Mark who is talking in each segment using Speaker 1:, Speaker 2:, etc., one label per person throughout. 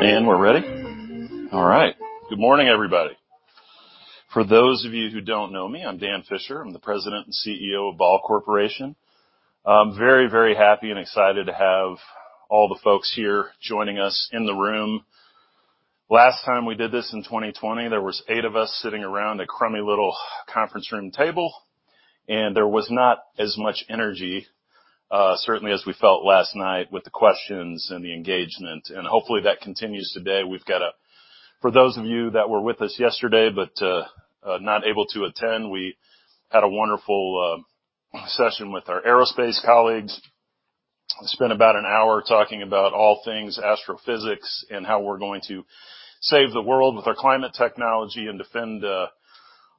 Speaker 1: We're ready? All right. Good morning, everybody. For those of you who don't know me, I'm Dan Fisher. I'm the President and CEO of Ball Corporation. I'm very, very happy and excited to have all the folks here joining us in the room. Last time we did this in 2020, there was eight of us sitting around a crummy little conference room table, and there was not as much energy, certainly as we felt last night with the questions and the engagement. Hopefully, that continues today. For those of you that were with us yesterday but, not able to attend, we had a wonderful, session with our aerospace colleagues. Spent about an hour talking about all things astrophysics and how we're going to save the world with our climate technology and defend,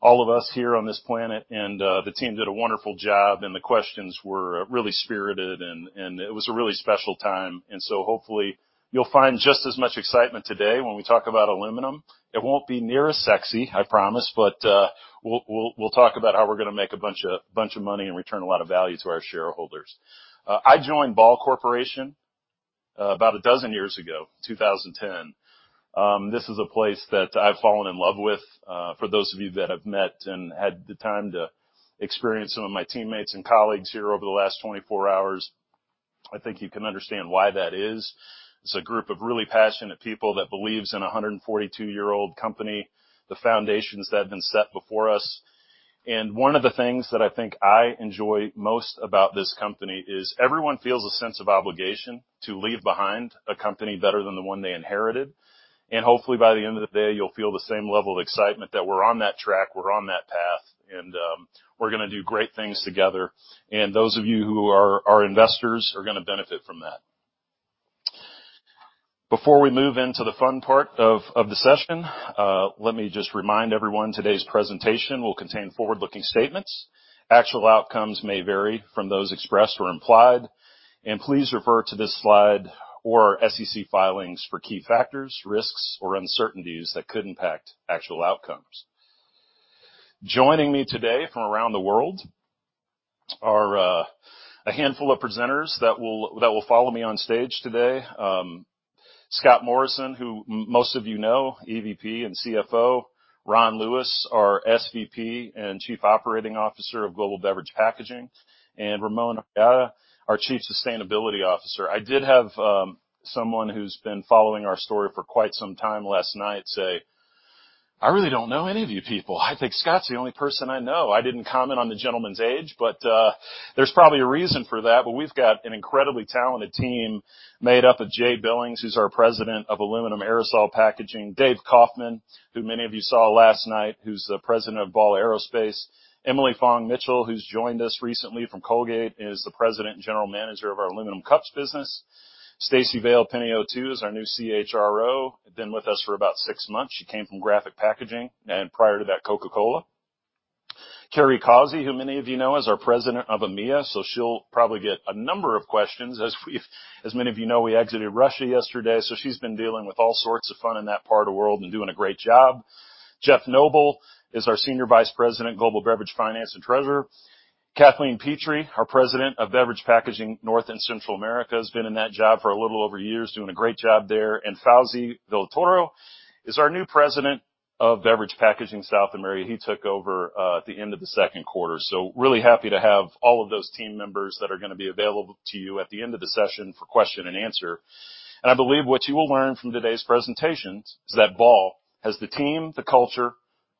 Speaker 1: all of us here on this planet. The team did a wonderful job, and the questions were really spirited and it was a really special time. Hopefully you'll find just as much excitement today when we talk about aluminum. It won't be near as sexy, I promise, but we'll talk about how we're gonna make a bunch of money and return a lot of value to our shareholders. I joined Ball Corporation about a dozen years ago, 2010. This is a place that I've fallen in love with. For those of you that I've met and had the time to experience some of my teammates and colleagues here over the last 24 hours, I think you can understand why that is. It's a group of really passionate people that believes in a 142-year-old company, the foundations that have been set before us. One of the things that I think I enjoy most about this company is everyone feels a sense of obligation to leave behind a company better than the one they inherited. Hopefully, by the end of the day, you'll feel the same level of excitement that we're on that track, we're on that path, and we're gonna do great things together. Those of you who are our investors are gonna benefit from that. Before we move into the fun part of the session, let me just remind everyone today's presentation will contain forward-looking statements. Actual outcomes may vary from those expressed or implied, and please refer to this slide or our SEC filings for key factors, risks, or uncertainties that could impact actual outcomes. Joining me today from around the world are a handful of presenters that will follow me on stage today. Scott Morrison, who most of you know, EVP and CFO. Ron Lewis, our SVP and Chief Operating Officer of Global Beverage Packaging, and Ramon Arratia, our Chief Sustainability Officer. I did have someone who's been following our story for quite some time last night say, "I really don't know any of you people. I think Scott's the only person I know." I didn't comment on the gentleman's age, but there's probably a reason for that. We've got an incredibly talented team made up of Jay Billings, who's our President of Ball Aerosol Packaging. Dave Kaufman, who many of you saw last night, who's the President of Ball Aerospace. Emily Fong Mitchell, who's joined us recently from Colgate, is the President and General Manager of our Aluminum Cups business. Stacey Valy Panayiotou is our new CHRO. Been with us for about six months. She came from Graphic Packaging and prior to that, Coca-Cola. Carey Causey, who many of you know, is our President of EMEA, so she'll probably get a number of questions. As many of you know, we exited Russia yesterday, so she's been dealing with all sort of fun in that part of the world and doing a great job. Jeff Knobel is our Senior Vice President, Global Beverage Finance and Treasurer. Kathleen Pitre, our President of Beverage Packaging, North and Central America, has been in that job for a little over a year, doing a great job there. Fauze Villatoro is our new President of Beverage Packaging South America. He took over at the end of the second quarter. Really happy to have all of those team members that are gonna be available to you at the end of the session for question and answer. I believe what you will learn from today's presentations is that Ball has the team, the culture,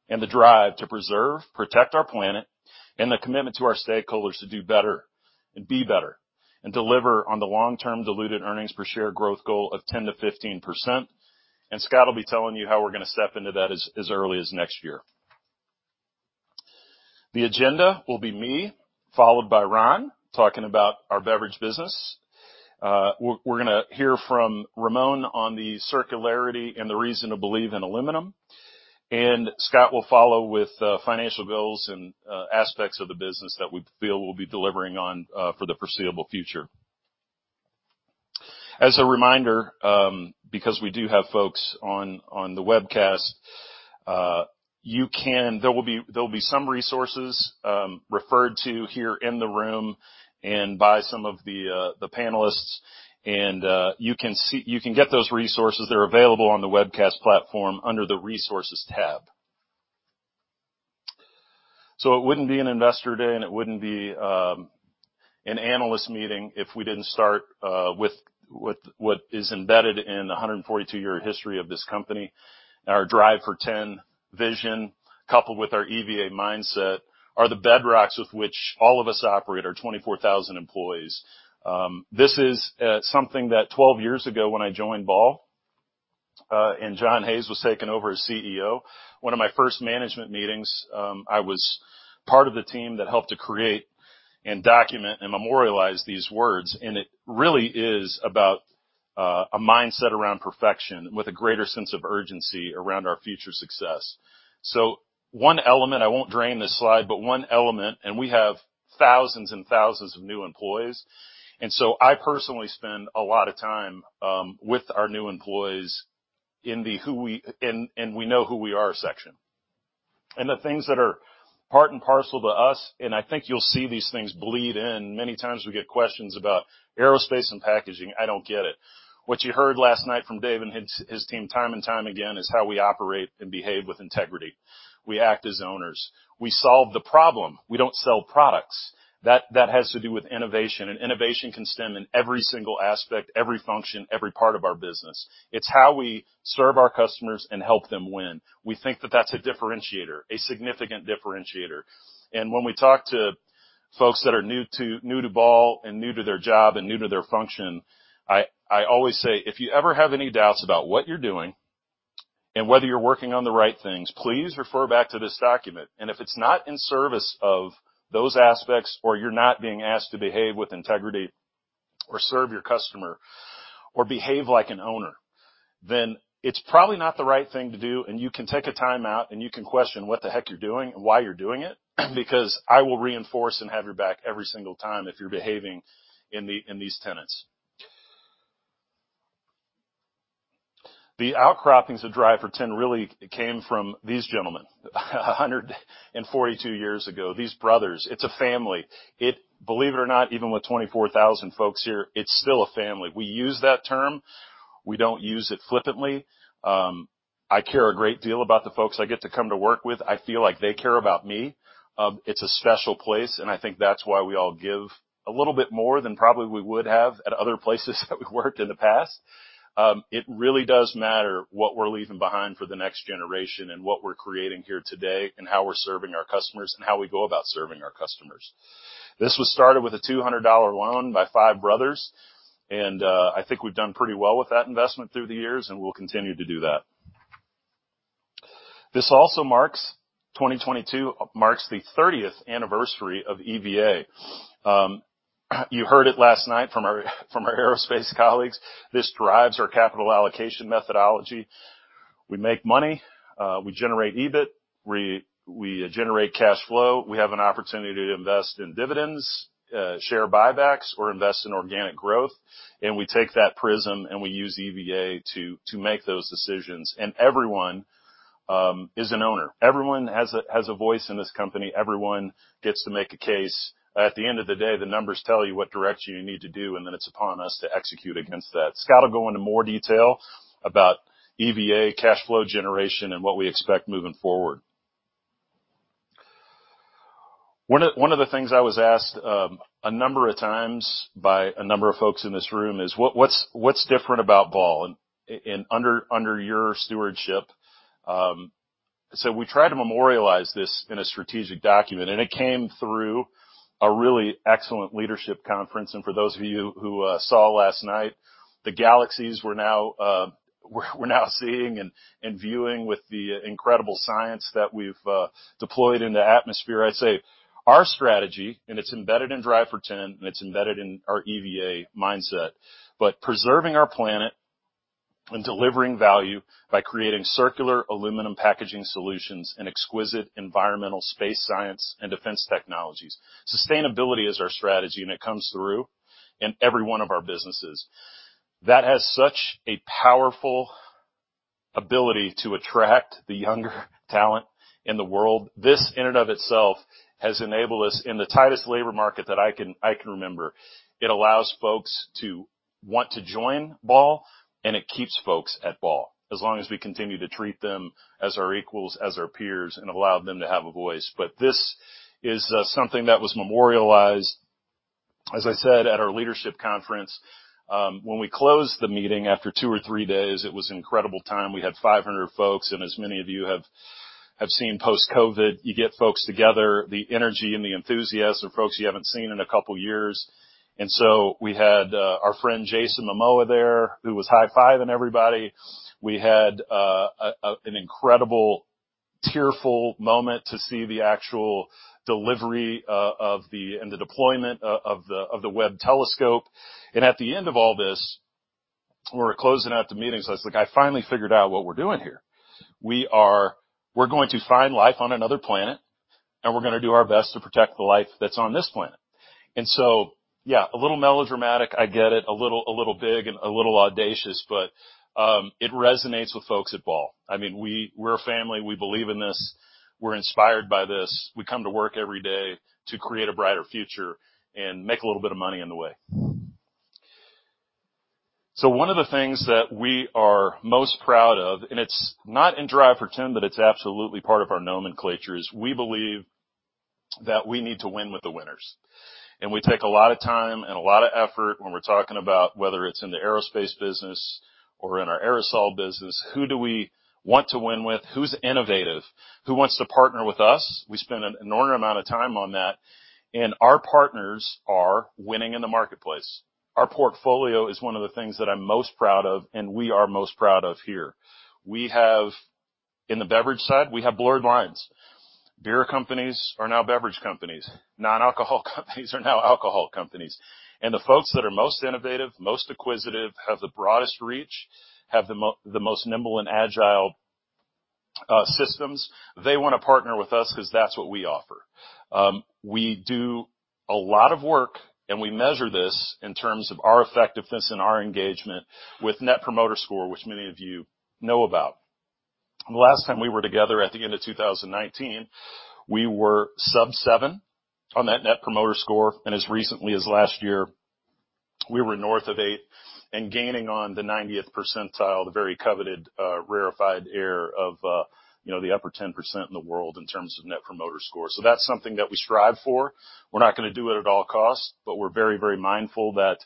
Speaker 1: and the drive to preserve, protect our planet and the commitment to our stakeholders to do better and be better and deliver on the long-term diluted earnings per share growth goal of 10%-15%. Scott will be telling you how we're gonna step into that as early as next year. The agenda will be me, followed by Ron talking about our Beverage business. We're gonna hear from Ramon on the circularity and the reason to believe in aluminum. Scott will follow with financial goals and aspects of the business that we feel we'll be delivering on for the foreseeable future. As a reminder, because we do have folks on the webcast, there will be some resources referred to here in the room and by some of the panelists. You can get those resources. They're available on the webcast platform under the Resources tab. It wouldn't be an investor day and it wouldn't be an analyst meeting if we didn't start with what is embedded in the 142-year history of this company. Our Drive for 10 vision, coupled with our EVA mindset, are the bedrocks with which all of us operate, our 24,000 employees. This is something that 12 years ago when I joined Ball, and John Hayes was taking over as CEO, one of my first management meetings, I was part of the team that helped to create and document and memorialize these words. It really is about a mindset around perfection with a greater sense of urgency around our future success. One element, I won't drone on this slide, but one element, and we have thousands and thousands of new employees. I personally spend a lot of time with our new employees in the who we... In we know who we are section. The things that are part and parcel to us, and I think you'll see these things bleed in. Many times we get questions about aerospace and packaging. I don't get it. What you heard last night from Dave and his team time and time again, is how we operate and behave with integrity. We act as owners. We solve the problem. We don't sell products. That has to do with innovation. Innovation can stem in every single aspect, every function, every part of our business. It's how we serve our customers and help them win. We think that that's a differentiator, a significant differentiator. When we talk to folks that are new to Ball and new to their job and new to their function, I always say, "If you ever have any doubts about what you're doing and whether you're working on the right things, please refer back to this document. If it's not in service of those aspects or you're not being asked to behave with integrity or serve your customer or behave like an owner, then it's probably not the right thing to do. You can take a timeout, and you can question what the heck you're doing and why you're doing it, because I will reinforce and have your back every single time if you're behaving in these tenets." The outcroppings of Drive for 10 really came from these gentlemen, 142 years ago, these brothers. It's a family. Believe it or not, even with 24,000 folks here, it's still a family. We use that term, we don't use it flippantly. I care a great deal about the folks I get to come to work with. I feel like they care about me. It's a special place, and I think that's why we all give a little bit more than probably we would have at other places that we've worked in the past. It really does matter what we're leaving behind for the next generation and what we're creating here today and how we're serving our customers and how we go about serving our customers. This was started with a $200 loan by five brothers, and I think we've done pretty well with that investment through the years, and we'll continue to do that. 2022 marks the 30th anniversary of EVA. You heard it last night from our aerospace colleagues. This drives our capital allocation methodology. We make money, we generate EBIT, we generate cash flow. We have an opportunity to invest in dividends, share buybacks or invest in organic growth. We take that prism and we use EVA to make those decisions. Everyone is an owner. Everyone has a voice in this company. Everyone gets to make a case. At the end of the day, the numbers tell you what direction you need to go, and then it's upon us to execute against that. Scott will go into more detail about EVA cash flow generation and what we expect moving forward. One of the things I was asked a number of times by a number of folks in this room is, what's different about Ball and under your stewardship? We try to memorialize this in a strategic document, and it came through a really excellent leadership conference. For those of you who saw last night, the galaxies we're now seeing and viewing with the incredible science that we've deployed in the atmosphere. I'd say our strategy, and it's embedded in Drive for 10, and it's embedded in our EVA mindset, but preserving our planet and delivering value by creating circular aluminum packaging solutions and exquisite environmental space science and defense technologies. Sustainability is our strategy, and it comes through in every one of our businesses. That has such a powerful ability to attract the younger talent in the world. This in and of itself has enabled us in the tightest labor market that I can remember. It allows folks to want to join Ball, and it keeps folks at Ball. As long as we continue to treat them as our equals, as our peers, and allow them to have a voice. This is something that was memorialized, as I said, at our leadership conference. When we closed the meeting after two or three days, it was incredible time. We had 500 folks, and as many of you have seen post-COVID, you get folks together, the energy and the enthusiasm of folks you haven't seen in a couple of years. We had our friend Jason Momoa there, who was high-fiving everybody. We had an incredible tearful moment to see the actual delivery and deployment of the Webb telescope. At the end of all this, we're closing out the meeting, so it's like I finally figured out what we're doing here. We're going to find life on another planet, and we're gonna do our best to protect the life that's on this planet. Yeah, a little melodramatic, I get it, a little big and a little audacious, but it resonates with folks at Ball. I mean, we're a family. We believe in this. We're inspired by this. We come to work every day to create a brighter future and make a little bit of money along the way. One of the things that we are most proud of, and it's not in Drive for 10, but it's absolutely part of our nomenclature, is we believe that we need to win with the winners. We take a lot of time and a lot of effort when we're talking about whether it's in the Aerospace business or in our Aerosol business, who do we want to win with? Who's innovative? Who wants to partner with us? We spend an inordinate amount of time on that, and our partners are winning in the marketplace. Our portfolio is one of the things that I'm most proud of and we are most proud of here. In the beverage side, we have blurred lines. Beer companies are now beverage companies. Non-alcohol companies are now alcohol companies. The folks that are most innovative, most acquisitive, have the broadest reach, have the most nimble and agile systems, they wanna partner with us 'cause that's what we offer. We do a lot of work, and we measure this in terms of our effectiveness and our engagement with Net Promoter Score, which many of you know about. The last time we were together at the end of 2019, we were sub seven on that Net Promoter Score, and as recently as last year, we were north of eight and gaining on the 90th percentile, the very coveted rarefied air of the upper 10% in the world in terms of Net Promoter Score. That's something that we strive for. We're not gonna do it at all costs, but we're very, very mindful that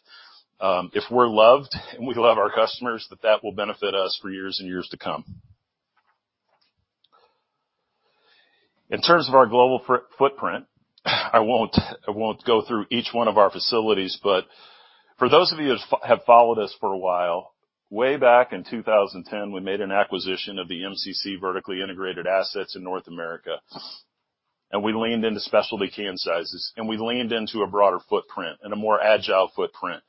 Speaker 1: if we're loved and we love our customers, that will benefit us for years and years to come. In terms of our global footprint, I won't go through each one of our facilities, but for those of you who have followed us for a while, way back in 2010, we made an acquisition of the MCC vertically integrated assets in North America, and we leaned into specialty can sizes, and we leaned into a broader footprint and a more agile footprint.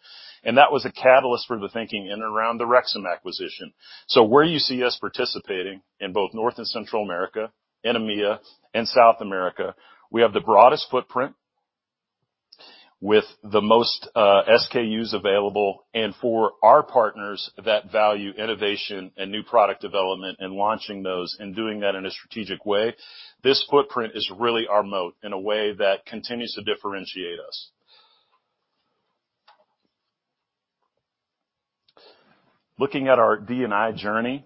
Speaker 1: That was a catalyst for the thinking in and around the Rexam acquisition. Where you see us participating in both North and Central America, in EMEA, and South America, we have the broadest footprint with the most SKUs available. For our partners that value innovation and new product development and launching those and doing that in a strategic way, this footprint is really our moat in a way that continues to differentiate us. Looking at our D&I journey,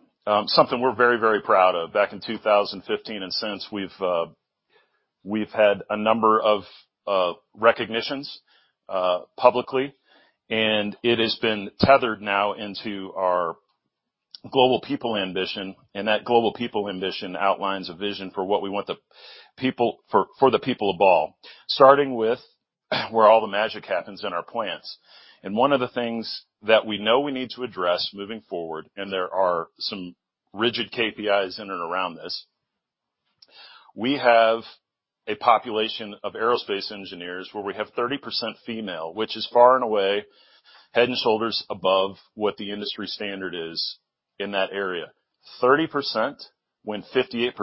Speaker 1: something we're very, very proud of. Back in 2015 and since, we've had a number of recognitions publicly, and it has been tethered now into our global people ambition, and that global people ambition outlines a vision for what we want for the people of Ball. Starting with where all the magic happens in our plants. One of the things that we know we need to address moving forward, and there are some rigid KPIs in and around this, we have a population of aerospace engineers where we have 30% female, which is far and away head and shoulders above what the industry standard is in that area. 30%, when 58%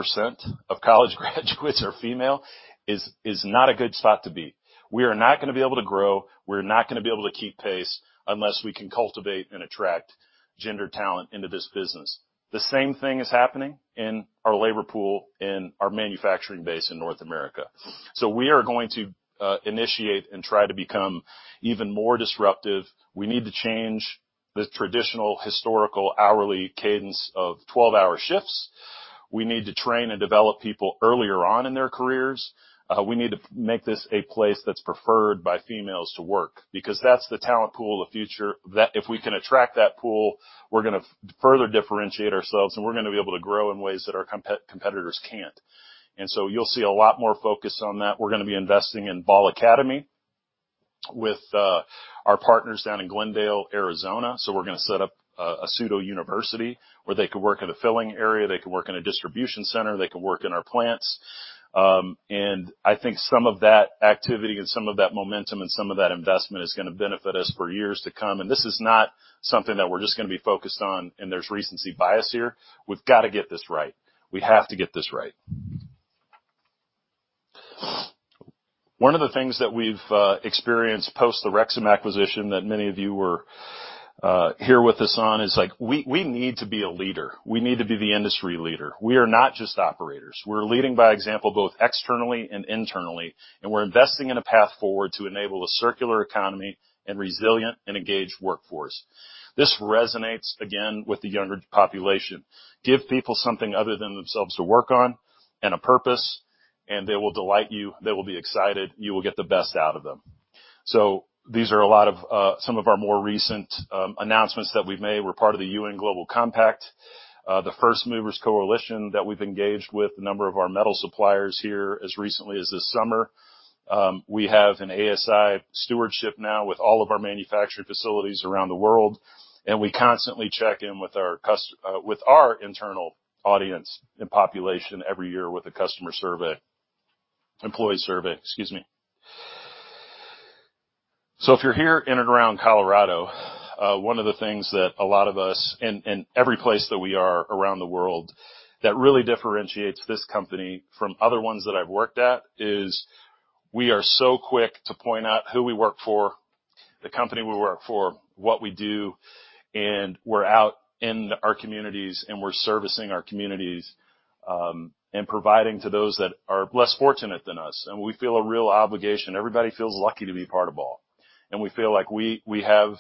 Speaker 1: of college graduates are female, is not a good spot to be. We are not gonna be able to grow, we're not gonna be able to keep pace unless we can cultivate and attract gender talent into this business. The same thing is happening in our labor pool, in our manufacturing base in North America. We are going to initiate and try to become even more disruptive. We need to change the traditional historical hourly cadence of 12-hour shifts. We need to train and develop people earlier on in their careers. We need to make this a place that's preferred by females to work because that's the talent pool of the future. That if we can attract that pool, we're gonna further differentiate ourselves, and we're gonna be able to grow in ways that our competitors can't. You'll see a lot more focus on that. We're gonna be investing in Ball Academy with our partners down in Glendale, Arizona. We're gonna set up a pseudo university where they could work in a filling area, they could work in a distribution center, they could work in our plants. I think some of that activity and some of that momentum and some of that investment is gonna benefit us for years to come. This is not something that we're just gonna be focused on, and there's recency bias here. We've gotta get this right. We have to get this right. One of the things that we've experienced post the Rexam acquisition that many of you were here with us on is like we need to be a leader. We need to be the industry leader. We are not just operators. We're leading by example, both externally and internally, and we're investing in a path forward to enable a circular economy and resilient and engaged workforce. This resonates again with the younger population. Give people something other than themselves to work on and a purpose, and they will delight you, they will be excited, you will get the best out of them. These are a lot of some of our more recent announcements that we've made. We're part of the UN Global Compact, the First Movers Coalition that we've engaged with a number of our metal suppliers here as recently as this summer. We have an ASI stewardship now with all of our manufacturing facilities around the world, and we constantly check in with our internal audience and population every year with a customer survey. Employee survey, excuse me. If you're here in and around Colorado, one of the things that a lot of us, and every place that we are around the world that really differentiates this company from other ones that I've worked at is we are so quick to point out who we work for, the company we work for, what we do, and we're out in our communities, and we're servicing our communities, and providing to those that are less fortunate than us. We feel a real obligation. Everybody feels lucky to be part of Ball. We feel like we have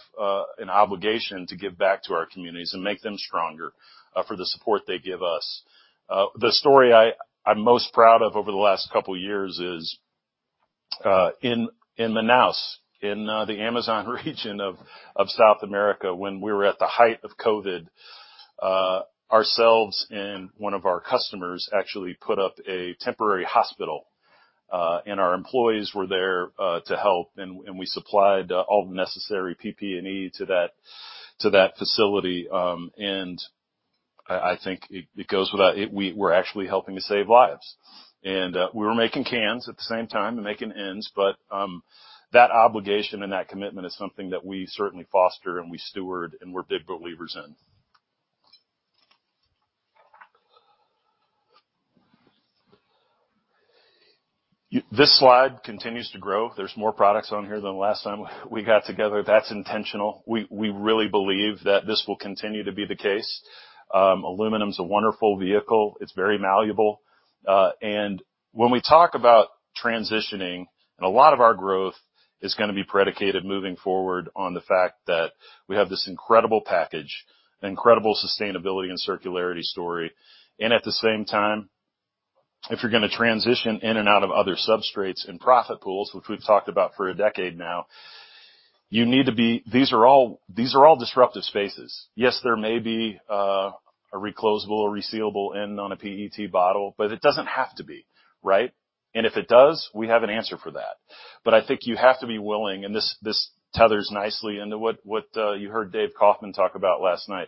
Speaker 1: an obligation to give back to our communities and make them stronger, for the support they give us. The story I'm most proud of over the last couple years is in Manaus in the Amazon region of South America, when we were at the height of COVID, ourselves and one of our customers actually put up a temporary hospital, and our employees were there to help, and we supplied all the necessary PP&E to that facility. I think we're actually helping to save lives. We were making cans at the same time and making ends, but that obligation and that commitment is something that we certainly foster and we steward and we're big believers in. This slide continues to grow. There's more products on here than last time we got together. That's intentional. We really believe that this will continue to be the case. Aluminum's a wonderful vehicle. It's very malleable. When we talk about transitioning, a lot of our growth is gonna be predicated moving forward on the fact that we have this incredible package, incredible sustainability and circularity story. At the same time, if you're gonna transition in and out of other substrates and profit pools, which we've talked about for a decade now, you need to be. These are all disruptive spaces. Yes, there may be a reclosable or resealable end on a PET bottle, but it doesn't have to be, right? If it does, we have an answer for that. I think you have to be willing. This tethers nicely into what you heard Dave Kaufman talk about last night.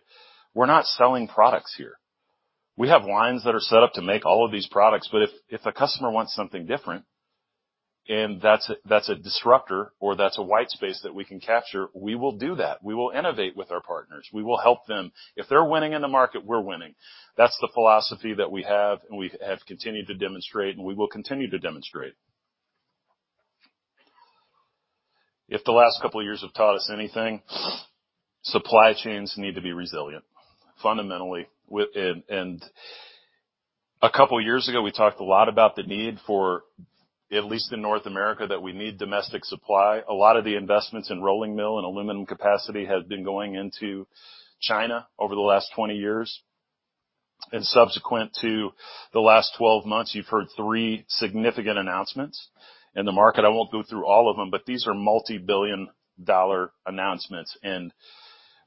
Speaker 1: We're not selling products here. We have lines that are set up to make all of these products, but if a customer wants something different, and that's a disruptor or that's a white space that we can capture, we will do that. We will innovate with our partners. We will help them. If they're winning in the market, we're winning. That's the philosophy that we have, and we have continued to demonstrate, and we will continue to demonstrate. If the last couple years have taught us anything, supply chains need to be resilient fundamentally. A couple years ago, we talked a lot about the need for, at least in North America, that we need domestic supply. A lot of the investments in rolling mill and aluminum capacity have been going into China over the last 20 years. Subsequent to the last 12 months, you've heard three significant announcements in the market. I won't go through all of them, but these are multi-billion-dollar announcements.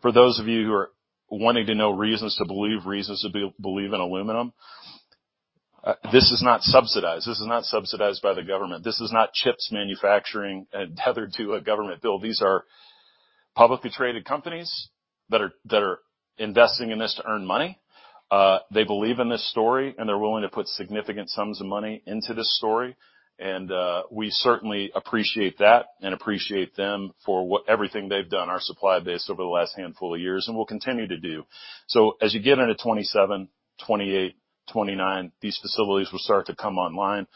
Speaker 1: For those of you who are wanting to know reasons to believe, reasons to believe in aluminum, this is not subsidized. This is not subsidized by the government. This is not chips manufacturing and tethered to a government bill. These are publicly traded companies that are investing in this to earn money. They believe in this story, and they're willing to put significant sums of money into this story. We certainly appreciate that and appreciate them for everything they've done, our supply base over the last handful of years, and will continue to do. As you get into 2027, 2028, 2029, these facilities will start to come online.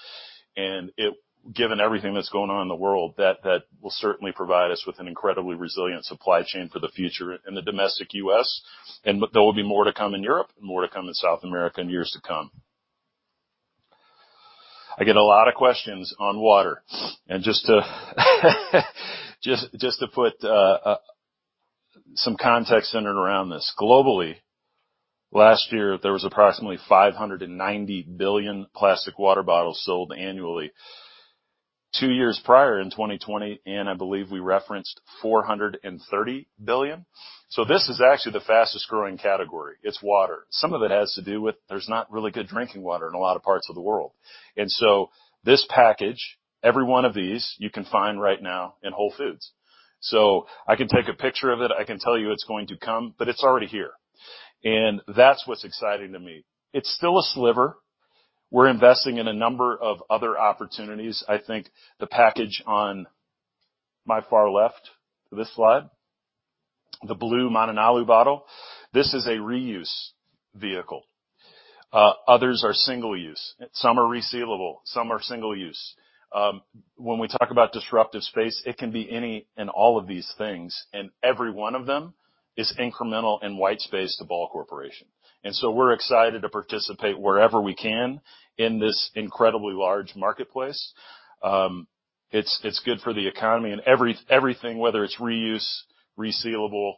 Speaker 1: Given everything that's going on in the world, that will certainly provide us with an incredibly resilient supply chain for the future in the domestic U.S., and there will be more to come in Europe and more to come in South America in years to come. I get a lot of questions on water. Just to put some context centered around this. Globally, last year, there was approximately 590 billion plastic water bottles sold annually. Two years prior in 2020, and I believe we referenced 430 billion. This is actually the fastest growing category. It's water. Some of it has to do with there's not really good drinking water in a lot of parts of the world. This package, every one of these, you can find right now in Whole Foods. I can take a picture of it, I can tell you it's going to come, but it's already here. That's what's exciting to me. It's still a sliver. We're investing in a number of other opportunities. I think the package on my far left of this slide, the blue Mananalu bottle, this is a reuse vehicle. Others are single use. Some are resealable, some are single use. When we talk about disruptive space, it can be any and all of these things, and every one of them is incremental and white space to Ball Corporation. We're excited to participate wherever we can in this incredibly large marketplace. It's good for the economy and everything, whether it's reuse, resealable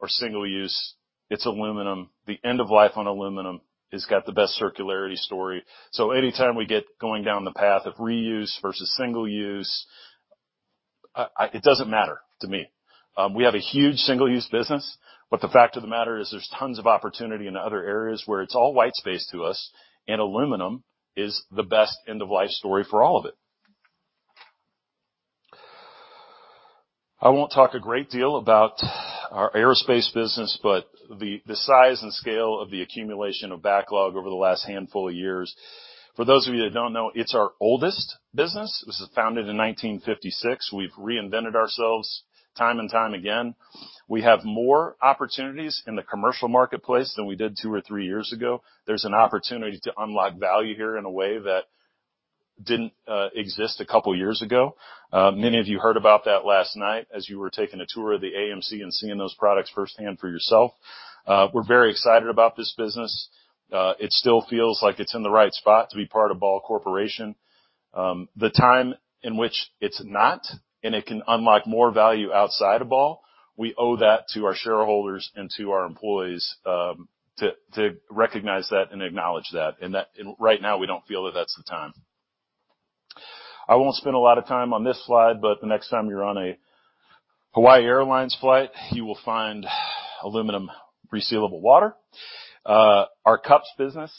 Speaker 1: or single use, it's aluminum. The end of life on aluminum has got the best circularity story. Anytime we get going down the path of reuse versus single use, it doesn't matter to me. We have a huge single-use business, but the fact of the matter iths there's tons of opportunity in other areas where it's all white space to us, and aluminum is the best end-of-life story for all of it. I won't talk a great deal about our Aerospace business, but the size and scale of the accumulation of backlog over the last handful of years. For those of you that don't know, it's our oldest business. This was founded in 1956. We've reinvented ourselves time and time again. We have more opportunities in the commercial marketplace than we did two or three years ago. There's an opportunity to unlock value here in a way that didn't exist a couple years ago. Many of you heard about that last night as you were taking a tour of the AMC and seeing those products firsthand for yourself. We're very excited about this business. It still feels like it's in the right spot to be part of Ball Corporation. The time in which it's not, and it can unlock more value outside of Ball, we owe that to our shareholders and to our employees, to recognize that and acknowledge that. Right now, we don't feel that that's the time. I won't spend a lot of time on this slide, but the next time you're on a Hawaiian Airlines flight, you will find aluminum resealable water. Our Cups business,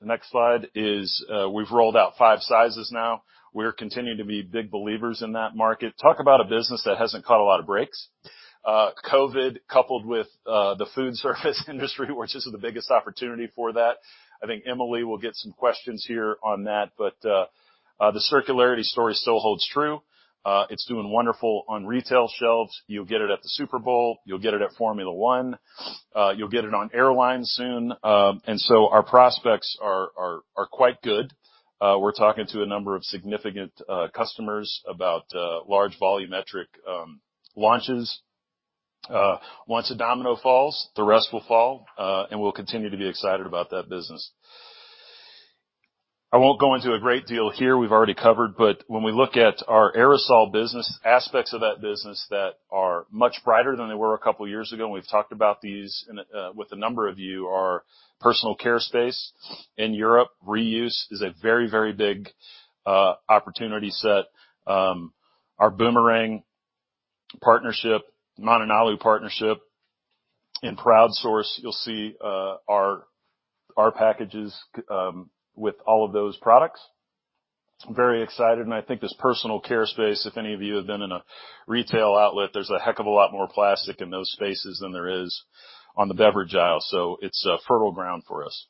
Speaker 1: the next slide, is we've rolled out five sizes now. We're continuing to be big believers in that market. Talk about a business that hasn't caught a lot of breaks. COVID, coupled with the food service industry, which is the biggest opportunity for that. I think Emily will get some questions here on that, but the circularity story still holds true. It's doing wonderful on retail shelves. You'll get it at the Super Bowl. You'll get it at Formula One. You'll get it on airlines soon. Our prospects are quite good. We're talking to a number of significant customers about large volumetric launches. Once a domino falls, the rest will fall. We'll continue to be excited about that business. I won't go into a great deal here, we've already covered, but when we look at our Aerosol business, aspects of that business that are much brighter than they were a couple years ago, and we've talked about these with a number of you. Our personal care space in Europe, reuse is a very, very big opportunity set. Our Boomerang partnership, Mananalu partnership, and Proud Source, you'll see our packages with all of those products. Very excited, and I think this personal care space, if any of you have been in a retail outlet, there's a heck of a lot more plastic in those spaces than there is on the beverage aisle, so it's a fertile ground for us.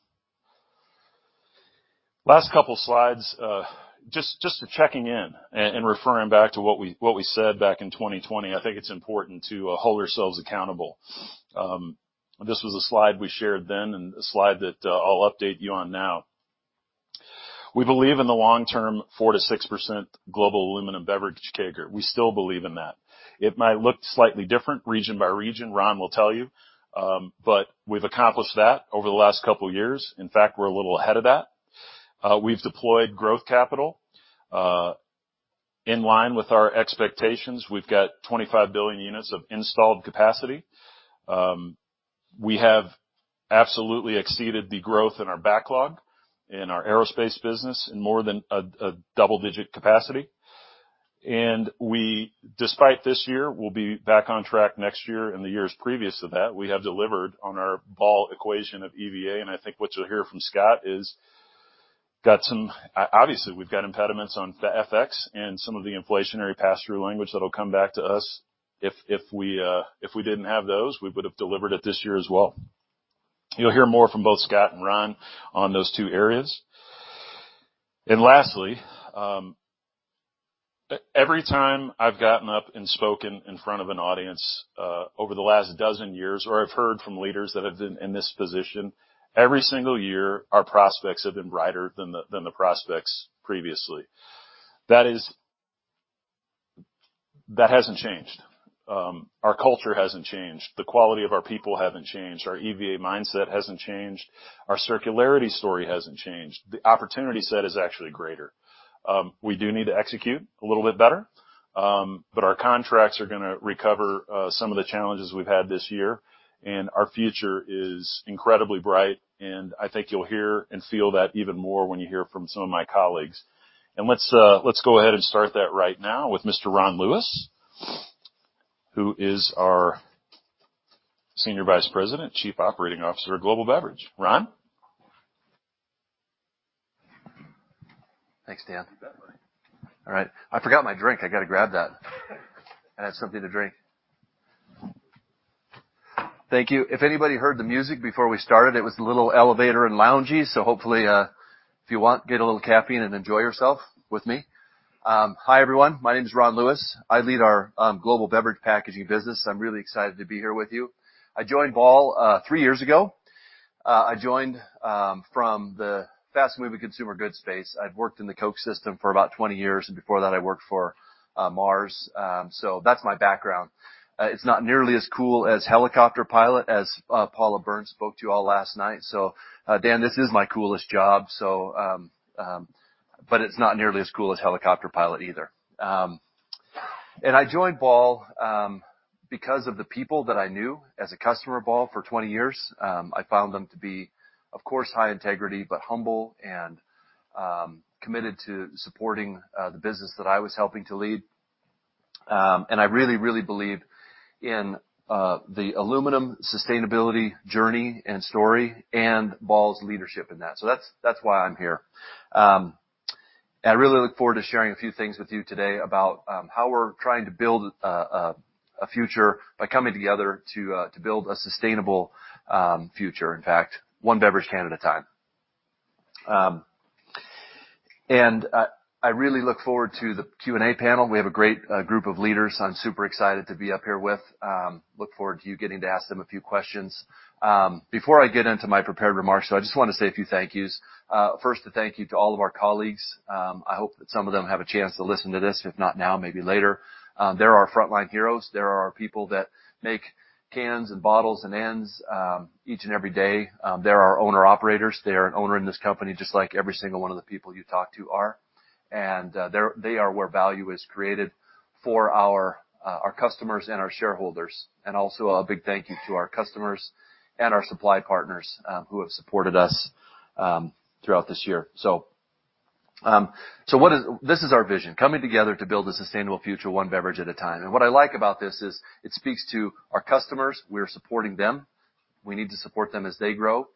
Speaker 1: Last couple slides, just for checking in and referring back to what we said back in 2020, I think it's important to hold ourselves accountable. This was a slide we shared then and a slide that I'll update you on now. We believe in the long-term 4%-6% global aluminum beverage CAGR. We still believe in that. It might look slightly different region by region, Ron will tell you, but we've accomplished that over the last couple years. In fact, we're a little ahead of that. We've deployed growth capital in line with our expectations. We've got 25 billion units of installed capacity. We have absolutely exceeded the growth in our backlog in our Aerospace business in more than a double-digit capacity. Despite this year, we'll be back on track next year. In the years previous to that, we have delivered on our Ball equation of EVA, and I think what you'll hear from Scott is obviously we've got impediments on FX and some of the inflationary pass-through language that'll come back to us. If we didn't have those, we would've delivered it this year as well. You'll hear more from both Scott and Ron on those two areas. Lastly, every time I've gotten up and spoken in front of an audience, over the last 12 years or I've heard from leaders that have been in this position, every single year our prospects have been brighter than the prospects previously. That hasn't changed. Our culture hasn't changed. The quality of our people haven't changed. Our EVA mindset hasn't changed. Our circularity story hasn't changed. The opportunity set is actually greater. We do need to execute a little bit better, but our contracts are gonna recover some of the challenges we've had this year, and our future is incredibly bright, and I think you'll hear and feel that even more when you hear from some of my colleagues. Let's go ahead and start that right now with Mr. Ron Lewis, who is our Senior Vice President, Chief Operating Officer of Global Beverage. Ron.
Speaker 2: Thanks, Dan.
Speaker 1: You bet, buddy.
Speaker 2: All right. I forgot my drink. I gotta grab that. I need something to drink. Thank you. If anybody heard the music before we started, it was a little elevator and loungey, so hopefully, if you want, get a little caffeine and enjoy yourself with me. Hi, everyone. My name's Ron Lewis. I lead our Global Beverage Packaging business. I'm really excited to be here with you. I joined Ball three years ago. I joined from the fast-moving consumer goods space. I'd worked in the Coke system for about 20 years, and before that, I worked for Mars. That's my background. It's not nearly as cool as helicopter pilot, as Paula Burns spoke to you all last night. Dan, this is my coolest job, so but it's not nearly as cool as helicopter pilot either. I joined Ball because of the people that I knew. As a customer of Ball for 20 years, I found them to be, of course, high integrity, but humble and committed to supporting the business that I was helping to lead. I really, really believe in the aluminum sustainability journey and story and Ball's leadership in that. So that's why I'm here. I really look forward to sharing a few things with you today about how we're trying to build a future by coming together to build a sustainable future, in fact, one beverage can at a time. I really look forward to the Q&A panel. We have a great group of leaders I'm super excited to be up here with. Look forward to you getting to ask them a few questions. Before I get into my prepared remarks, so I just wanna say a few thank yous. First, a thank you to all of our colleagues. I hope that some of them have a chance to listen to this, if not now, maybe later. They're our frontline heroes. They're our people that make cans and bottles and ends each and every day. They're our owner-operators. They are an owner in this company, just like every single one of the people you talk to are. They are where value is created for our customers and our shareholders. Also, a big thank you to our customers and our supply partners who have supported us throughout this year. This is our vision, coming together to build a sustainable future one beverage at a time. What I like about this is it speaks to our customers. We're supporting them. We need to support them as they grow.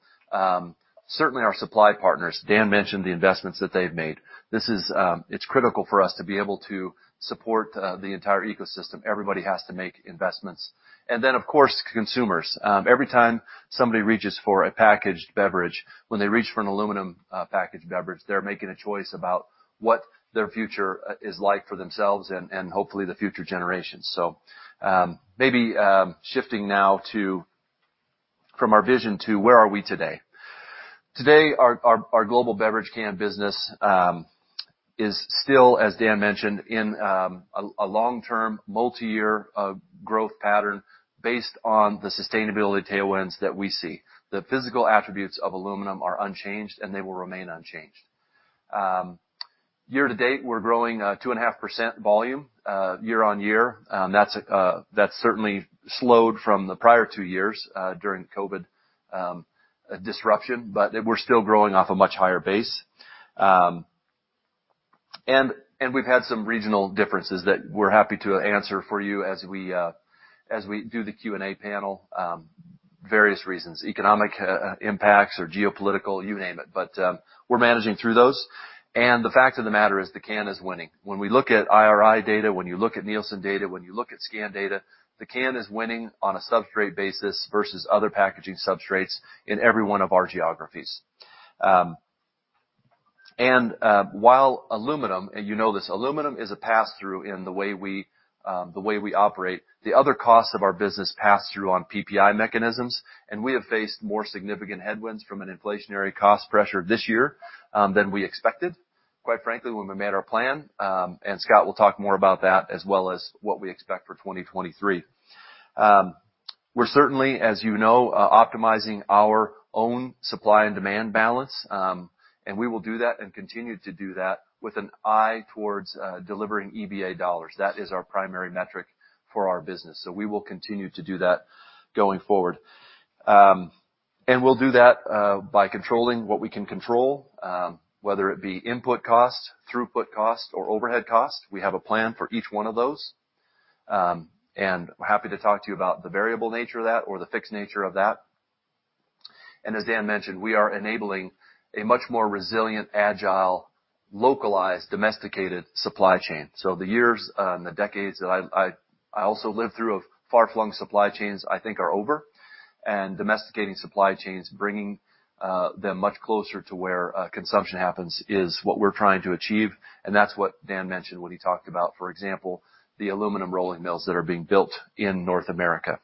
Speaker 2: Certainly our supply partners, Dan mentioned the investments that they've made. This is. It's critical for us to be able to support the entire ecosystem. Everybody has to make investments. Of course, consumers. Every time somebody reaches for a packaged beverage, when they reach for an aluminum packaged beverage, they're making a choice about what their future is like for themselves and hopefully the future generation. Maybe shifting from our vision to where we are today. Today, our Global Beverage Can business is still, as Dan mentioned, in a long-term multi-year growth pattern based on the sustainability tailwinds that we see. The physical attributes of aluminum are unchanged, and they will remain unchanged. Year-to-date, we're growing 2.5% volume year-on-year. That's certainly slowed from the prior two years during COVID disruption, but we're still growing off a much higher base. We've had some regional differences that we're happy to answer for you as we do the Q&A panel, various reasons, economic impacts or geopolitical, you name it. But we're managing through those. The fact of the matter is the can is winning. When we look at IRI data, when you look at Nielsen data, when you look at scan data, the can is winning on a substrate basis versus other packaging substrates in every one of our geographies. While aluminum, and you know this, aluminum is a pass-through in the way we operate. The other costs of our business pass through on PPI mechanisms, and we have faced more significant headwinds from an inflationary cost pressure this year, than we expected, quite frankly, when we made our plan. Scott will talk more about that as well as what we expect for 2023. We're certainly, as you know, optimizing our own supply and demand balance. We will do that and continue to do that with an eye towards delivering EBITDA dollars. That is our primary metric for our business. We will continue to do that going forward. We'll do that by controlling what we can control, whether it be input costs, throughput costs, or overhead costs. We have a plan for each one of those. We're happy to talk to you about the variable nature of that or the fixed nature of that. As Dan mentioned, we are enabling a much more resilient, agile, localized, domesticated supply chain. The years and the decades that I also lived through of far-flung supply chains, I think are over. Domesticating supply chains, bringing them much closer to where consumption happens is what we're trying to achieve, and that's what Dan mentioned when he talked about, for example, the aluminum rolling mills that are being built in North America.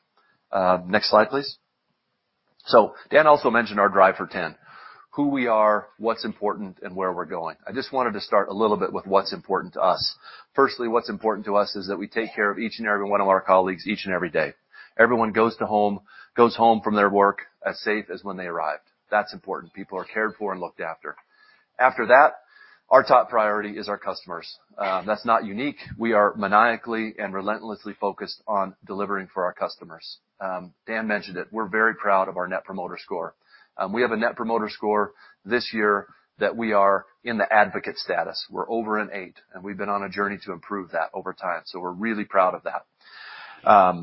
Speaker 2: Next slide, please. Dan also mentioned our Drive for 10: who we are, what's important, and where we're going. I just wanted to start a little bit with what's important to us. Firstly, what's important to us is that we take care of each and every one of our colleagues each and every day. Everyone goes home from their work as safe as when they arrived. That's important. People are cared for and looked after. After that, our top priority is our customers. That's not unique. We are maniacally and relentlessly focused on delivering for our customers. Dan mentioned it. We're very proud of our Net Promoter Score. We have a Net Promoter Score this year that we are in the advocate status. We're over an eight, and we've been on a journey to improve that over time. We're really proud of that.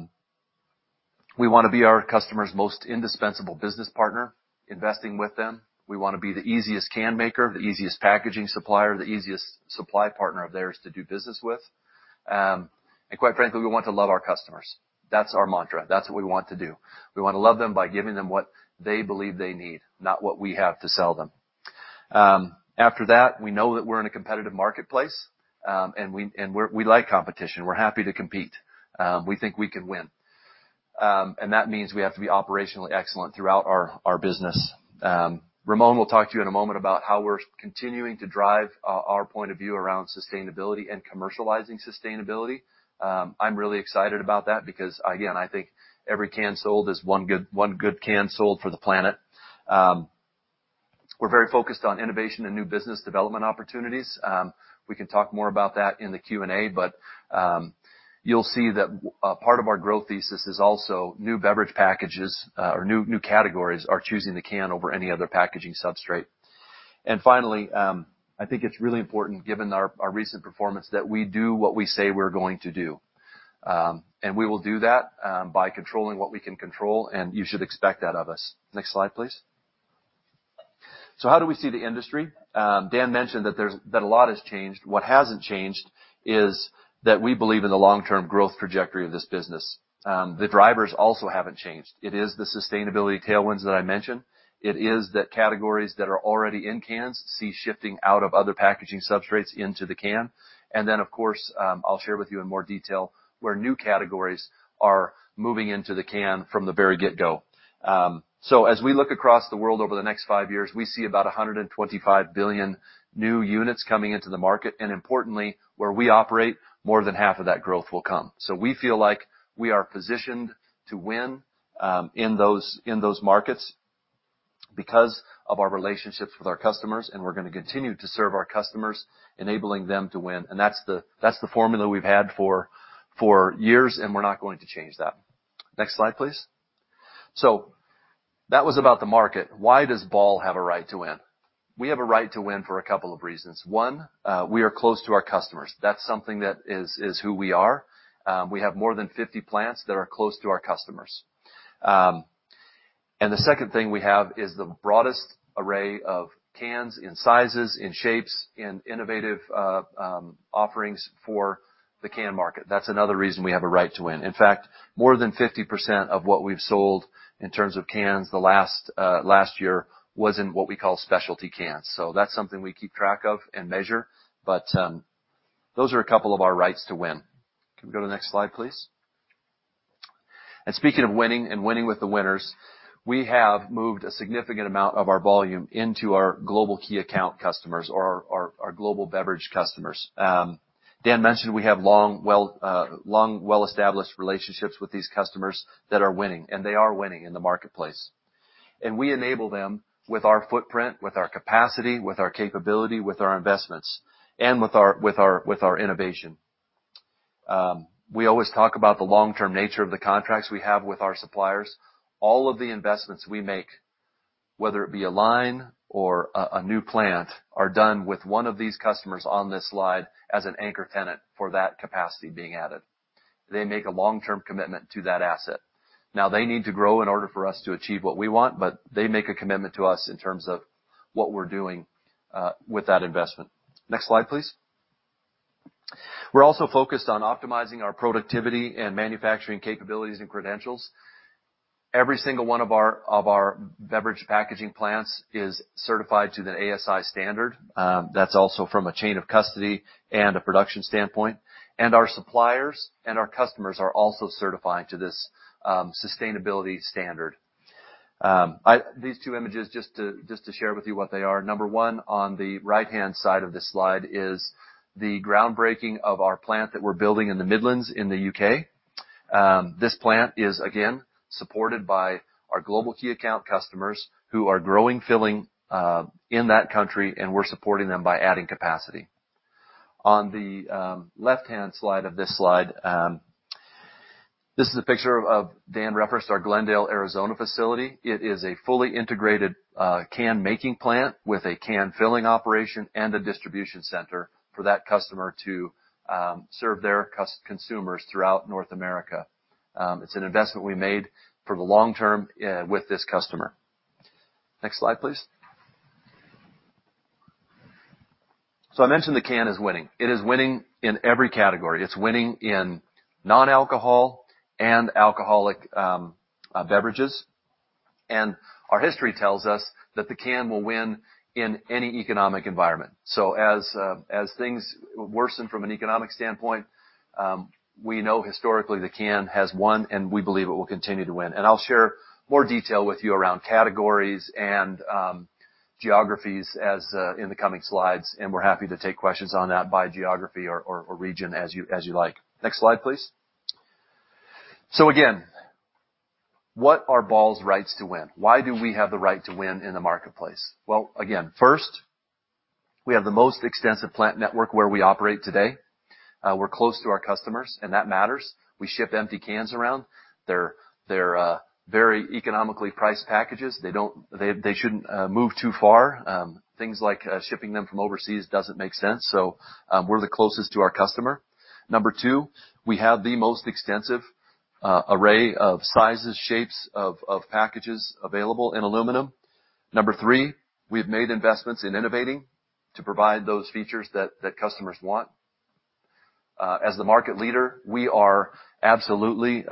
Speaker 2: We wanna be our customer's most indispensable business partner, investing with them. We wanna be the easiest can maker, the easiest packaging supplier, the easiest supply partner of theirs to do business with. And quite frankly, we want to love our customers. That's our mantra. That's what we want to do. We wanna love them by giving them what they believe they need, not what we have to sell them. After that, we know that we're in a competitive marketplace, and we like competition. We're happy to compete. We think we can win. And that means we have to be operationally excellent throughout our business. Ramon will talk to you in a moment about how we're continuing to drive our point of view around sustainability and commercializing sustainability. I'm really excited about that because, again, I think every can sold is one good can sold for the planet. We're very focused on innovation and new business development opportunities. We can talk more about that in the Q&A, but you'll see that part of our growth thesis is also new beverage packages, or new categories are choosing the can over any other packaging substrate. Finally, I think it's really important, given our recent performance, that we do what we say we're going to do. We will do that by controlling what we can control, and you should expect that of us. Next slide, please. How do we see the industry? Dan mentioned that a lot has changed. What hasn't changed is that we believe in the long-term growth trajectory of this business. The drivers also haven't changed. It is the sustainability tailwinds that I mentioned. It is the categories that are already in CSDs shifting out of other packaging substrates into the can. Of course, I'll share with you in more detail where new categories are moving into the can from the very get-go. As we look across the world over the next five years, we see about 125 billion new units coming into the market, and importantly, where we operate, more than half of that growth will come. We feel like we are positioned to win in those markets because of our relationships with our customers, and we're gonna continue to serve our customers, enabling them to win. That's the formula we've had for years, and we're not going to change that. Next slide, please. That was about the market. Why does Ball have a right to win? We have a right to win for a couple of reasons. One, we are close to our customers. That's something that is who we are. We have more than 50 plants that are close to our customers. And the second thing we have is the broadest array of cans in sizes, in shapes, in innovative offerings for the can market. That's another reason we have a right to win. In fact, more than 50% of what we've sold in terms of cans last year was in what we call specialty cans. That's something we keep track of and measure, but those are a couple of our rights to win. Can we go to the next slide, please? Speaking of winning and winning with the winners, we have moved a significant amount of our volume into our global key account customers or our global beverage customers. Dan mentioned we have long, well-established relationships with these customers that are winning, and they are winning in the marketplace. We enable them with our footprint, with our capacity, with our capability, with our investments, and with our innovation. We always talk about the long-term nature of the contracts we have with our suppliers. All of the investments we make, whether it be a line or a new plant, are done with one of these customers on this slide as an anchor tenant for that capacity being added. They make a long-term commitment to that asset. Now, they need to grow in order for us to achieve what we want, but they make a commitment to us in terms of what we're doing with that investment. Next slide, please. We're also focused on optimizing our productivity and manufacturing capabilities and credentials. Every single one of our beverage packaging plants is certified to the ASI standard. That's also from a chain of custody and a production standpoint. Our suppliers and our customers are also certified to this sustainability standard. These two images, just to share with you what they are. Number one on the right-hand side of this slide is the groundbreaking of our plant that we're building in the Midlands in the U.K. This plant is again supported by our global key account customers who are growing filling in that country, and we're supporting them by adding capacity. On the left-hand side of this slide, this is a picture of Dan referenced our Glendale, Arizona facility. It is a fully integrated can-making plant with a can-filling operation and a distribution center for that customer to serve their consumers throughout North America. It's an investment we made for the long term with this customer. Next slide, please. I mentioned the can is winning. It is winning in every category. It's winning in non-alcoholic and alcoholic beverages. Our history tells us that the can will win in any economic environment. As things worsen from an economic standpoint, we know historically the can has won, and we believe it will continue to win. I'll share more detail with you around categories and geographies as in the coming slides, and we're happy to take questions on that by geography or region as you like. Next slide, please. Again, what are Ball's rights to win? Why do we have the right to win in the marketplace? Well, again, first, we have the most extensive plant network where we operate today. We're close to our customers, and that matters. We ship empty cans around. They're very economically priced packages. They shouldn't move too far. Things like shipping them from overseas doesn't make sense. We're the closest to our customer. Number two, we have the most extensive array of sizes, shapes of packages available in aluminum. Number three, we have made investments in innovating to provide those features that customers want. As the market leader, we are absolutely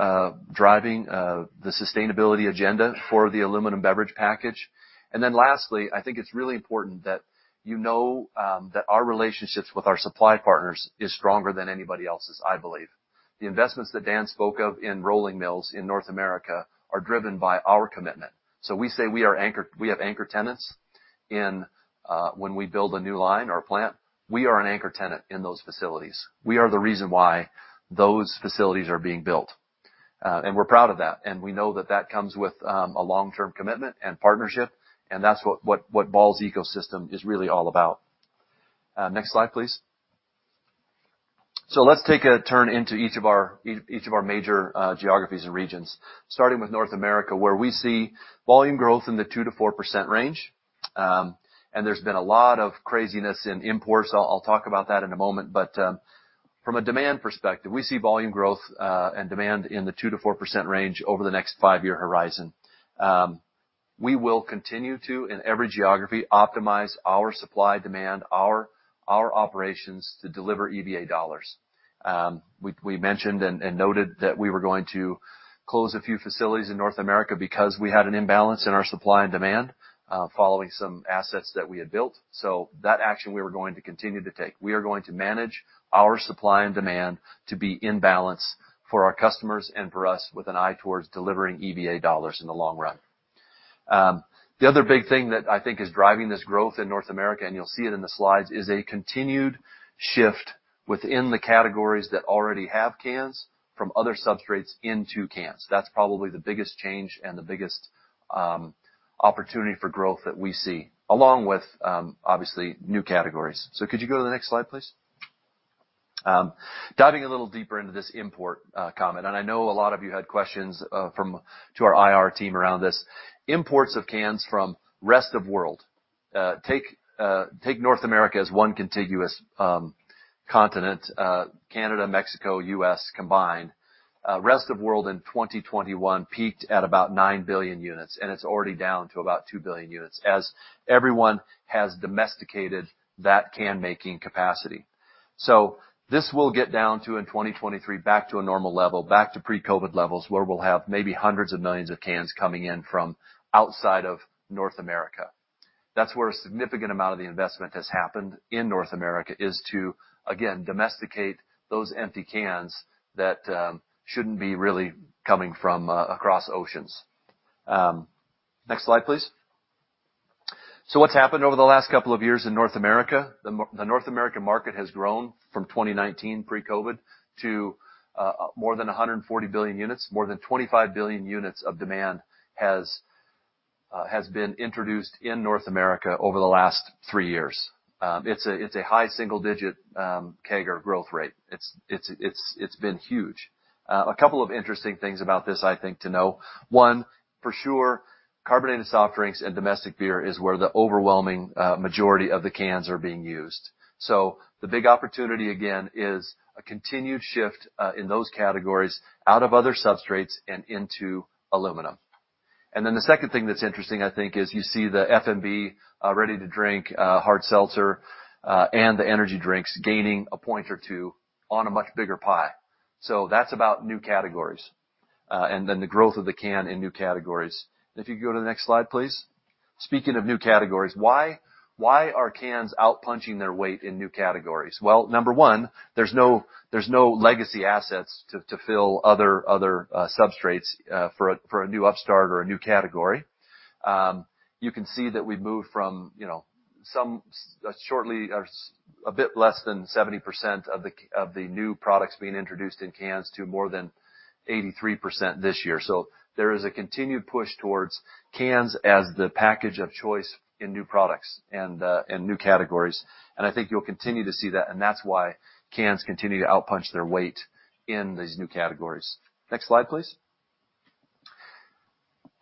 Speaker 2: driving the sustainability agenda for the aluminum beverage package. Lastly, I think it's really important that you know that our relationships with our supply partners is stronger than anybody else's, I believe. The investments that Dan spoke of in rolling mills in North America are driven by our commitment. We say we have anchor tenants in when we build a new line or plant, we are an anchor tenant in those facilities. We are the reason why those facilities are being built, and we're proud of that. We know that that comes with a long-term commitment and partnership, and that's what Ball's ecosystem is really all about. Next slide, please. Let's take a turn into each of our major geographies and regions, starting with North America, where we see volume growth in the 2%-4% range. There's been a lot of craziness in imports. I'll talk about that in a moment. From a demand perspective, we see volume growth and demand in the 2%-4% range over the next five-year horizon. We will continue to, in every geography, optimize our supply-demand, our operations to deliver EVA dollars. We mentioned and noted that we were going to close a few facilities in North America because we had an imbalance in our supply and demand, following some assets that we had built. That action we were going to continue to take. We are going to manage our supply and demand to be in balance for our customers and for us with an eye towards delivering EVA dollars in the long run. The other big thing that I think is driving this growth in North America, and you'll see it in the slides, is a continued shift within the categories that already have cans from other substrates into cans. That's probably the biggest change and the biggest opportunity for growth that we see, along with obviously, new categories. Could you go to the next slide, please? Diving a little deeper into this import comment, and I know a lot of you had questions to our IR team around this. Imports of cans from rest of world. Take North America as one contiguous continent, Canada, Mexico, U.S. combined. Rest of world in 2021 peaked at about 9 billion units, and it's already down to about 2 billion units as everyone has domesticated that can making capacity. This will get down to in 2023 back to a normal level, back to pre-COVID levels, where we'll have maybe hundreds of millions of cans coming in from outside of North America. That's where a significant amount of the investment has happened in North America, is to, again, domesticate those empty cans that shouldn't be really coming from across oceans. Next slide, please. What's happened over the last couple of years in North America? The North American market has grown from 2019 pre-COVID to more than 140 billion units. More than 25 billion units of demand has been introduced in North America over the last three years. It's a high single digit CAGR growth rate. It's been huge. A couple of interesting things about this I think to know. One, for sure, carbonated soft drinks and domestic beer is where the overwhelming majority of the cans are being used. The big opportunity, again, is a continued shift in those categories out of other substrates and into aluminum. The second thing that's interesting, I think, is you see the FMB, ready-to-drink, hard seltzer, and the energy drinks gaining a point or two on a much bigger pie. That's about new categories, and then the growth of the can in new categories. If you could go to the next slide, please. Speaking of new categories, why are cans outpunching their weight in new categories? Well, number one, there's no legacy assets to fill other substrates for a new upstart or a new category. You can see that we've moved from, you know, somewhat or a bit less than 70% of the new products being introduced in cans to more than 83% this year. There is a continued push towards cans as the package of choice in new products and new categories. I think you'll continue to see that, and that's why cans continue to outpunch their weight in these new categories. Next slide, please.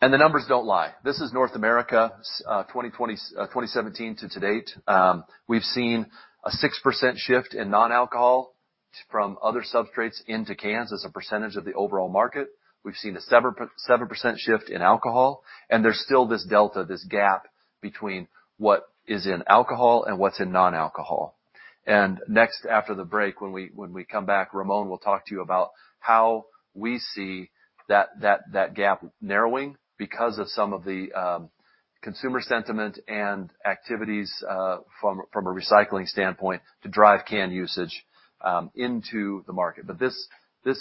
Speaker 2: The numbers don't lie. This is North America, 2017 to date. We've seen a 6% shift in non-alcohol from other substrates into cans as a percentage of the overall market. We've seen a 7% shift in alcohol, and there's still this delta, this gap between what is in alcohol and what's in non-alcohol. Next, after the break, when we come back, Ramon will talk to you about how we see that gap narrowing because of some of the consumer sentiment and activities from a recycling standpoint to drive can usage into the market. This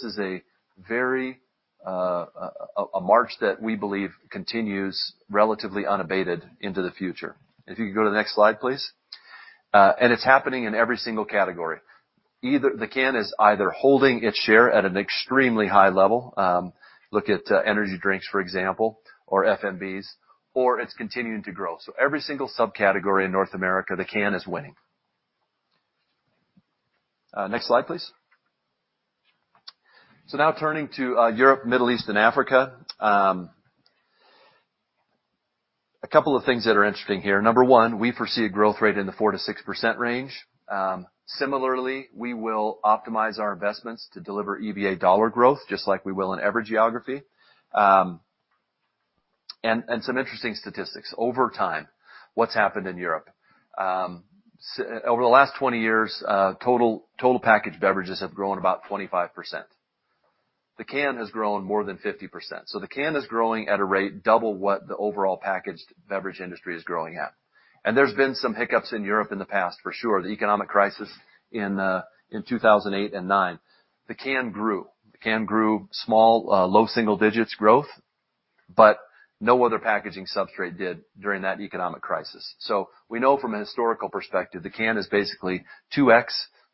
Speaker 2: is a very march that we believe continues relatively unabated into the future. If you could go to the next slide, please. It's happening in every single category. Either the can is holding its share at an extremely high level, look at energy drinks, for example, or FMBs, or it's continuing to grow. Every single subcategory in North America, the can is winning. Next slide, please. Now turning to Europe, Middle East and Africa. A couple of things that are interesting here. Number one, we foresee a growth rate in the 4%-6% range. Similarly, we will optimize our investments to deliver EVA dollar growth just like we will in every geography. Some interesting statistics. Over time, what's happened in Europe. Over the last 20 years, total packaged beverages have grown about 25%. The can has grown more than 50%. The can is growing at a rate double what the overall packaged beverage industry is growing at. There's been some hiccups in Europe in the past, for sure. The economic crisis in 2008 and 2009, the can grew. The can grew small, low single digits growth, but no other packaging substrate did during that economic crisis. We know from a historical perspective, the can is basically 2x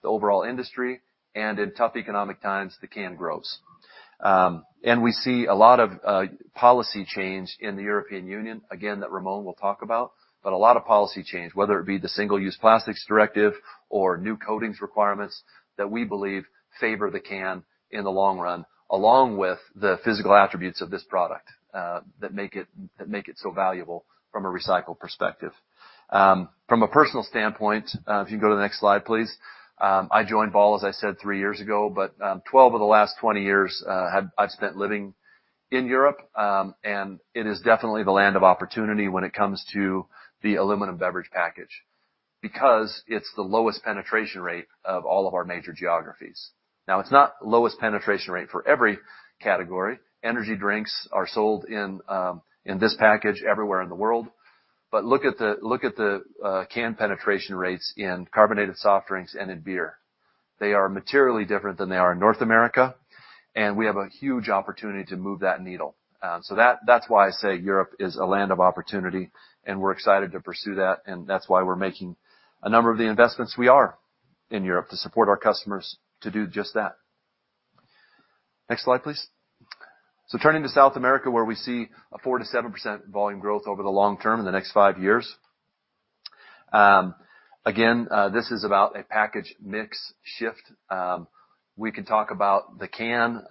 Speaker 2: the overall industry, and in tough economic times, the can grows. We see a lot of policy change in the European Union, again, that Ramon will talk about, but a lot of policy change, whether it be the Single-Use Plastics Directive or new coatings requirements that we believe favor the can in the long run, along with the physical attributes of this product, that make it so valuable from a recycling perspective. From a personal standpoint, if you go to the next slide, please. I joined Ball, as I said, three years ago, but 12 of the last 20 years I've spent living in Europe, and it is definitely the land of opportunity when it comes to the aluminum beverage package because it's the lowest penetration rate of all of our major geographies. Now, it's not lowest penetration rate for every category. Energy drinks are sold in this package everywhere in the world. But look at the can penetration rates in carbonated soft drinks and in beer. They are materially different than they are in North America, and we have a huge opportunity to move that needle. That's why I say Europe is a land of opportunity, and we're excited to pursue that, and that's why we're making a number of the investments we are in Europe to support our customers to do just that. Next slide, please. Turning to South America, where we see a 4%-7% volume growth over the long term in the next five years. Again, this is about a package mix shift. We could talk about the can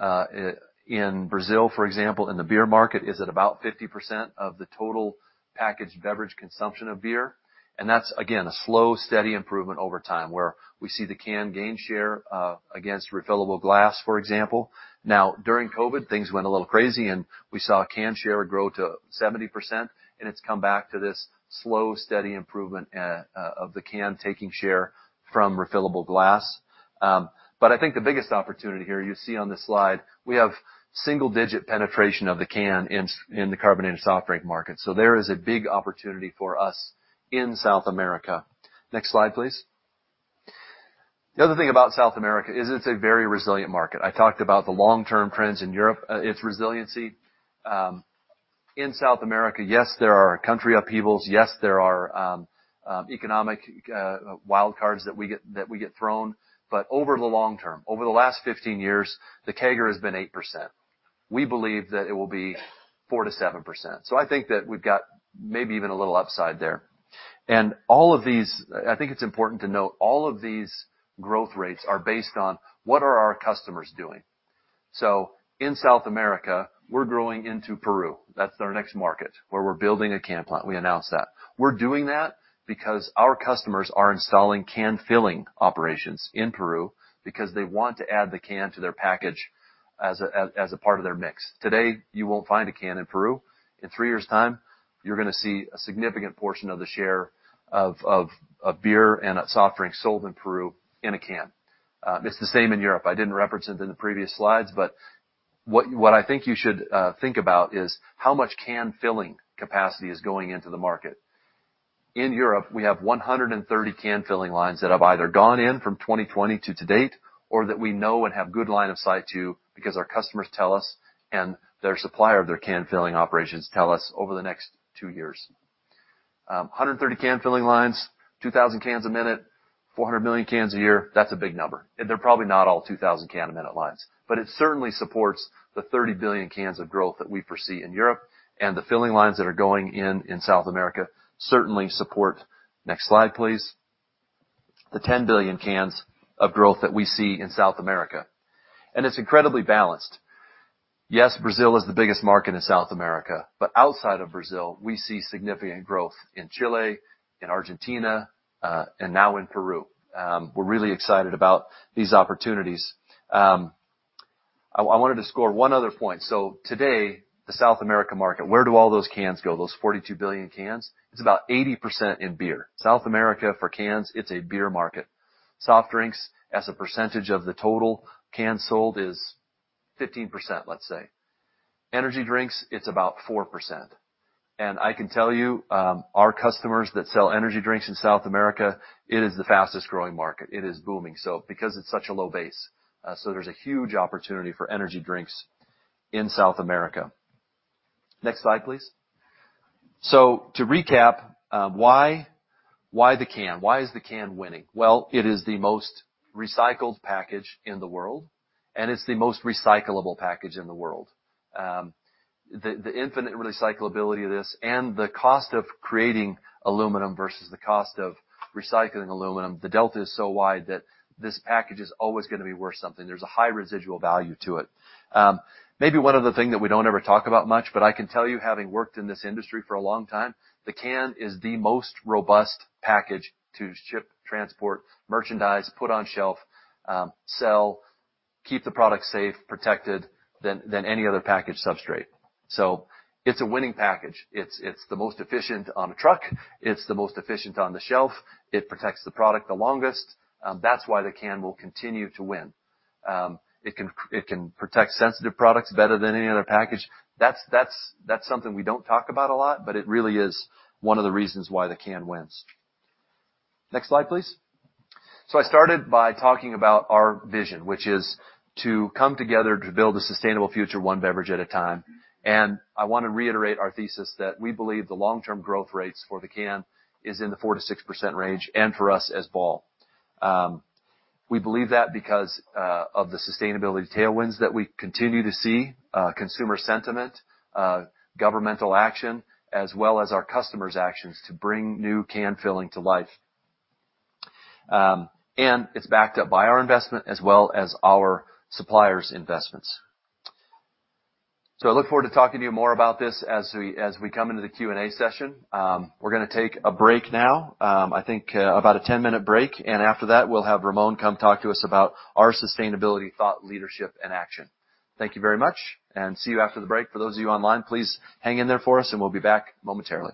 Speaker 2: in Brazil, for example, in the beer market, is at about 50% of the total packaged beverage consumption of beer. That's, again, a slow, steady improvement over time, where we see the can gain share against refillable glass, for example. Now, during COVID, things went a little crazy, and we saw a can share grow to 70%, and it's come back to this slow, steady improvement of the can taking share from refillable glass. I think the biggest opportunity here you see on this slide, we have single-digit penetration of the can in the carbonated soft drink market. There is a big opportunity for us in South America. Next slide, please. The other thing about South America is it's a very resilient market. I talked about the long-term trends in Europe, its resiliency. In South America, yes, there are country upheavals. Yes, there are economic wild cards that we get thrown. Over the long term, over the last 15 years, the CAGR has been 8%. We believe that it will be 4%-7%. I think that we've got maybe even a little upside there. All of these growth rates are based on what our customers are doing. In South America, we're growing into Peru. That's our next market, where we're building a can plant. We announced that. We're doing that because our customers are installing can filling operations in Peru because they want to add the can to their package as a part of their mix. Today, you won't find a can in Peru. In three years' time, you're gonna see a significant portion of the share of beer and a soft drink sold in Peru in a can. It's the same in Europe. I didn't reference it in the previous slides, but what I think you should think about is how much can filling capacity is going into the market. In Europe, we have 130 can filling lines that have either gone in from 2020 to date or that we know and have good line of sight to because our customers tell us and their supplier of their can filling operations tell us over the next two years. 130 can filling lines, 2,000 cans a minute, 400 million cans a year. That's a big number. They're probably not all 2,000 can a minute lines. It certainly supports the 30 billion cans of growth that we foresee in Europe, and the filling lines that are going in in South America certainly support. Next slide, please. The 10 billion cans of growth that we see in South America. It's incredibly balanced. Yes, Brazil is the biggest market in South America, but outside of Brazil, we see significant growth in Chile, in Argentina, and now in Peru. We're really excited about these opportunities. I wanted to score one other point. Today, the South America market, where do all those cans go, those 42 billion cans? It's about 80% in beer. South America, for cans, it's a beer market. Soft drinks, as a percentage of the total cans sold, is 15%, let's say. Energy drinks, it's about 4%. I can tell you, our customers that sell energy drinks in South America, it is the fastest-growing market. It is booming. Because it's such a low base. There's a huge opportunity for energy drinks in South America. Next slide, please. To recap, why the can? Why is the can winning? Well, it is the most recycled package in the world, and it's the most recyclable package in the world. The infinite recyclability of this and the cost of creating aluminum versus the cost of recycling aluminum, the delta is so wide that this package is always gonna be worth something. There's a high residual value to it. Maybe one other thing that we don't ever talk about much, but I can tell you, having worked in this industry for a long time, the can is the most robust package to ship, transport, merchandise, put on shelf, sell, keep the product safe, protected, than any other package substrate. It's a winning package. It's the most efficient on a truck. It's the most efficient on the shelf. It protects the product the longest. That's why the can will continue to win. It can protect sensitive products better than any other package. That's something we don't talk about a lot, but it really is one of the reasons why the can wins. Next slide, please. I started by talking about our vision, which is to come together to build a sustainable future one beverage at a time. I wanna reiterate our thesis that we believe the long-term growth rates for the can is in the 4%-6% range, and for us as Ball. We believe that because of the sustainability tailwinds that we continue to see, consumer sentiment, governmental action, as well as our customers' actions to bring new can filling to life. It's backed up by our investment as well as our suppliers' investments. I look forward to talking to you more about this as we come into the Q&A session. We're gonna take a break now, I think, about a 10-minute break, and after that, we'll have Ramon come talk to us about our sustainability thought leadership and action. Thank you very much and see you after the break. For those of you online, please hang in there for us, and we'll be back momentarily.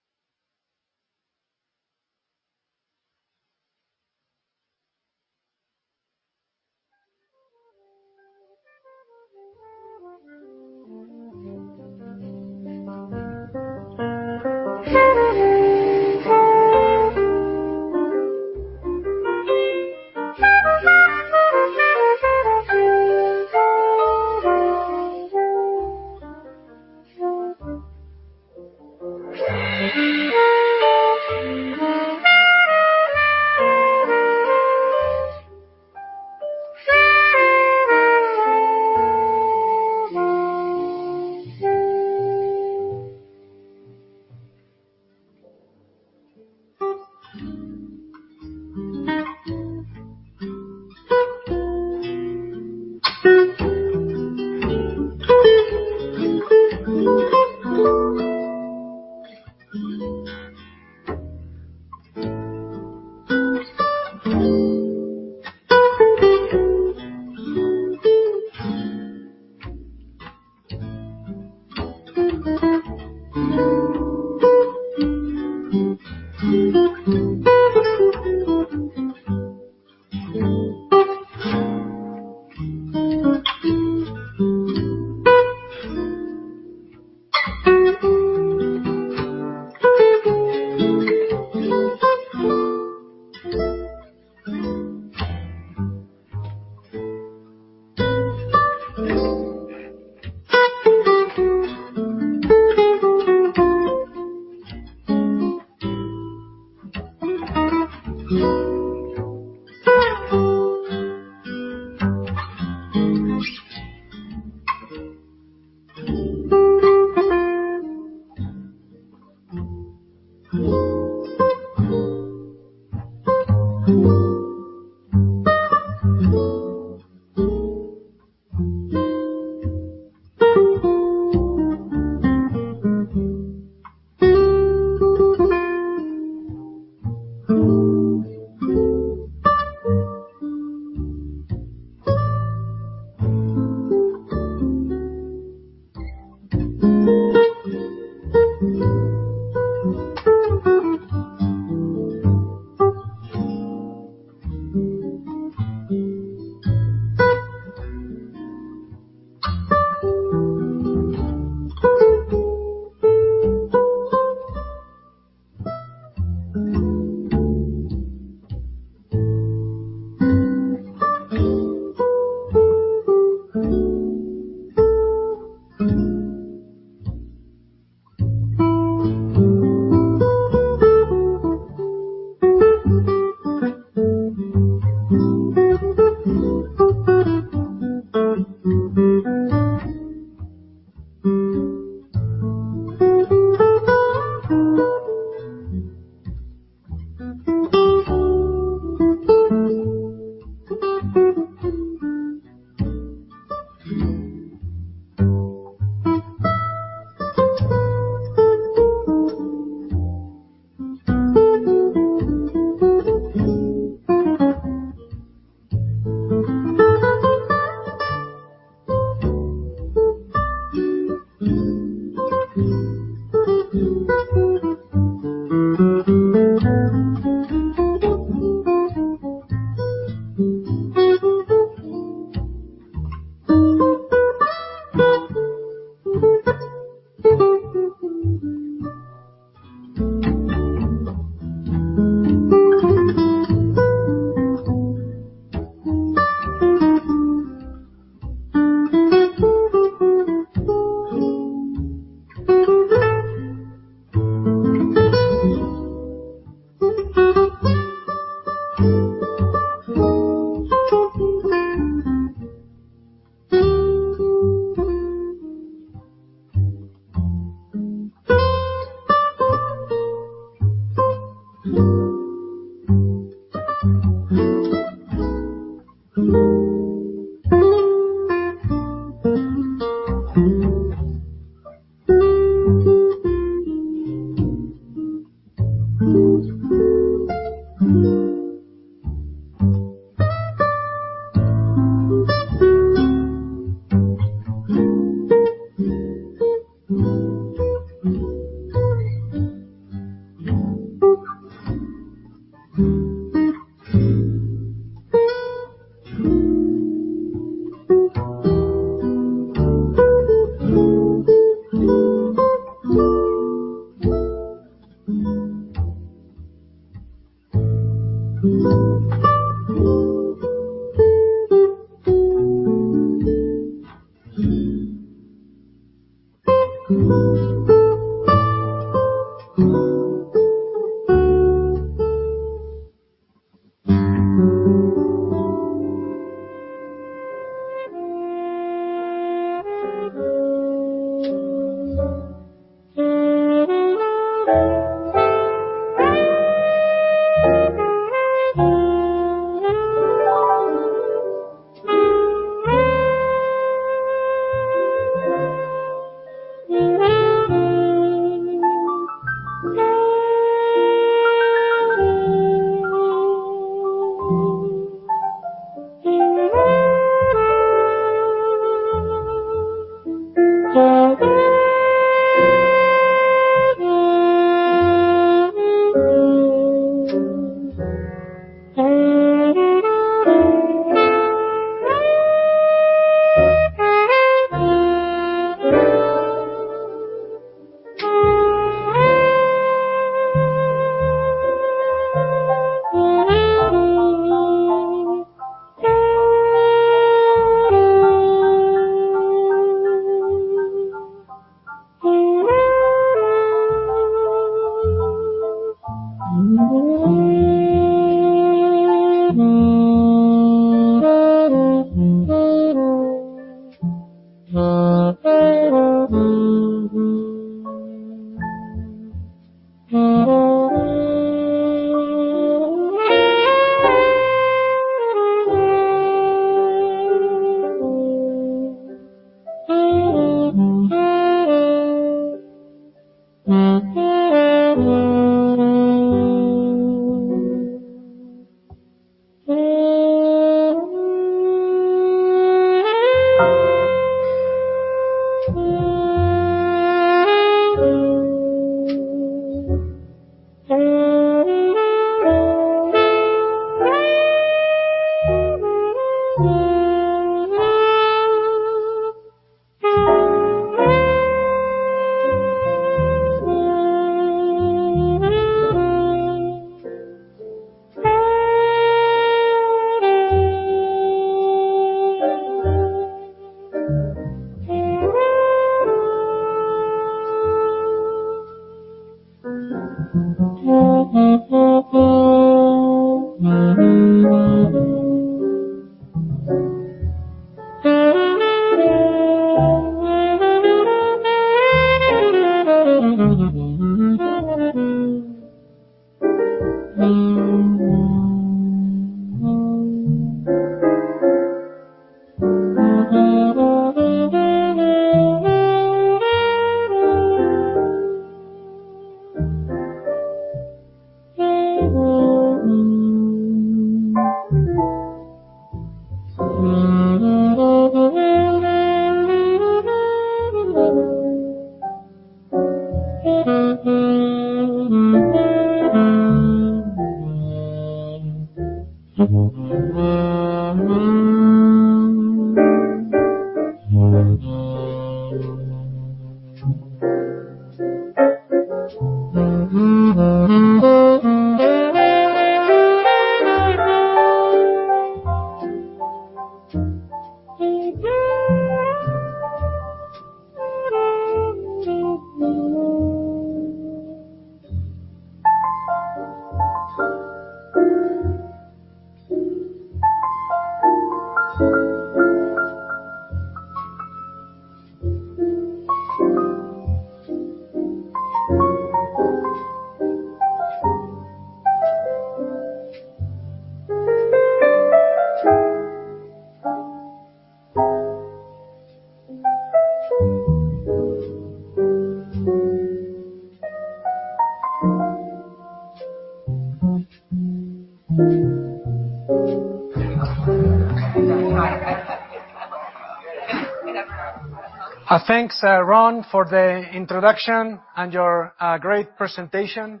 Speaker 3: Thanks, Ron, for the introduction and your great presentation.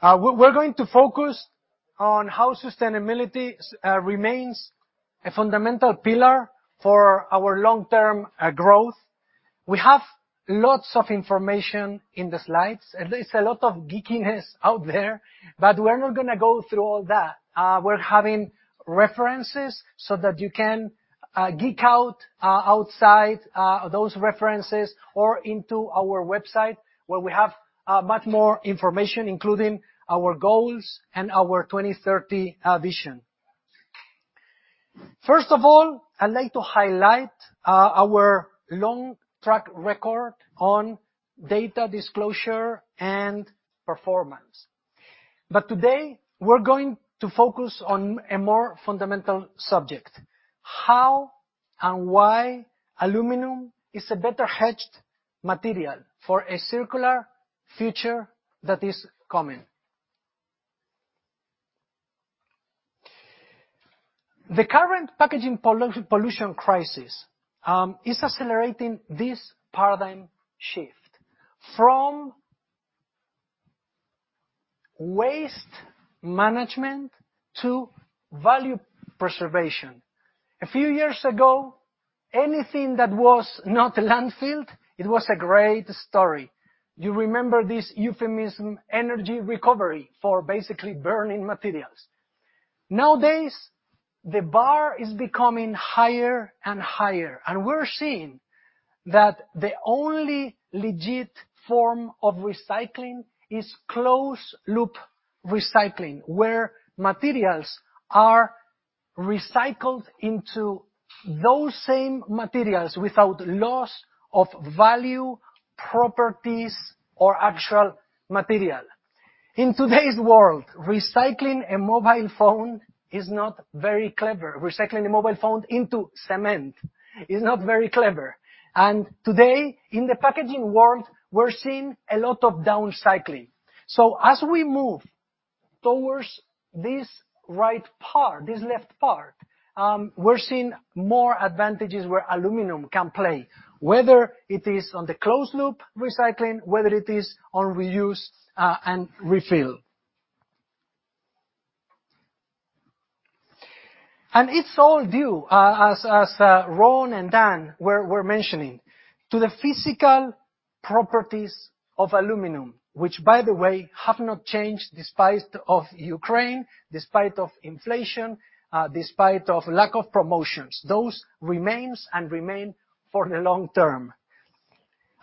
Speaker 3: We're going to focus on how sustainability remains a fundamental pillar for our long-term growth. We have lots of information in the slides. There is a lot of geekiness out there, but we're not gonna go through all that. We have references so that you can geek out on those references or on our website, where we have much more information, including our goals and our 2030 vision. First of all, I'd like to highlight our long track record on data disclosure and performance. Today, we're going to focus on a more fundamental subject, how and why aluminum is a better hedged material for a circular future that is coming. The current packaging pollution crisis is accelerating this paradigm shift from waste management to value preservation. A few years ago, anything that was not a landfill, it was a great story. You remember this euphemism, energy recovery, for basically burning materials. Nowadays, the bar is becoming higher and higher, and we're seeing that the only legit form of recycling is closed-loop recycling, where materials are recycled into those same materials without loss of value, properties, or actual material. In today's world, recycling a mobile phone is not very clever. Recycling a mobile phone into cement is not very clever. Today, in the packaging world, we're seeing a lot of downcycling. As we move towards this left part, we're seeing more advantages where aluminum can play, whether it is on the closed-loop recycling, whether it is on reuse, and refill. It's all due, as Ron and Dan were mentioning, to the physical properties of aluminum, which by the way, have not changed despite of Ukraine, despite of inflation, despite of lack of promotions. Those remain and remain for the long term.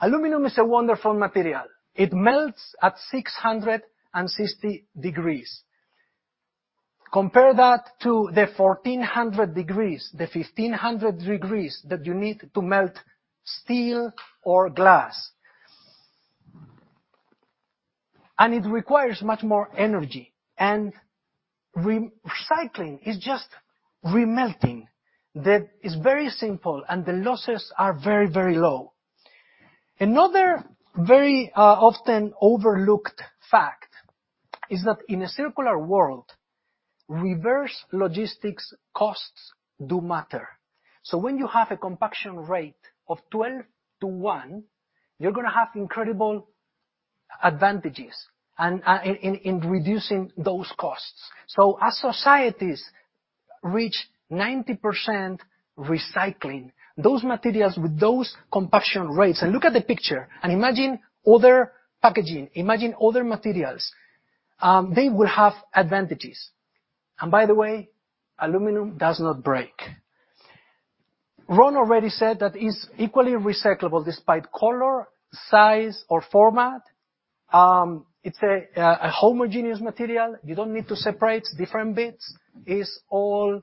Speaker 3: Aluminum is a wonderful material. It melts at 660 degrees. Compare that to the 1,400 degrees, the 1,500 degrees that you need to melt steel or glass. It requires much more energy. Recycling is just remelting. That is very simple, and the losses are very, very low. Another very often overlooked fact is that in a circular world, reverse logistics costs do matter. When you have a compaction rate of 12:1, you're gonna have incredible advantages and in reducing those costs. As societies reach 90% recycling, those materials with those compaction rates. Look at the picture and imagine other packaging, imagine other materials, they will have advantages. By the way, aluminum does not break. Ron already said that it's equally recyclable despite color, size, or format. It's a homogeneous material. You don't need to separate different bits. It's all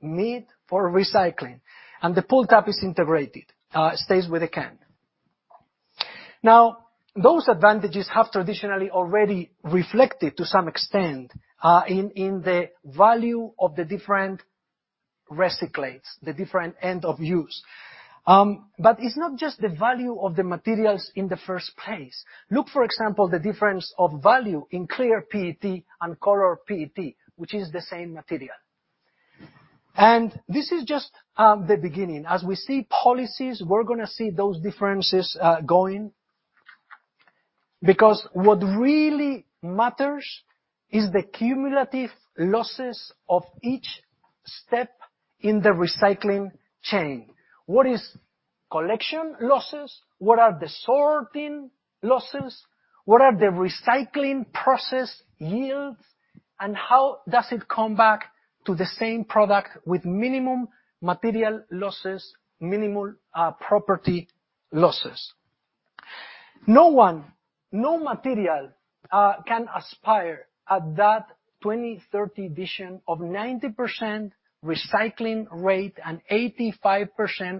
Speaker 3: made for recycling, and the pull tab is integrated, stays with the can. Those advantages have traditionally already reflected to some extent in the value of the different recyclates, the different end of use. It's not just the value of the materials in the first place. Look, for example, the difference of value in clear PET and color PET, which is the same material. This is just the beginning. As we see policies, we're gonna see those differences going because what really matters is the cumulative losses of each step in the recycling chain. What is collection losses? What are the sorting losses? What are the recycling process yields? How does it come back to the same product with minimum material losses, minimal property losses? No one, no material can aspire at that 2030 vision of 90% recycling rate and 85%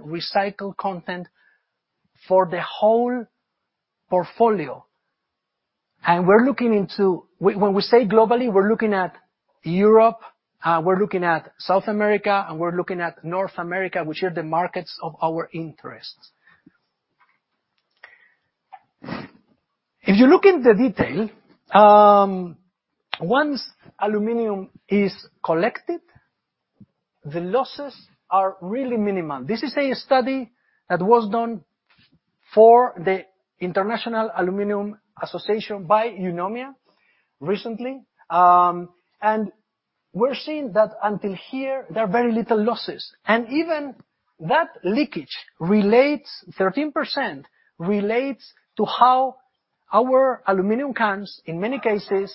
Speaker 3: recycled content for the whole portfolio. We, when we say globally, we're looking at Europe, we're looking at South America, and we're looking at North America, which are the markets of our interests. If you look in the detail, once aluminum is collected, the losses are really minimal. This is a study that was done for the International Aluminium Association by Eunomia recently. We're seeing that until here, there are very little losses. Even that leakage relates, 13% relates to how our aluminum cans, in many cases,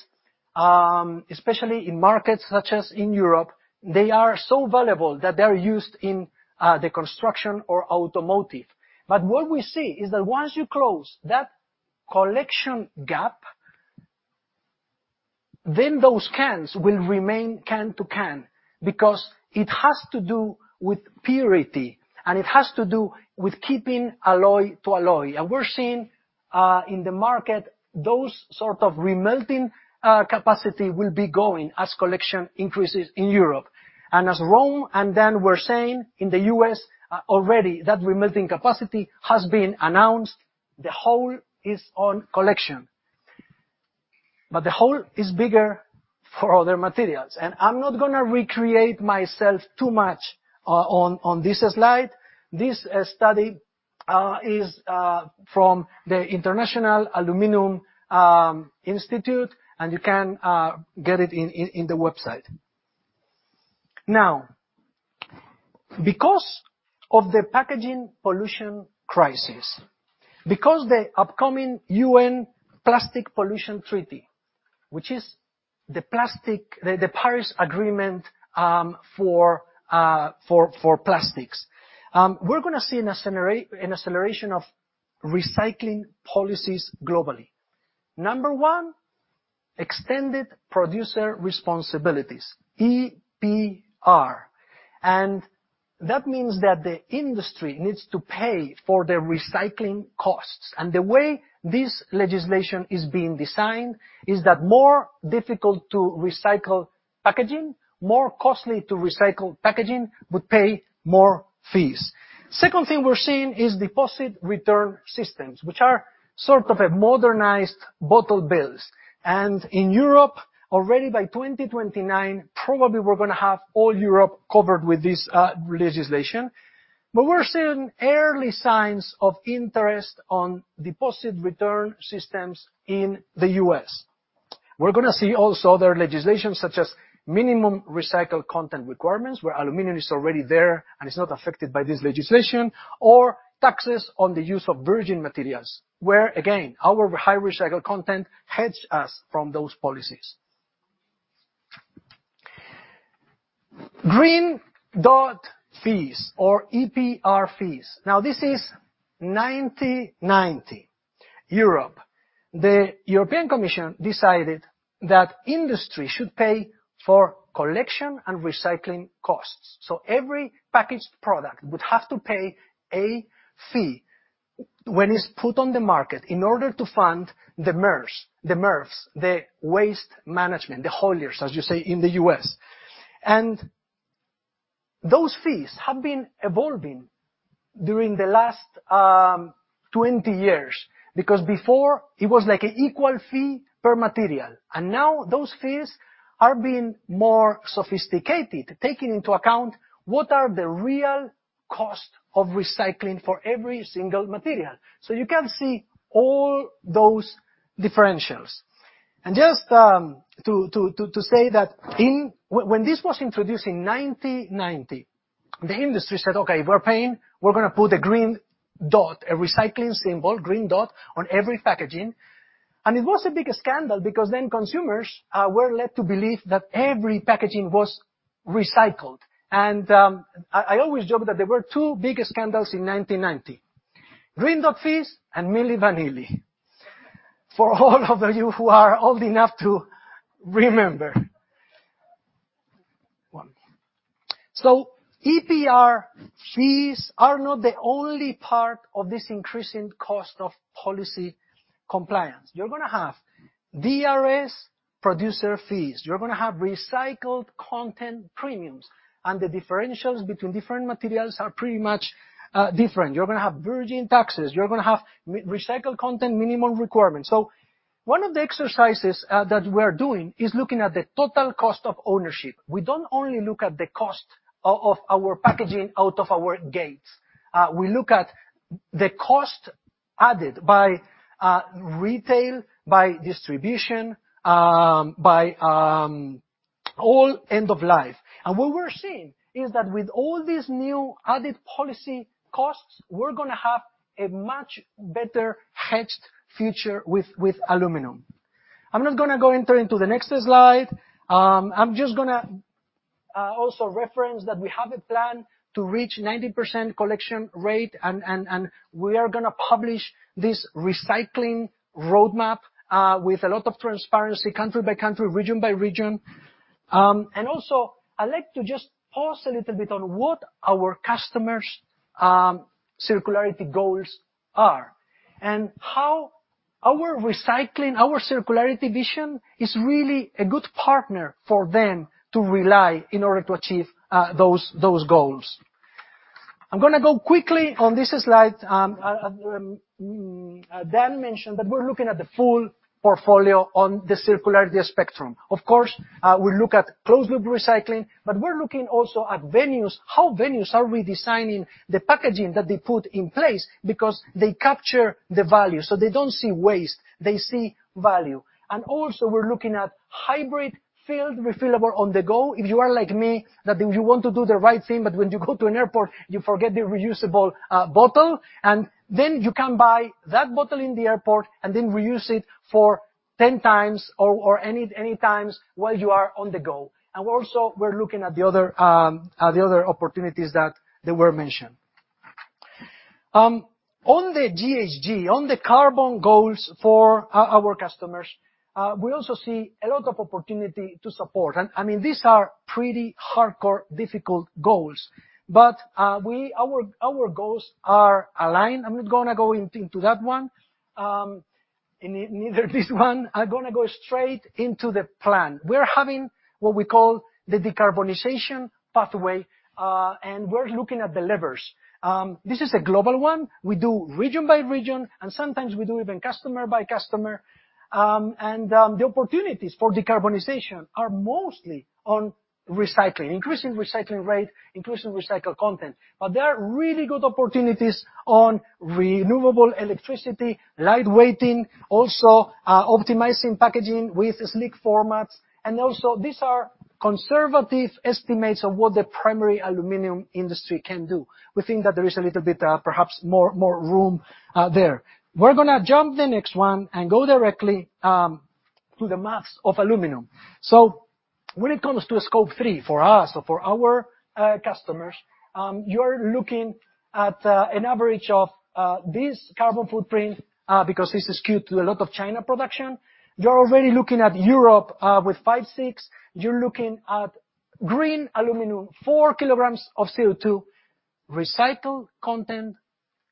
Speaker 3: especially in markets such as in Europe, they are so valuable that they're used in the construction or automotive. What we see is that once you close that collection gap, then those cans will remain can to can because it has to do with purity, and it has to do with keeping alloy to alloy. We're seeing in the market, those sort of remelting capacity will be growing as collection increases in Europe. As Ron and Dan we're saying in the U.S. already that remelting capacity has been announced, the hole is on collection. The hole is bigger for other materials. I'm not gonna repeat myself too much on this slide. This study is from the International Aluminium Institute, and you can get it in the website. Now, because of the packaging pollution crisis, because the upcoming UN Plastic Pollution Treaty, which is the plastic the Paris Agreement for plastics, we're gonna see an acceleration of recycling policies globally. Number one, extended producer responsibilities, EPR. That means that the industry needs to pay for the recycling costs. The way this legislation is being designed is that more difficult to recycle packaging, more costly to recycle packaging would pay more fees. Second thing we're seeing is deposit return systems, which are sort of a modernized bottle bills. In Europe, already by 2029, probably we're gonna have all Europe covered with this legislation. We're seeing early signs of interest on deposit return systems in the U.S. We're gonna see also other legislations such as minimum recycled content requirements, where aluminum is already there and is not affected by this legislation, or taxes on the use of virgin materials, where again, our high recycled content hedge us from those policies. Green dot fees or EPR fees. Now this is 1990 Europe. The European Commission decided that industry should pay for collection and recycling costs. Every packaged product would have to pay a fee when it's put on the market in order to fund the MRFs, the waste management, the haulers, as you say, in the U.S. Those fees have been evolving during the last 20 years, because before it was like an equal fee per material. Now those fees are being more sophisticated, taking into account what are the real cost of recycling for every single material. You can see all those differentials. Just to say that. When this was introduced in 1990, the industry said, "Okay, we're paying. We're gonna put a green dot, a recycling symbol, green dot on every packaging." It was a big scandal because then consumers were led to believe that every packaging was recycled. I always joke that there were two big scandals in 1990, green dot fees and Milli Vanilli. For all of you who are old enough to remember. EPR fees are not the only part of this increasing cost of policy compliance. You're gonna have DRS producer fees. You're gonna have recycled content premiums, and the differentials between different materials are pretty much different. You're gonna have virgin taxes. You're gonna have recycled content minimum requirements. One of the exercises that we're doing is looking at the total cost of ownership. We don't only look at the cost of our packaging out of our gates. We look at the cost added by retail, by distribution, by all end of life. What we're seeing is that with all these new added policy costs, we're gonna have a much better hedged future with aluminum. I'm not gonna go into the next slide. I'm just gonna also reference that we have a plan to reach 90% collection rate, and we are gonna publish this recycling roadmap with a lot of transparency country by country, region by region. I'd like to just pause a little bit on what our customers' circularity goals are, and how our recycling, our circularity vision is really a good partner for them to rely in order to achieve those goals. I'm gonna go quickly on this slide. Dan mentioned that we're looking at the full portfolio on the circularity spectrum. Of course, we look at closed loop recycling, but we're looking also at venues, how venues are redesigning the packaging that they put in place because they capture the value. They don't see waste, they see value. We're looking at hybrid-filled refillable on the go. If you are like me, that you want to do the right thing, but when you go to an airport, you forget the reusable bottle, and then you can buy that bottle in the airport and then reuse it for 10x or any times while you are on the go. We're also looking at the other opportunities that they were mentioned. On the GHG, on the carbon goals for our customers, we also see a lot of opportunity to support. I mean, these are pretty hardcore, difficult goals, but our goals are aligned. I'm not gonna go into that one. And neither this one. I'm gonna go straight into the plan. We're having what we call the decarbonization pathway, and we're looking at the levers. This is a global one. We do region by region, and sometimes we do even customer by customer. The opportunities for decarbonization are mostly on recycling, increasing recycling rate, increasing recycled content. But there are really good opportunities on renewable electricity, light weighting, also, optimizing packaging with slick formats. Also, these are conservative estimates of what the primary aluminum industry can do. We think that there is a little bit, perhaps more room, there. We're gonna jump the next one and go directly to the math of aluminum. When it comes to Scope 3 for us or for our customers, you're looking at an average of this carbon footprint, because this is skewed to a lot of China production. You're already looking at Europe, with 56. You're looking at green aluminum, 4 kg of CO2. Recycled content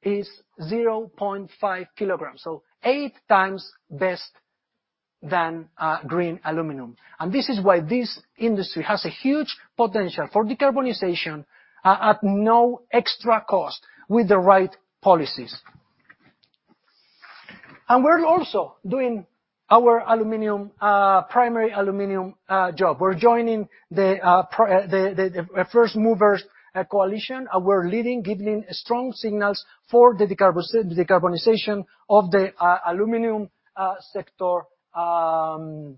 Speaker 3: is 0.5 kg, so 8x better than green aluminum. This is why this industry has a huge potential for decarbonization at no extra cost with the right policies. We're also doing our aluminum, primary aluminum, job. We're joining the First Movers Coalition, and we're leading, giving strong signals for the decarbonization of the aluminum sector to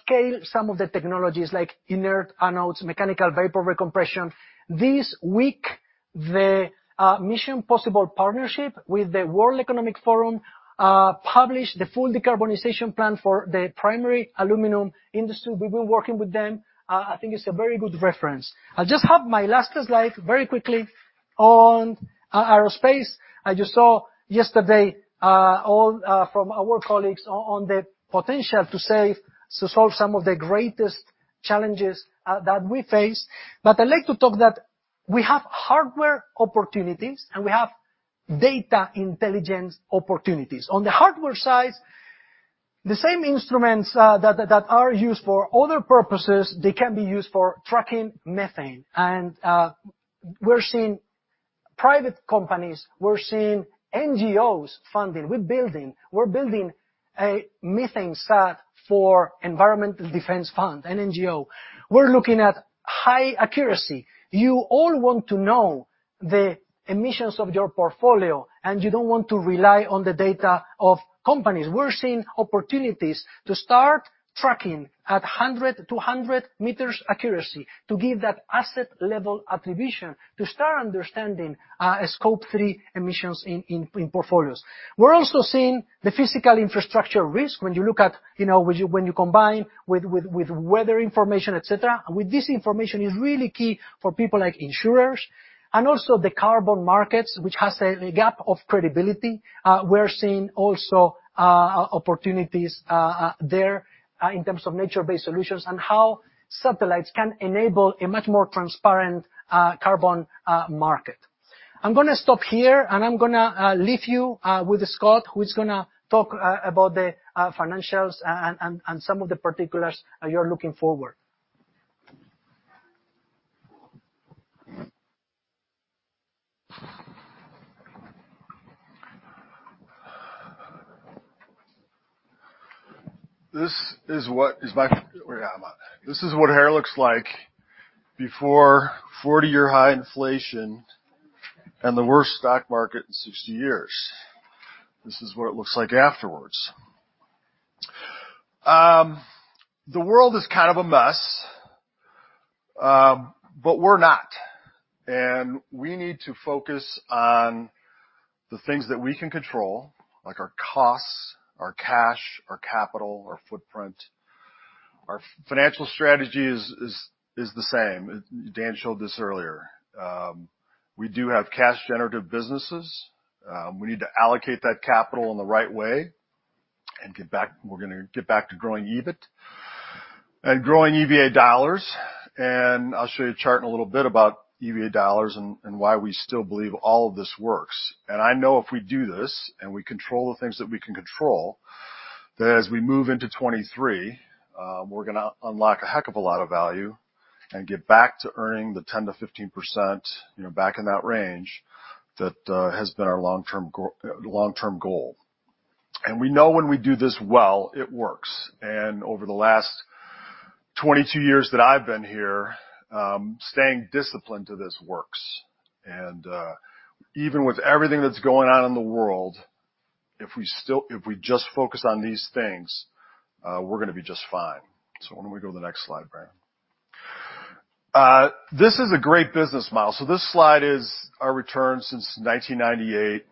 Speaker 3: scale some of the technologies like inert anodes, mechanical vapor recompression. This week, the Mission Possible Partnership with the World Economic Forum published the full decarbonization plan for the primary aluminum industry. We've been working with them. I think it's a very good reference. I just have my last slide very quickly on aerospace. As you saw yesterday, all from our colleagues on the potential to solve some of the greatest challenges that we face. I'd like to talk that we have hardware opportunities, and we have data intelligence opportunities. On the hardware side, the same instruments that are used for other purposes, they can be used for tracking methane. We're seeing private companies, NGOs funding. We're building a MethaneSAT for Environmental Defense Fund, an NGO. We're looking at high accuracy. You all want to know the emissions of your portfolio, and you don't want to rely on the data of companies. We're seeing opportunities to start tracking at 100 meters, 200 meters accuracy to give that asset level attribution to start understanding a Scope 3 emissions in portfolios. We're also seeing the physical infrastructure risk when you look at when you combine with weather information, et cetera. With this information is really key for people like insurers and also the carbon markets, which has a gap of credibility. We're seeing also opportunities there in terms of nature-based solutions and how satellites can enable a much more transparent carbon market. I'm gonna stop here, and I'm gonna leave you with Scott, who is gonna talk about the financials and some of the particulars you're looking forward.
Speaker 4: This is what hair looks like before 40-year high inflation and the worst stock market in 60 years. This is what it looks like afterwards. The world is kind of a mess, but we're not. We need to focus on the things that we can control, like our costs, our cash, our capital, our footprint. Our financial strategy is the same. Dan showed this earlier. We do have cash generative businesses. We need to allocate that capital in the right way and get back. We're gonna get back to growing EBIT and growing EVA dollars. I'll show you a chart in a little bit about EVA dollars and why we still believe all of this works. I know if we do this and we control the things that we can control, that as we move into 2023, we're gonna unlock a heck of a lot of value and get back to earning the 10%-15%, you know, back in that range that has been our long-term goal. We know when we do this well, it works. Over the last 22 years that I've been here, staying disciplined to this works. Even with everything that's going on in the world, if we just focus on these things, we're gonna be just fine. Why don't we go to the next slide, there? This is a great business model. This slide is our return since 1998,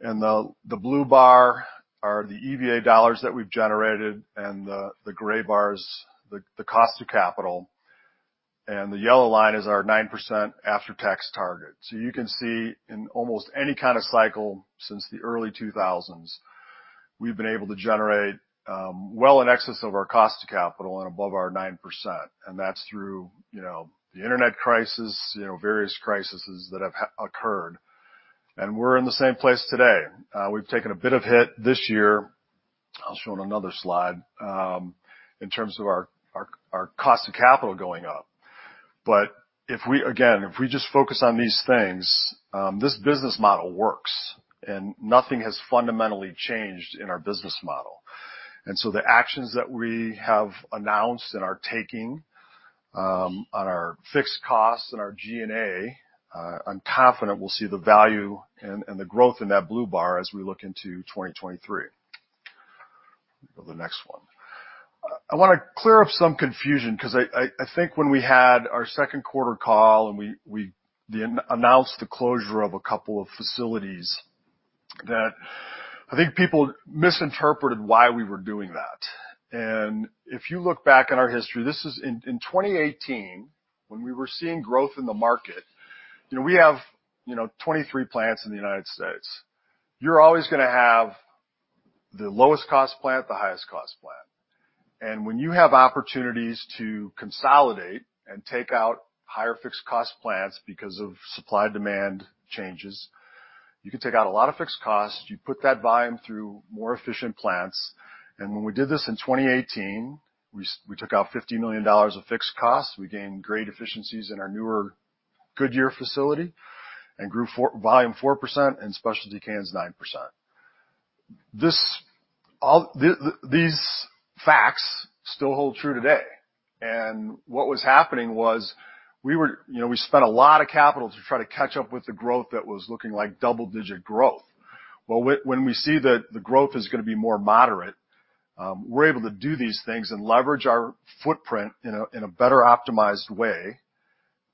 Speaker 4: and the blue bar are the EVA dollars that we've generated and the gray bar's the cost of capital, and the yellow line is our 9% after-tax target. You can see in almost any kind of cycle since the early 2000s, we've been able to generate well in excess of our cost of capital and above our 9%. That's through you know, the internet crisis, you know, various crises that have occurred. We're in the same place today. We've taken a bit of hit this year, I'll show on another slide in terms of our cost of capital going up. If we again, if we just focus on these things, this business model works, and nothing has fundamentally changed in our business model. The actions that we have announced and are taking on our fixed costs and our G&A, I'm confident we'll see the value and the growth in that blue bar as we look into 2023. Go to the next one. I wanna clear up some confusion because I think when we had our second quarter call, and we announced the closure of a couple of facilities that I think people misinterpreted why we were doing that. If you look back at our history, this is in 2018 when we were seeing growth in the market. You know, we have, you know, 23 plants in the United States. You're always gonna have the lowest cost plant, the highest cost plant. When you have opportunities to consolidate and take out higher fixed cost plants because of supply-demand changes, you can take out a lot of fixed costs. You put that volume through more efficient plants. When we did this in 2018, we took out $50 million of fixed costs. We gained great efficiencies in our newer Goodyear facility and grew volume 4% and specialty cans 9%. All these facts still hold true today. What was happening was we were, you know, we spent a lot of capital to try to catch up with the growth that was looking like double-digit growth. Well, when we see that the growth is gonna be more moderate, we're able to do these things and leverage our footprint in a better optimized way,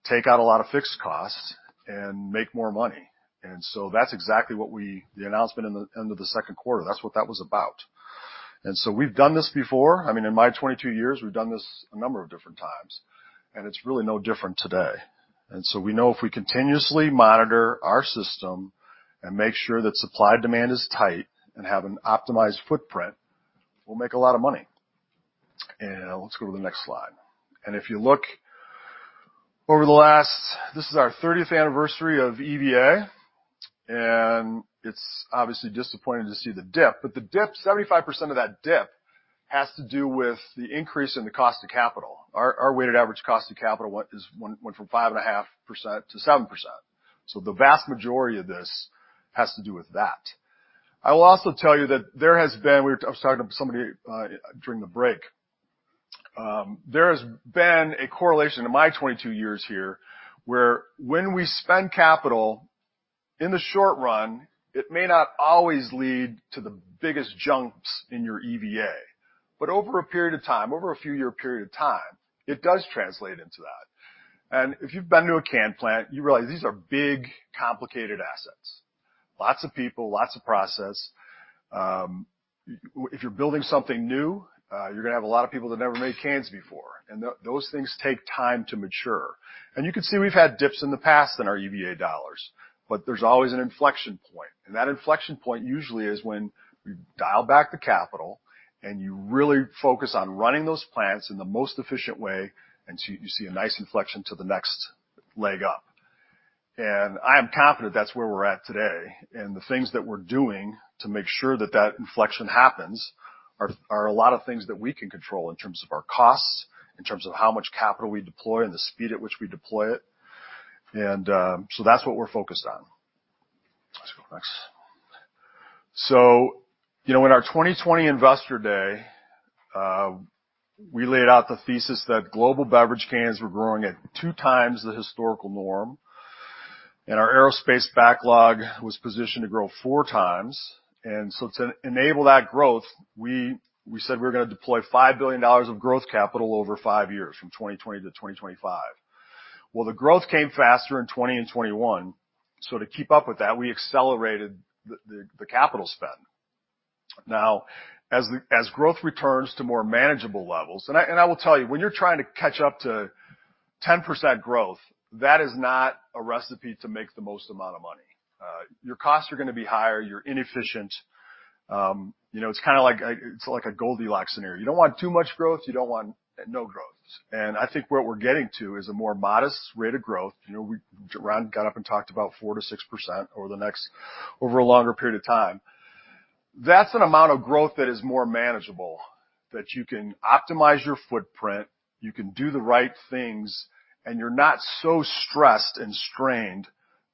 Speaker 4: take out a lot of fixed costs and make more money. That's exactly what the announcement in the end of the second quarter was about. We've done this before. I mean, in my 22 years, we've done this a number of different times, and it's really no different today. We know if we continuously monitor our system and make sure that supply-demand is tight and have an optimized footprint, we'll make a lot of money. Let's go to the next slide. This is our 30th anniversary of EVA, and it's obviously disappointing to see the dip, but 75% of that dip has to do with the increase in the cost of capital. Our weighted average cost of capital went from 5.5% to 7%. So the vast majority of this has to do with that. I will also tell you that I was talking to somebody during the break. There has been a correlation in my 22 years here, where when we spend capital in the short run, it may not always lead to the biggest jumps in your EVA. Over a period of time, over a few year period of time, it does translate into that. If you've been to a can plant, you realize these are big, complicated assets. Lots of people, lots of process. If you're building something new, you're gonna have a lot of people that never made cans before, and those things take time to mature. You can see we've had dips in the past in our EVA dollars, but there's always an inflection point. That inflection point usually is when you dial back the capital and you really focus on running those plants in the most efficient way, and so you see a nice inflection to the next leg up. I am confident that's where we're at today. The things that we're doing to make sure that that inflection happens are a lot of things that we can control in terms of our costs, in terms of how much capital we deploy and the speed at which we deploy it. That's what we're focused on. Let's go to the next. You know, in our 2020 Investor Day, we laid out the thesis that global beverage cans were growing at 2x the historical norm, and our aerospace backlog was positioned to grow 4x. To enable that growth, we said we were gonna deploy $5 billion of growth capital over five years from 2020 to 2025. Well, the growth came faster in 2020 and 2021, so to keep up with that, we accelerated the capital spend. Now, growth returns to more manageable levels, and I will tell you, when you're trying to catch up to 10% growth, that is not a recipe to make the most amount of money. Your costs are gonna be higher, you're inefficient. You know, it's kinda like a Goldilocks scenario. You don't want too much growth, you don't want no growth. I think what we're getting to is a more modest rate of growth. You know, Ron got up and talked about 4%-6% over a longer period of time. That's an amount of growth that is more manageable, that you can optimize your footprint, you can do the right things, and you're not so stressed and strained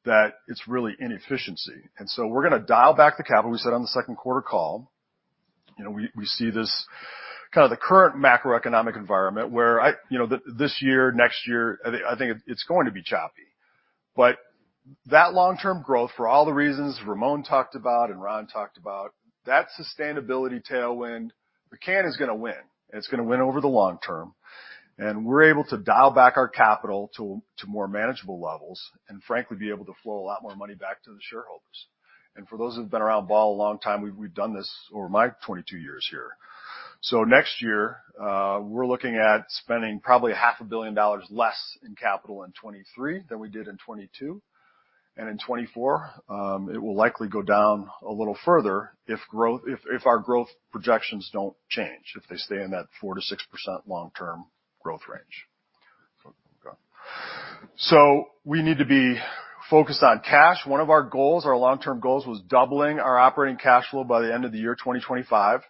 Speaker 4: that it's really inefficiency. We're gonna dial back the capital, we said on the second quarter call. You know, we see this kinda the current macroeconomic environment where this year, next year, I think it's going to be choppy. That long-term growth, for all the reasons Ramon talked about and Ron talked about, that sustainability tailwind, the can is gonna win, and it's gonna win over the long term. We're able to dial back our capital to more manageable levels and frankly, be able to flow a lot more money back to the shareholders. For those who've been around Ball a long time, we've done this over my 22 years here. Next year, we're looking at spending probably $500 million less in capital in 2023 than we did in 2022. In 2024, it will likely go down a little further if our growth projections don't change, if they stay in that 4%-6% long-term growth range. We need to be focused on cash. One of our goals, our long-term goals, was doubling our operating cash flow by the end of the year 2025.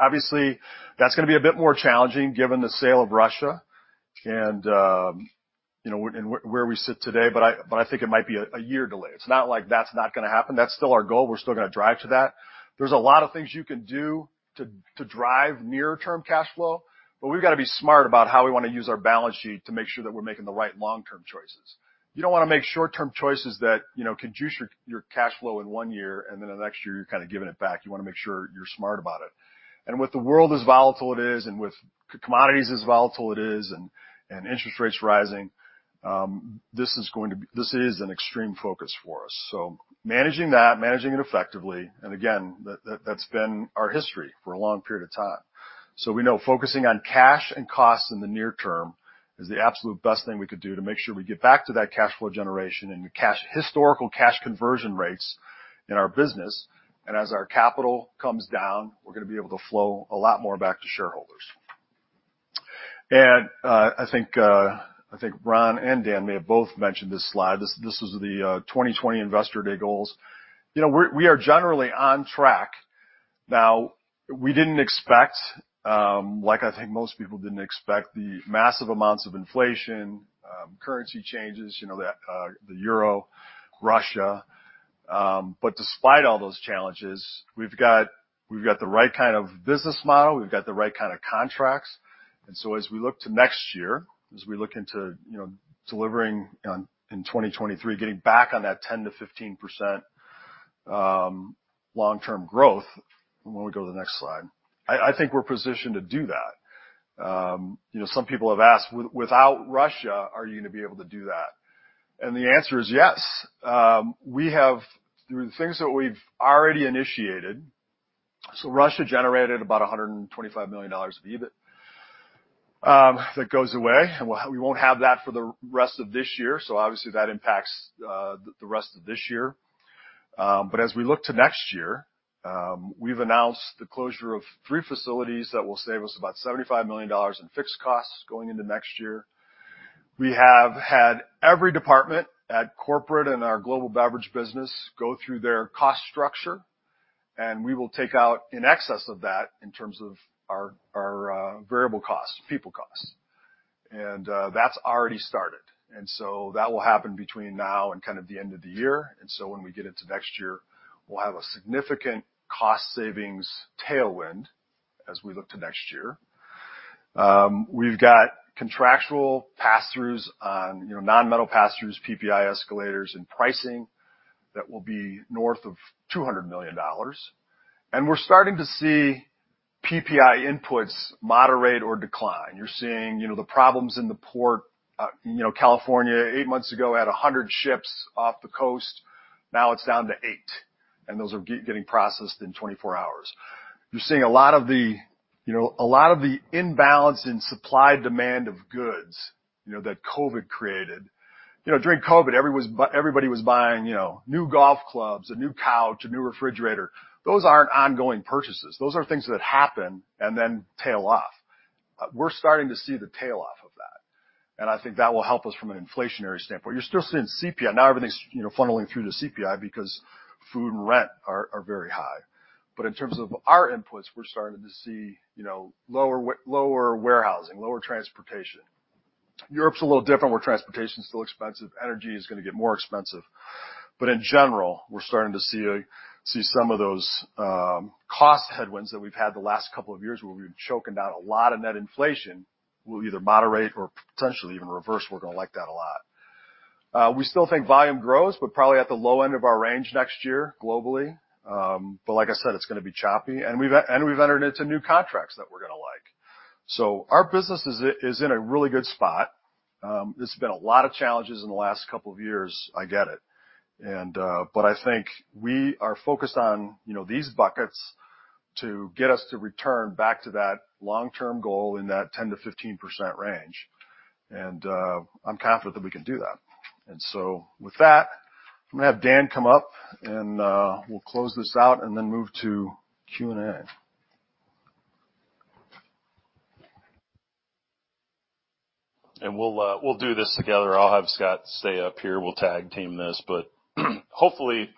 Speaker 4: Obviously, that's gonna be a bit more challenging given the sale of Russia and, you know, and where we sit today, but I think it might be a year delay. It's not like that's not gonna happen. That's still our goal. We're still gonna drive to that. There's a lot of things you can do to drive near-term cash flow, but we've gotta be smart about how we wanna use our balance sheet to make sure that we're making the right long-term choices. You don't wanna make short-term choices that, you know, can juice your cash flow in one year, and then the next year, you're kinda giving it back. You wanna make sure you're smart about it. With the world as volatile it is and with commodities as volatile it is and interest rates rising, this is an extreme focus for us. Managing that, managing it effectively, and again, that's been our history for a long period of time. We know focusing on cash and costs in the near term is the absolute best thing we could do to make sure we get back to that cash flow generation and historical cash conversion rates in our business. As our capital comes down, we're gonna be able to flow a lot more back to shareholders. I think Ron and Dan may have both mentioned this slide. This is the 2020 Investor Day goals. We are generally on track. Now, we didn't expect, like I think most people didn't expect, the massive amounts of inflation, currency changes, the euro, Russia. Despite all those challenges, we've got the right kind of business model, we've got the right kind of contracts. As we look to next year, as we look into, you know, delivering on in 2023, getting back on that 10%-15% long-term growth, and when we go to the next slide, I think we're positioned to do that. You know, some people have asked, without Russia, are you gonna be able to do that? And the answer is yes. We have through the things that we've already initiated. Russia generated about $125 million of EBIT. That goes away, and we won't have that for the rest of this year, so obviously that impacts the rest of this year. As we look to next year, we've announced the closure of three facilities that will save us about $75 million in fixed costs going into next year. We have had every department at corporate and our Global Beverage business go through their cost structure, and we will take out in excess of that in terms of our variable costs, people costs. That's already started. That will happen between now and kind of the end of the year. When we get into next year, we'll have a significant cost savings tailwind as we look to next year. We've got contractual passthroughs on, you know, non-metal passthroughs, PPI escalators, and pricing that will be north of $200 million. We're starting to see PPI inputs moderate or decline. You're seeing, you know, the problems in the port. You know, California, eight months ago, had 100 ships off the coast. Now it's down to eight, and those are getting processed in 24 hours. You're seeing a lot of the imbalance in supply-demand of goods, you know, that COVID created. You know, during COVID, everybody was buying, you know, new golf clubs, a new couch, a new refrigerator. Those aren't ongoing purchases. Those are things that happen and then tail off. We're starting to see the tail-off of that. I think that will help us from an inflationary standpoint. You're still seeing CPI. Not everything's, you know, funneling through to CPI because food and rent are very high. In terms of our inputs, we're starting to see, you know, lower warehousing, lower transportation. Europe's a little different, where transportation is still expensive. Energy is gonna get more expensive. In general, we're starting to see some of those cost headwinds that we've had the last couple of years, where we've been choking down a lot of net inflation, will either moderate or potentially even reverse. We're gonna like that a lot. We still think volume grows, but probably at the low end of our range next year globally. Like I said, it's gonna be choppy. We've entered into new contracts that we're gonna like. Our business is in a really good spot. There's been a lot of challenges in the last couple of years. I get it. I think we are focused on, you know, these buckets to get us to return back to that long-term goal in that 10%-15% range. I'm confident that we can do that. With that, I'm gonna have Dan come up, and we'll close this out and then move to Q&A.
Speaker 1: We'll do this together. I'll have Scott stay up here. We'll tag-team this. Hopefully,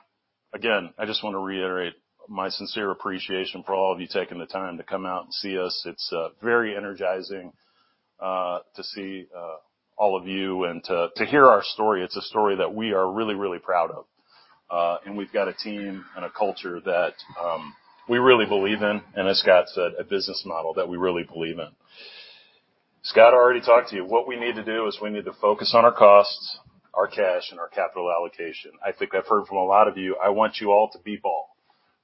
Speaker 1: again, I just wanna reiterate my sincere appreciation for all of you taking the time to come out and see us. It's very energizing to see all of you and to hear our story. It's a story that we are really proud of. We've got a team and a culture that we really believe in, and as Scott said, a business model that we really believe in. Scott already talked to you. What we need to do is we need to focus on our costs, our cash, and our capital allocation. I think I've heard from a lot of you, I want you all to be Ball.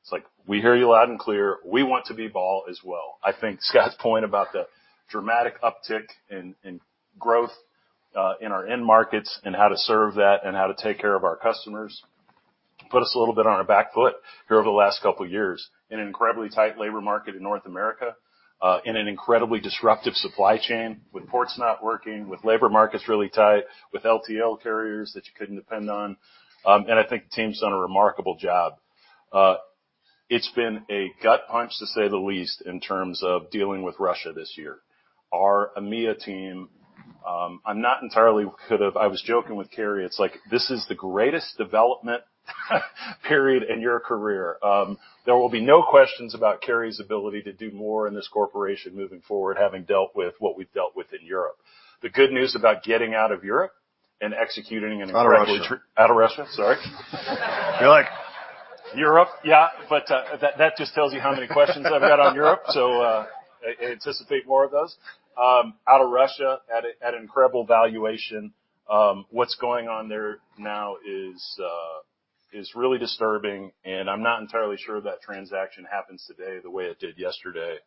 Speaker 1: It's like, we hear you loud and clear. We want to be Ball as well. I think Scott's point about the dramatic uptick in growth in our end markets and how to serve that and how to take care of our customers put us a little bit on our back foot here over the last couple years in an incredibly tight labor market in North America, in an incredibly disruptive supply chain, with ports not working, with labor markets really tight, with LTL carriers that you couldn't depend on. I think the team's done a remarkable job. It's been a gut punch, to say the least, in terms of dealing with Russia this year. Our EMEA team, I was joking with Carey. It's like, this is the greatest development period in your career. There will be no questions about Carey's ability to do more in this corporation moving forward, having dealt with what we've dealt with in Europe. The good news about getting out of Europe.
Speaker 4: Out of Russia.
Speaker 1: Out of Russia, sorry. You're like Europe. Yeah, that just tells you how many questions I've got on Europe. I anticipate more of those. Out of Russia at an incredible valuation. What's going on there now is really disturbing, and I'm not entirely sure that transaction happens today the way it did yesterday.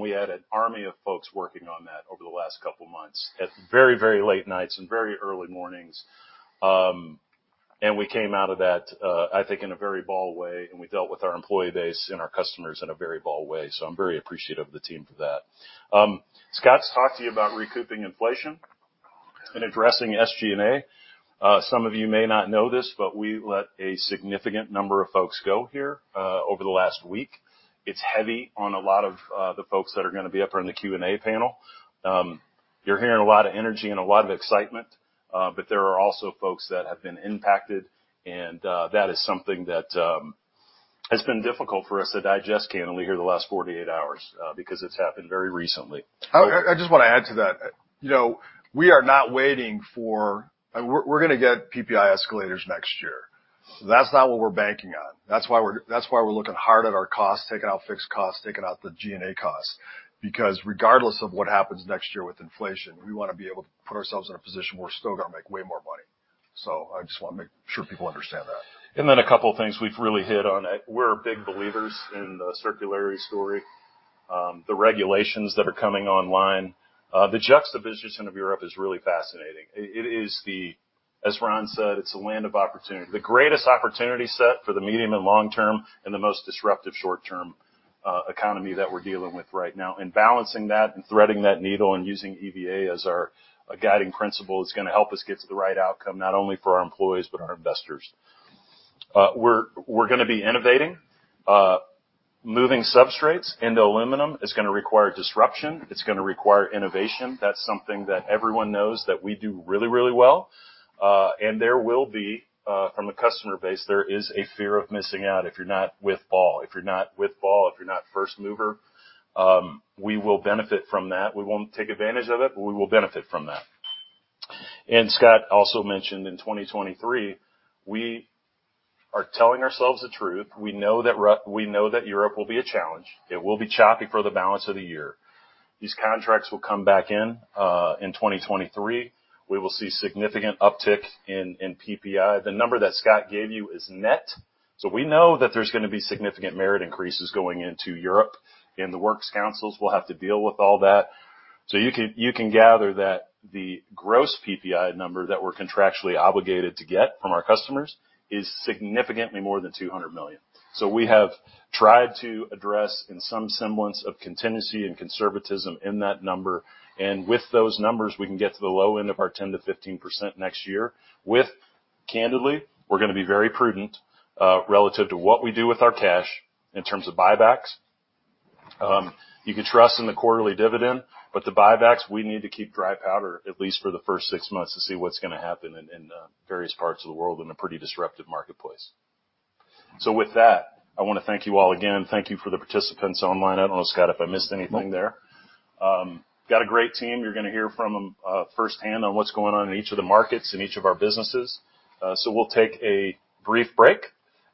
Speaker 1: We had an army of folks working on that over the last couple months at very late nights and very early mornings. We came out of that, I think in a very Ball way, and we dealt with our employee base and our customers in a very Ball way. I'm very appreciative of the team for that. Scott's talked to you about recouping inflation and addressing SG&A. Some of you may not know this, but we let a significant number of folks go here over the last week. It's heavy on a lot of the folks that are gonna be up here in the Q&A panel. You're hearing a lot of energy and a lot of excitement, but there are also folks that have been impacted, and that is something that has been difficult for us to digest candidly here the last 48 hours, because it's happened very recently.
Speaker 4: I just wanna add to that. You know, we are not waiting for. We're gonna get PPI escalators next year. So that's not what we're banking on. That's why we're looking hard at our costs, taking out fixed costs, taking out the G&A costs. Because regardless of what happens next year with inflation, we wanna be able to put ourselves in a position where we're still gonna make way more money. I just wanna make sure people understand that.
Speaker 1: A couple of things we've really hit on. We're big believers in the circularity story, the regulations that are coming online. The juxtaposition of Europe is really fascinating. As Ron said, it's a land of opportunity. The greatest opportunity set for the medium and long term, and the most disruptive short-term economy that we're dealing with right now. Balancing that and threading that needle and using EVA as our guiding principle is gonna help us get to the right outcome, not only for our employees, but our investors. We're gonna be innovating. Moving substrates into aluminum is gonna require disruption. It's gonna require innovation. That's something that everyone knows that we do really, really well. There will be from a customer base a fear of missing out if you're not with Ball. If you're not with Ball, if you're not first mover, we will benefit from that. We won't take advantage of it, but we will benefit from that. Scott also mentioned in 2023, we are telling ourselves the truth. We know that Europe will be a challenge. It will be choppy for the balance of the year. These contracts will come back in 2023. We will see significant uptick in PPI. The number that Scott gave you is net. We know that there's gonna be significant merit increases going into Europe, and the works councils will have to deal with all that. You can gather that the gross PPI number that we're contractually obligated to get from our customers is significantly more than $200 million. We have tried to address in some semblance of contingency and conservatism in that number. With those numbers, we can get to the low end of our 10%-15% next year. Candidly, we're gonna be very prudent relative to what we do with our cash in terms of buybacks. You can trust in the quarterly dividend, but the buybacks, we need to keep dry powder at least for the first six months to see what's gonna happen in various parts of the world in a pretty disruptive marketplace. With that, I wanna thank you all again. Thank you for the participants online. I don't know, Scott, if I missed anything there. Got a great team. You're gonna hear from them firsthand on what's going on in each of the markets in each of our businesses. We'll take a brief break,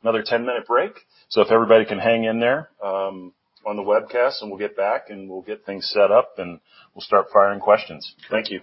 Speaker 1: another 10-minute break. If everybody can hang in there on the webcast, and we'll get back, and we'll get things set up, and we'll start firing questions. Thank you.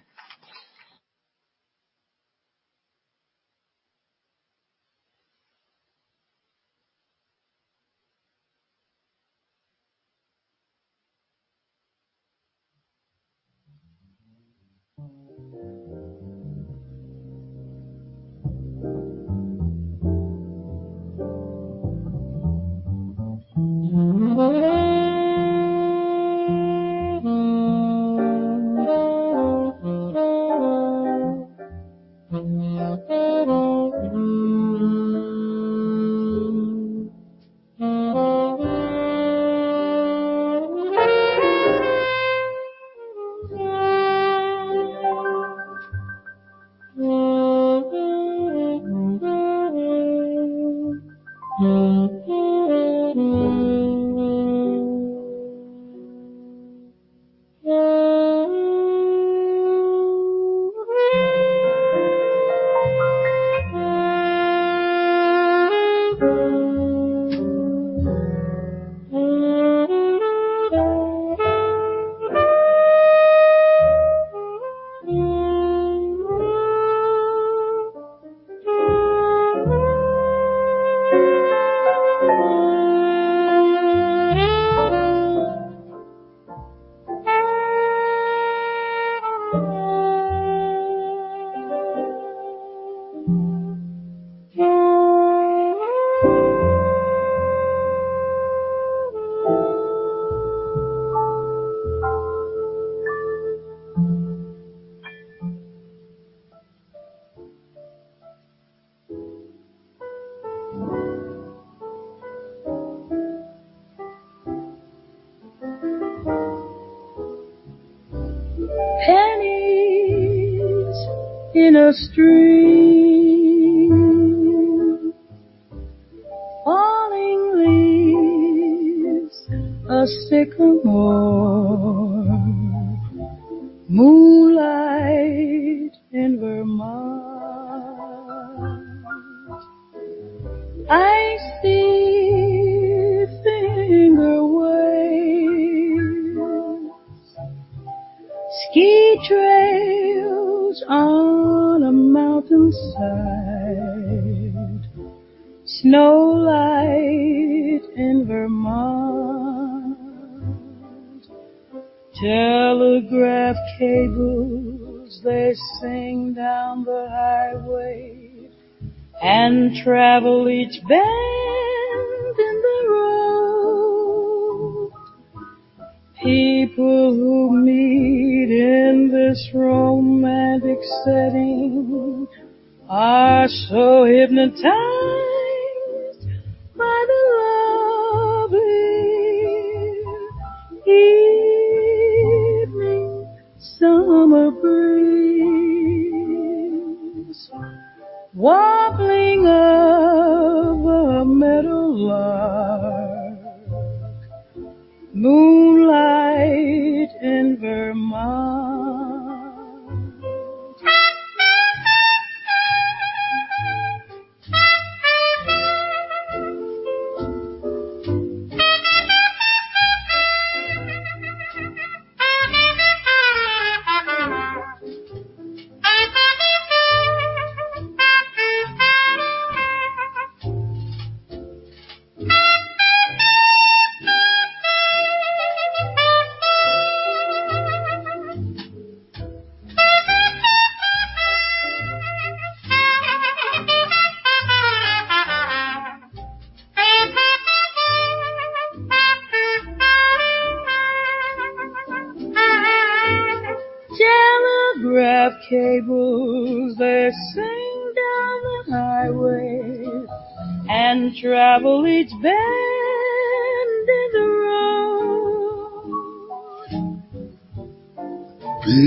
Speaker 1: Really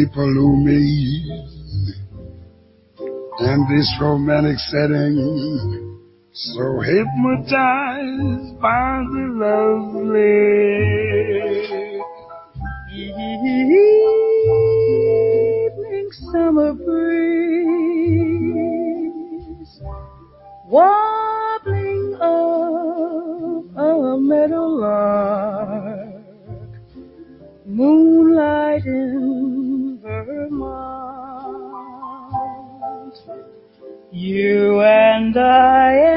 Speaker 1: quickly before I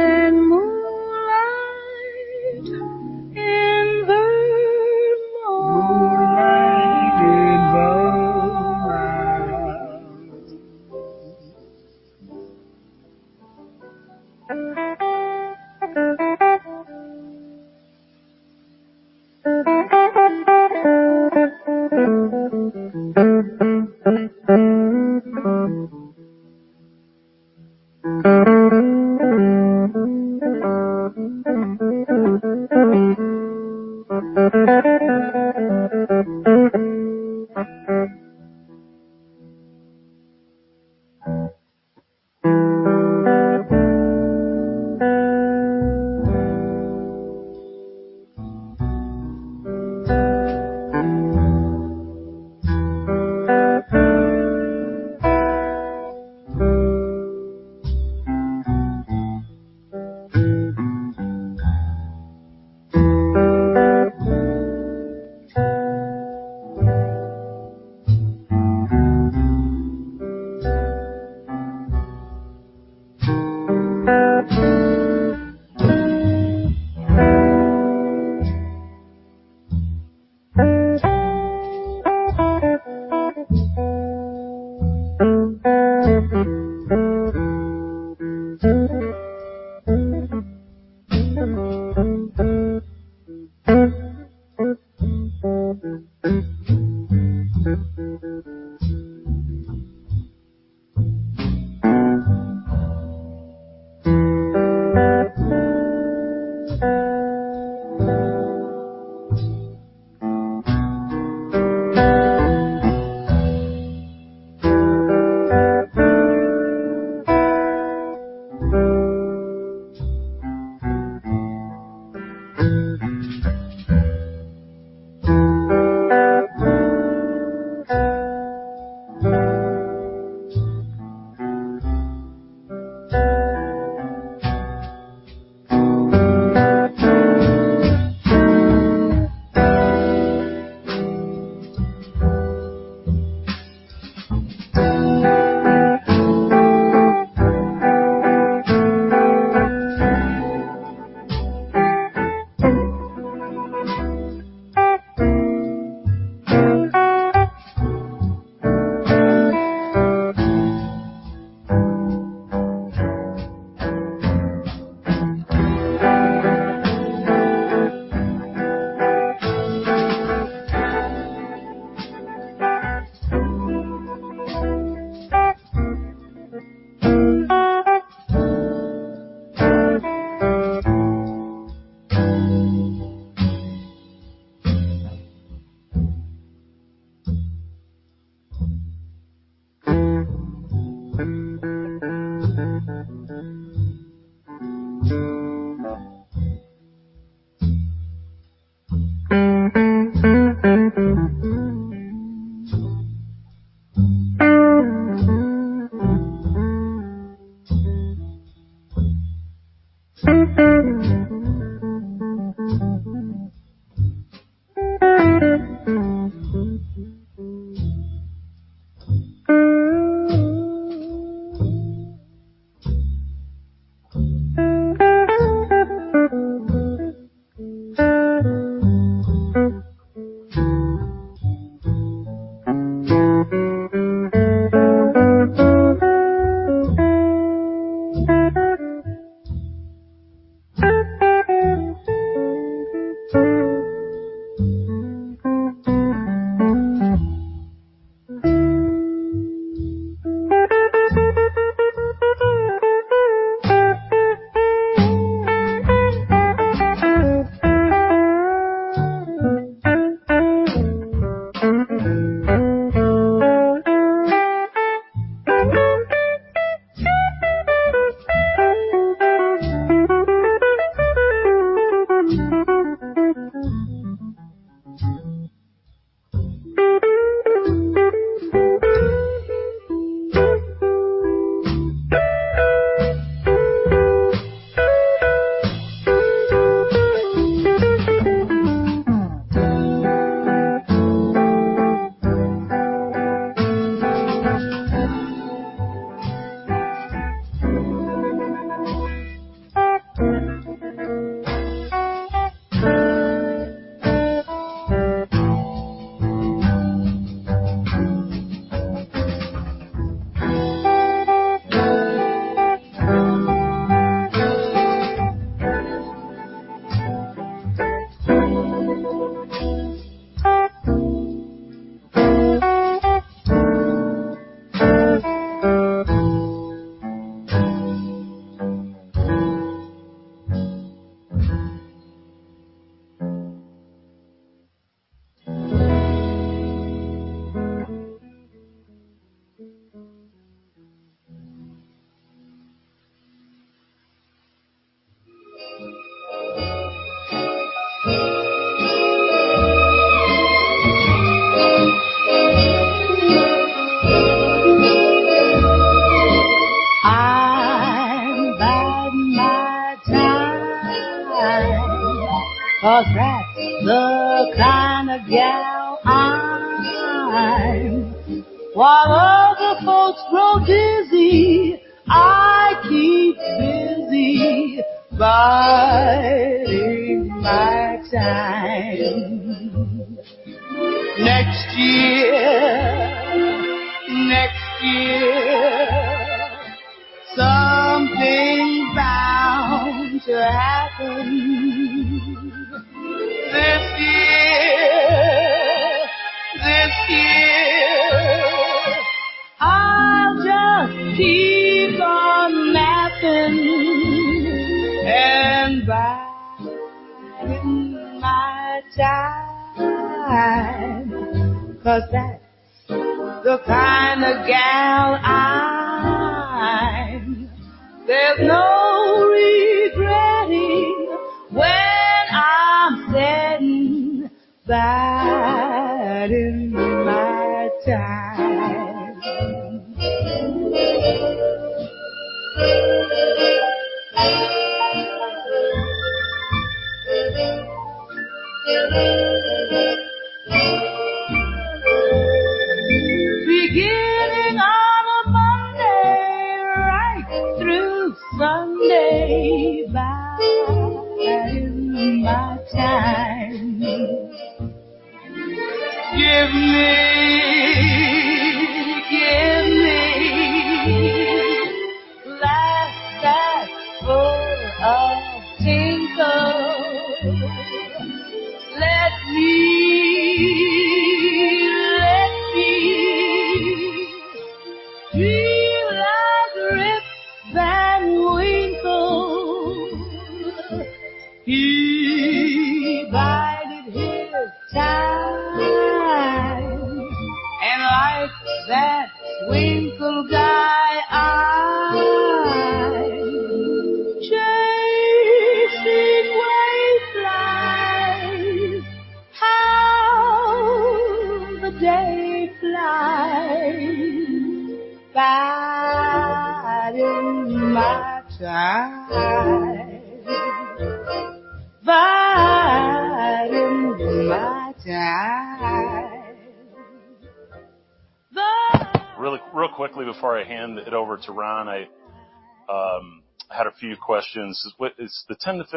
Speaker 1: hand it over to Ron, I had a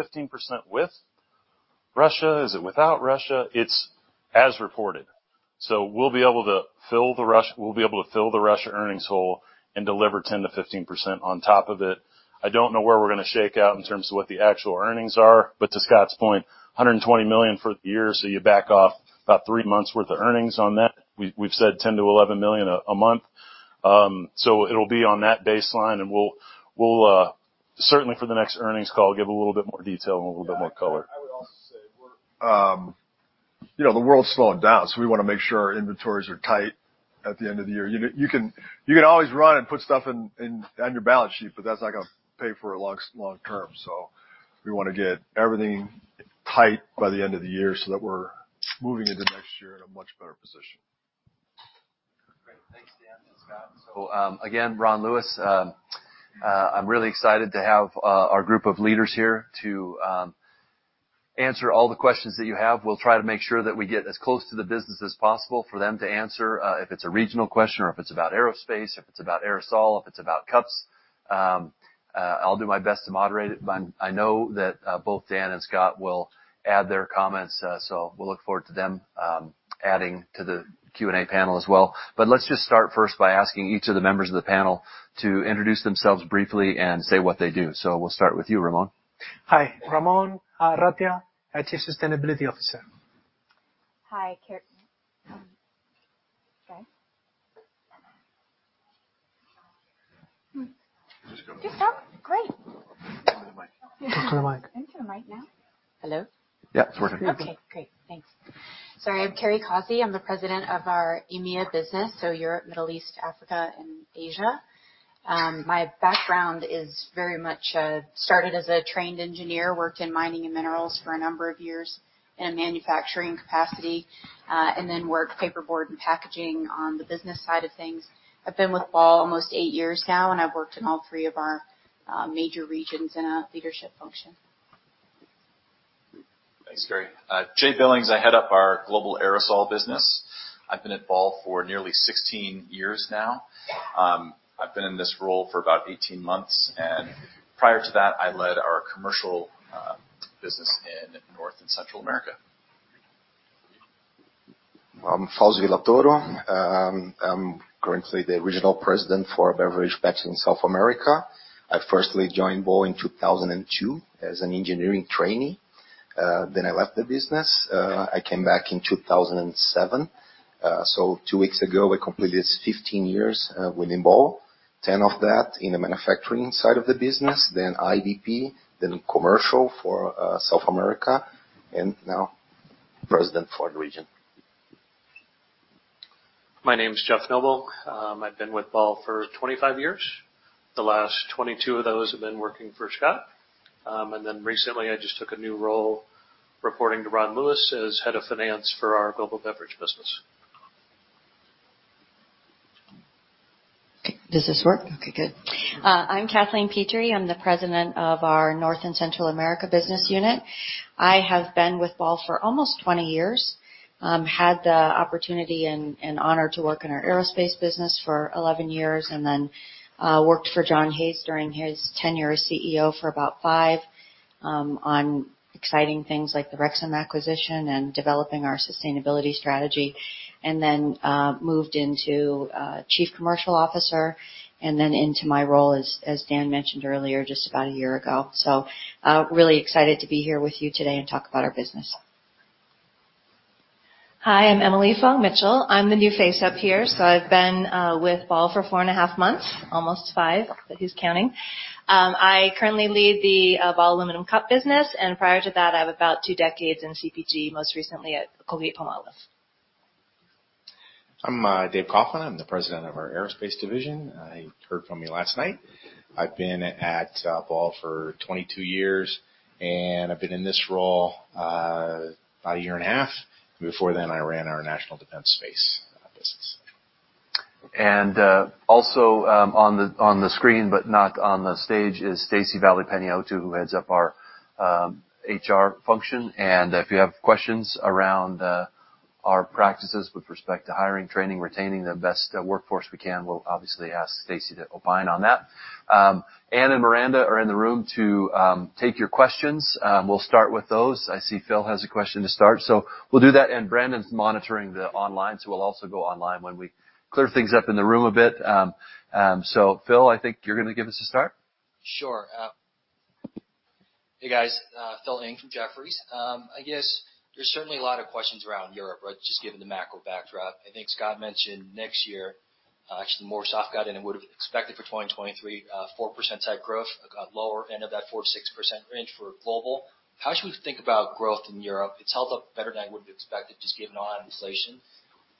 Speaker 1: few questions. Is the 10%-15% with Russia, is it without Russia? It's as reported. We'll be able to fill the Russia earnings hole and deliver 10%-15% on top of it. I don't know where we're gonna shake out in terms of what the actual earnings are, but to Scott's point, $120 million for the year, so you back off about three months worth of earnings on that. We've said $10 million-$11 million a month. It'll be on that baseline, and we'll certainly for the next earnings call, give a little bit more detail and a little bit more color.
Speaker 4: Yeah. I would also say, you know, the world's slowing down, so we wanna make sure our inventories are tight at the end of the year. You know, you can always run and put stuff in on your balance sheet, but that's not gonna pay for it long term. We wanna get everything tight by the end of the year so that we're moving into next year in a much better position.
Speaker 2: Great. Thanks, Dan and Scott. Again, Ron Lewis. I'm really excited to have our group of leaders here to answer all the questions that you have. We'll try to make sure that we get as close to the business as possible for them to answer if it's a regional question or if it's about aerospace, if it's about aerosol, if it's about cups. I'll do my best to moderate it. I know that both Dan and Scott will add their comments, so we'll look forward to them adding to the Q&A panel as well. Let's just start first by asking each of the members of the panel to introduce themselves briefly and say what they do. We'll start with you, Ramon.
Speaker 3: Hi. Ramon Arratia, Chief Sustainability Officer.
Speaker 5: Hi. Carey, Okay.
Speaker 1: Just go.
Speaker 5: Just start? Great.
Speaker 1: Go to the mic.
Speaker 3: Talk to the mic.
Speaker 5: Into the mic now. Hello?
Speaker 2: Yeah, it's working.
Speaker 5: Okay, great. Thanks. Sorry. I'm Carey Causey. I'm the President of our EMEA business, so Europe, Middle East, Africa, and Asia. My background is very much started as a trained engineer, worked in mining and minerals for a number of years in a manufacturing capacity, and then worked paperboard and packaging on the business side of things. I've been with Ball almost eight years now, and I've worked in all three of our major regions in a leadership function.
Speaker 6: Thanks, Carey. Jay Billings. I Head up our Global Aerosol business. I've been at Ball for nearly 16 years now. I've been in this role for about 18 months, and prior to that, I led our Commercial business in North and Central America.
Speaker 7: I'm Fauze Villatoro. I'm currently the regional president for Beverage Packaging in South America. I first joined Ball in 2002 as an engineering trainee. I left the business. I came back in 2007. Two weeks ago, I completed 15 years within Ball. 10 of that in the manufacturing side of the business, then IBP, then commercial for South America, and now president for the region.
Speaker 8: My name is Jeff Knobel. I've been with Ball for 25 years. The last 22 of those have been working for Scott. Recently, I just took a new role reporting to Ron Lewis as head of finance for our Global Beverage business.
Speaker 9: Okay, does this work? Okay, good. I'm Kathleen Pitre. I'm the President of our North and Central America business unit. I have been with Ball for almost 20 years. I had the opportunity and honor to work in our Aerospace business for 11 years and then worked for John Hayes during his tenure as CEO for about five years on exciting things like the Rexam acquisition and developing our sustainability strategy, and then moved into Chief Commercial Officer, and then into my role, as Dan mentioned earlier, just about a year ago. Really excited to be here with you today and talk about our business.
Speaker 10: Hi, I'm Emily Fong Mitchell. I'm the new face up here, so I've been with Ball for four and a half months, almost five, but who's counting? I currently lead the Ball Aluminum Cup business, and prior to that, I have about two decades in CPG, most recently at Colgate-Palmolive.
Speaker 11: I'm Dave Kaufman. I'm the President of our aerospace division. You heard from me last night. I've been at Ball for 22 years, and I've been in this role about 1.5 year. Before then, I ran our National Defense Space business.
Speaker 2: Also on the screen, but not on the stage is Stacey Valy Panayiotou, who heads up our HR function. If you have questions around our practices with respect to hiring, training, retaining the best workforce we can, we'll obviously ask Stacey Valy Panayiotou to opine on that. Ana Miranda are in the room to take your questions. We'll start with those. I see Phil has a question to start, so we'll do that. Brandon's monitoring the online, so we'll also go online when we clear things up in the room a bit. Phil, I think you're gonna give us a start.
Speaker 12: Phil Ng from Jefferies. I guess there's certainly a lot of questions around Europe, right? Just given the macro backdrop. I think Scott mentioned next year, actually softer guide than I would have expected for 2023, 4% type growth, lower end of that 4%-6% range for global. How should we think about growth in Europe? It's held up better than I would have expected, just given all the inflation.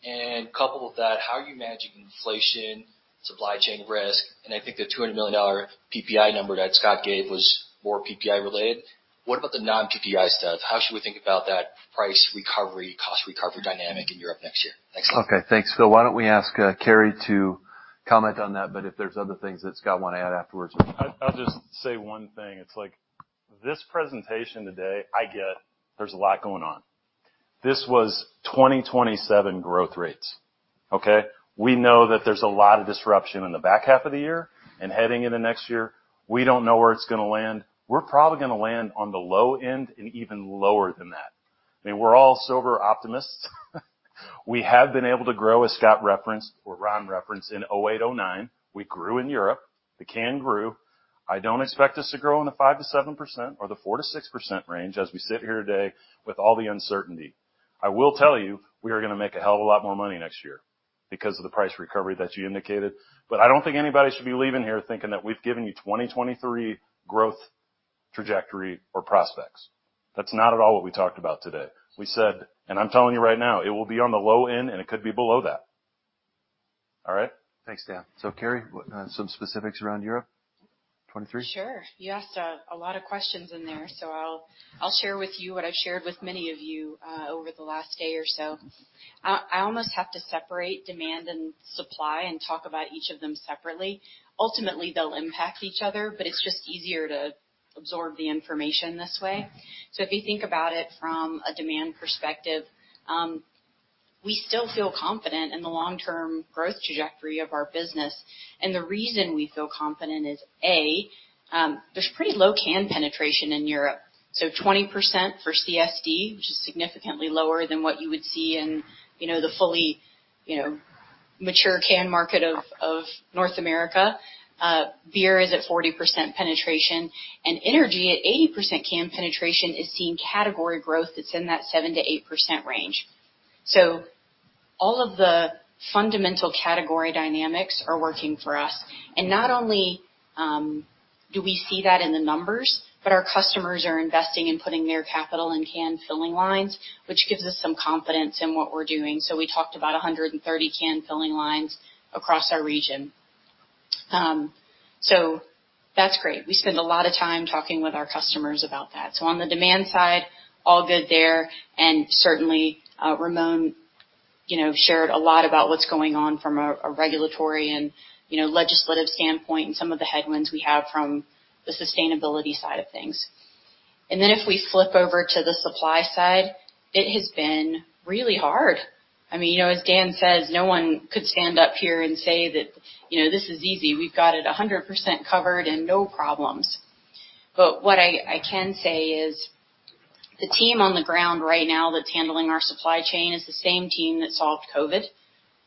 Speaker 12: And coupled with that, how are you managing inflation, supply chain risk? And I think the $200 million PPI number that Scott gave was more PPI related. What about the non-PPI stuff? How should we think about that price recovery, cost recovery dynamic in Europe next year? Thanks.
Speaker 2: Okay. Thanks, Phil. Why don't we ask Carey to comment on that, but if there's other things that Scott wanna add afterwards.
Speaker 1: I'll just say one thing. It's like, this presentation today, I get there's a lot going on. This was 2027 growth rates. Okay? We know that there's a lot of disruption in the back half of the year and heading into next year. We don't know where it's gonna land. We're probably gonna land on the low end and even lower than that. I mean, we're all silver optimists. We have been able to grow, as Scott referenced or Ron referenced, in 2008, 2009. We grew in Europe. The can grew. I don't expect us to grow in the 5%-7% or the 4%-6% range as we sit here today with all the uncertainty. I will tell you, we are gonna make a hell of a lot more money next year because of the price recovery that you indicated. I don't think anybody should be leaving here thinking that we've given you 2023 growth trajectory or prospects. That's not at all what we talked about today. We said, and I'm telling you right now, it will be on the low end, and it could be below that. All right?
Speaker 2: Thanks, Dan. Carey, what, some specifics around Europe 2023?
Speaker 5: Sure. You asked a lot of questions in there, so I'll share with you what I've shared with many of you over the last day or so. I almost have to separate demand and supply and talk about each of them separately. Ultimately, they'll impact each other, but it's just easier to absorb the information this way. If you think about it from a demand perspective, we still feel confident in the long-term growth trajectory of our business. The reason we feel confident is A, there's pretty low can penetration in Europe. Twenty percent for CSD, which is significantly lower than what you would see in, you know, the fully, you know, mature can market of North America. Beer is at 40% penetration, and energy at 80% can penetration is seeing category growth that's in that 7%-8% range. All of the fundamental category dynamics are working for us. Not only do we see that in the numbers? Our customers are investing in putting their capital in can filling lines, which gives us some confidence in what we're doing. We talked about 130 can filling lines across our region. That's great. We spend a lot of time talking with our customers about that. On the demand side, all good there, and certainly, Ramon, you know, shared a lot about what's going on from a regulatory and, you know, legislative standpoint and some of the headwinds we have from the sustainability side of things. If we flip over to the supply side, it has been really hard. I mean, you know, as Dan says, no one could stand up here and say that, you know, this is easy. We've got it 100% covered and no problems. What I can say is the team on the ground right now that's handling our supply chain is the same team that solved COVID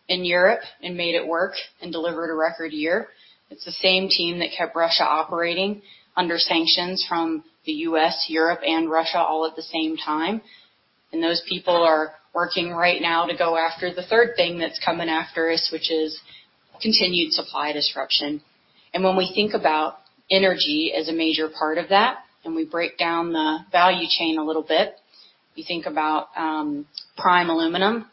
Speaker 5: in Europe and made it work and delivered a record year. It's the same team that kept Russia operating under sanctions from the U.S., Europe and Russia all at the same time. Those people are working right now to go after the third thing that's coming after us, which is continued supply disruption. When we think about energy as a major part of that, and we break down the value chain a little bit, you think about primary aluminum,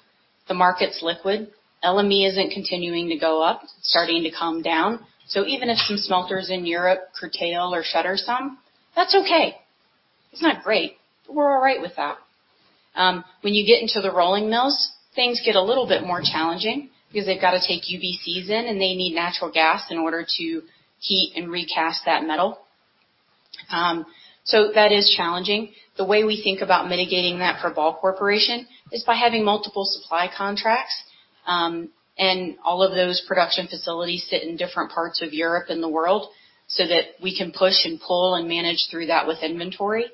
Speaker 5: the market's liquid. LME isn't continuing to go up. It's starting to come down. Even if some smelters in Europe curtail or shutter some, that's okay. It's not great. We're all right with that. When you get into the rolling mills, things get a little bit more challenging because they've got to take UBCs in, and they need natural gas in order to heat and recast that metal. That is challenging. The way we think about mitigating that for Ball Corporation is by having multiple supply contracts, and all of those production facilities sit in different parts of Europe and the world, so that we can push and pull and manage through that with inventory.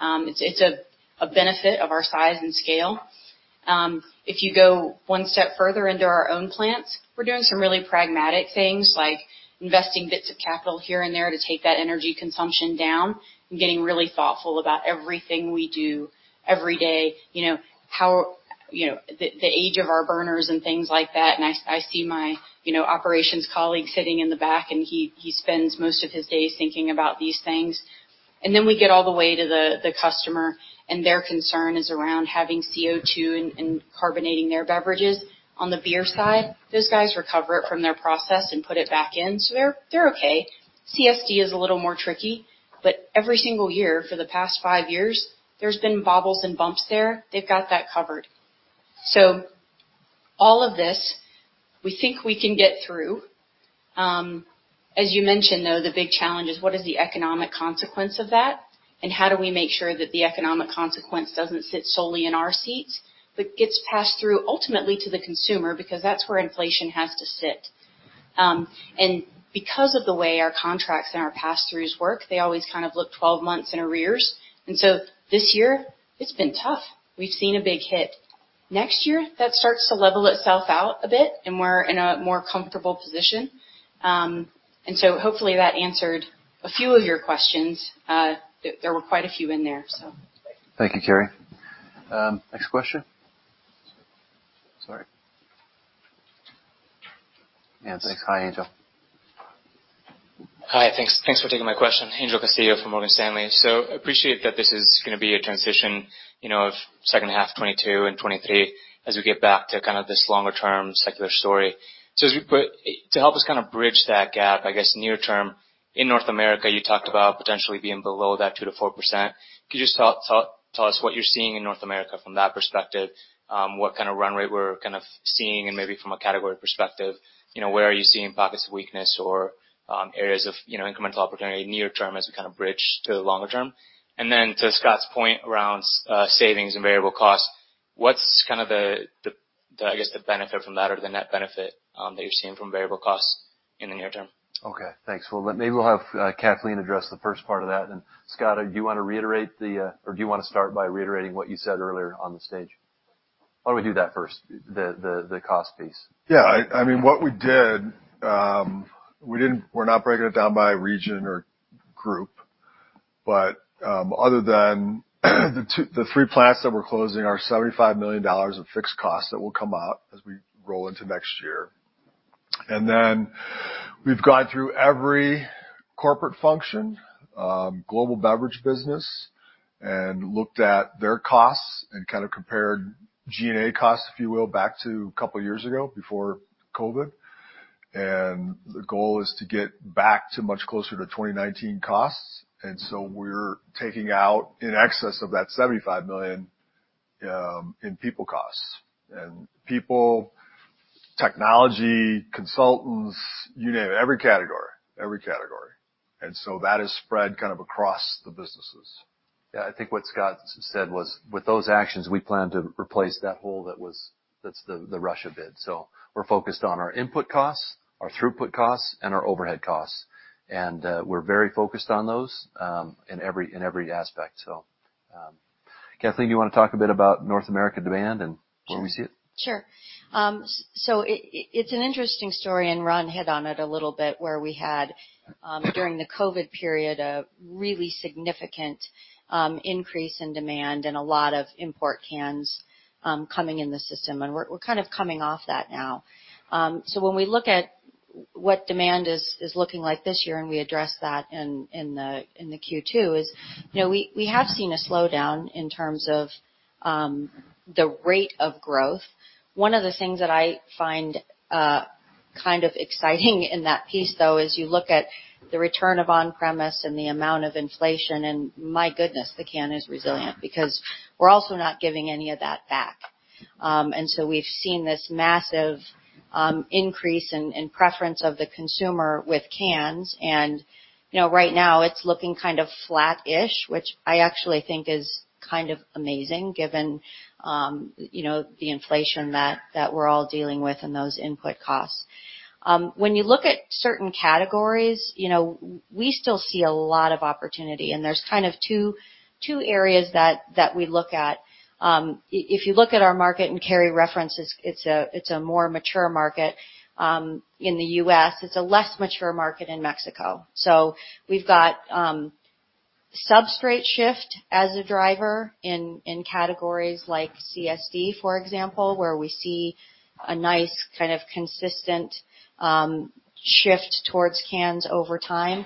Speaker 5: It's a benefit of our size and scale. If you go one step further into our own plants, we're doing some really pragmatic things like investing bits of capital here and there to take that energy consumption down and getting really thoughtful about everything we do every day. You know, the age of our burners and things like that. I see my operations colleague sitting in the back, and he spends most of his days thinking about these things. Then we get all the way to the customer, and their concern is around having CO2 and carbonating their beverages. On the beer side, those guys recover it from their process and put it back in, so they're okay. CSD is a little more tricky, but every single year for the past five years, there's been bobbles and bumps there. They've got that covered. All of this, we think we can get through. As you mentioned, though, the big challenge is what is the economic consequence of that, and how do we make sure that the economic consequence doesn't sit solely in our seats, but gets passed through ultimately to the consumer because that's where inflation has to sit. Because of the way our contracts and our pass-throughs work, they always kind of look 12 months in arrears. This year, it's been tough. We've seen a big hit. Next year, that starts to level itself out a bit, and we're in a more comfortable position. Hopefully that answered a few of your questions. There were quite a few in there, so.
Speaker 2: Thank you, Carey. Next question. Sorry. Yes. Hi, Angel.
Speaker 13: Hi. Thanks for taking my question. Angel Castillo from Morgan Stanley. Appreciate that this is gonna be a transition, you know, of second half 2022 and 2023 as we get back to kind of this longer term secular story. To help us kind of bridge that gap, I guess near term, in North America, you talked about potentially being below that 2%-4%. Could you just tell us what you're seeing in North America from that perspective? What kind of run rate we're kind of seeing and maybe from a category perspective. You know, where are you seeing pockets of weakness or areas of, you know, incremental opportunity near term as we kind of bridge to the longer term? To Scott's point around savings and variable costs, what's kind of the benefit from that or the net benefit that you're seeing from variable costs in the near term?
Speaker 2: Okay. Thanks. Well, maybe we'll have Kathleen address the first part of that. Scott, do you wanna reiterate or do you wanna start by reiterating what you said earlier on the stage? Why don't we do that first, the cost piece?
Speaker 4: Yeah. I mean, what we did, we're not breaking it down by region or group. Other than the three plants that we're closing are $75 million of fixed costs that will come out as we roll into next year. Then we've gone through every corporate function, Global Beverage business and looked at their costs and kind of compared G&A costs, if you will, back to a couple of years ago before COVID. The goal is to get back to much closer to 2019 costs. We're taking out in excess of that $75 million in people costs. People, technology, consultants, you name it, every category, every category. That is spread kind of across the businesses.
Speaker 2: I think what Scott said was, with those actions, we plan to replace that hole that's the Russia bid. We're focused on our input costs, our throughput costs, and our overhead costs. We're very focused on those in every aspect. Kathleen, do you wanna talk a bit about North America demand and where we see it?
Speaker 9: Sure. So it's an interesting story, and Ron hit on it a little bit, where we had, during the COVID period, a really significant increase in demand and a lot of import cans coming in the system. We're kind of coming off that now. So when we look at what demand is looking like this year, and we addressed that in the Q2, you know, we have seen a slowdown in terms of the rate of growth. One of the things that I find kind of exciting in that piece though, is you look at the return of on-premise and the amount of inflation, and my goodness, the can is resilient because we're also not giving any of that back. We've seen this massive increase in preference of the consumer with cans. You know, right now it's looking kind of flat-ish, which I actually think is kind of amazing given you know, the inflation that we're all dealing with and those input costs. When you look at certain categories, you know, we still see a lot of opportunity, and there's kind of two areas that we look at. If you look at our market, and Carey referenced this, it's a more mature market in the U.S. It's a less mature market in Mexico. We've got substrate shift as a driver in categories like CSD, for example, where we see a nice kind of consistent shift towards cans over time.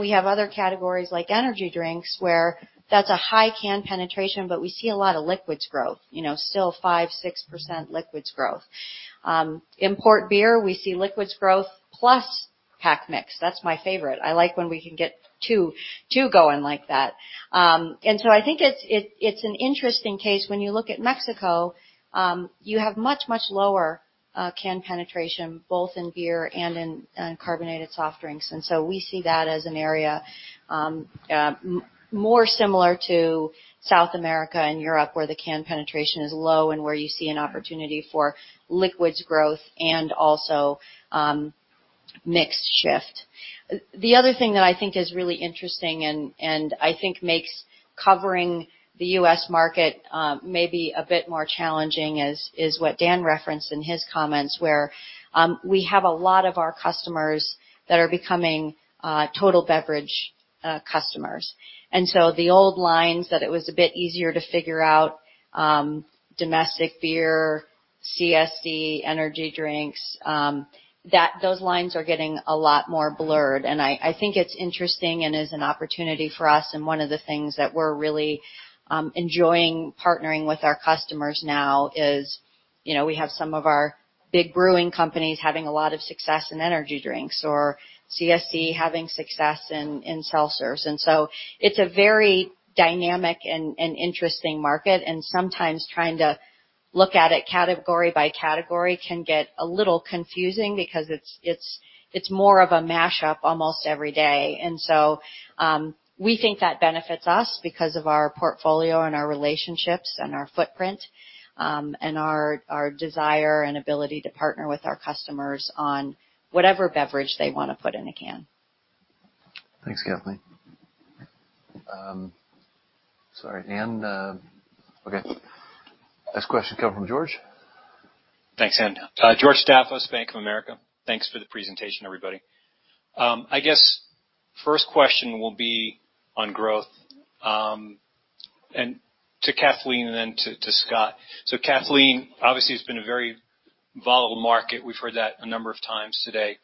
Speaker 5: We have other categories like energy drinks, where that's a high can penetration, but we see a lot of liquids growth, you know, still 5%-6% liquids growth. Import beer, we see liquids growth plus pack mix. That's my favorite. I like when we can get two going like that. I think it's an interesting case when you look at Mexico. You have much lower can penetration both in beer and carbonated soft drinks. We see that as an area more similar to South America and Europe, where the can penetration is low and where you see an opportunity for liquids growth and also mix shift.
Speaker 9: The other thing that I think is really interesting and I think makes covering the U.S. market maybe a bit more challenging is what Dan referenced in his comments, where we have a lot of our customers that are becoming total beverage customers. The old lines that it was a bit easier to figure out domestic beer, CSD, energy drinks those lines are getting a lot more blurred, and I think it's interesting and is an opportunity for us. One of the things that we're really enjoying partnering with our customers now is, you know, we have some of our big brewing companies having a lot of success in energy drinks or CSD having success in seltzers. It's a very dynamic and interesting market. Sometimes trying to look at it category by category can get a little confusing because it's more of a mashup almost every day. We think that benefits us because of our portfolio and our relationships and our footprint, and our desire and ability to partner with our customers on whatever beverage they wanna put in a can.
Speaker 2: Thanks, Kathleen. Sorry. Okay. Next question come from George.
Speaker 14: Thanks. George Staphos, Bank of America. Thanks for the presentation, everybody. I guess first question will be on growth, and to Kathleen and then to Scott. Kathleen, obviously, it's been a very volatile market. We've heard that a number of times today.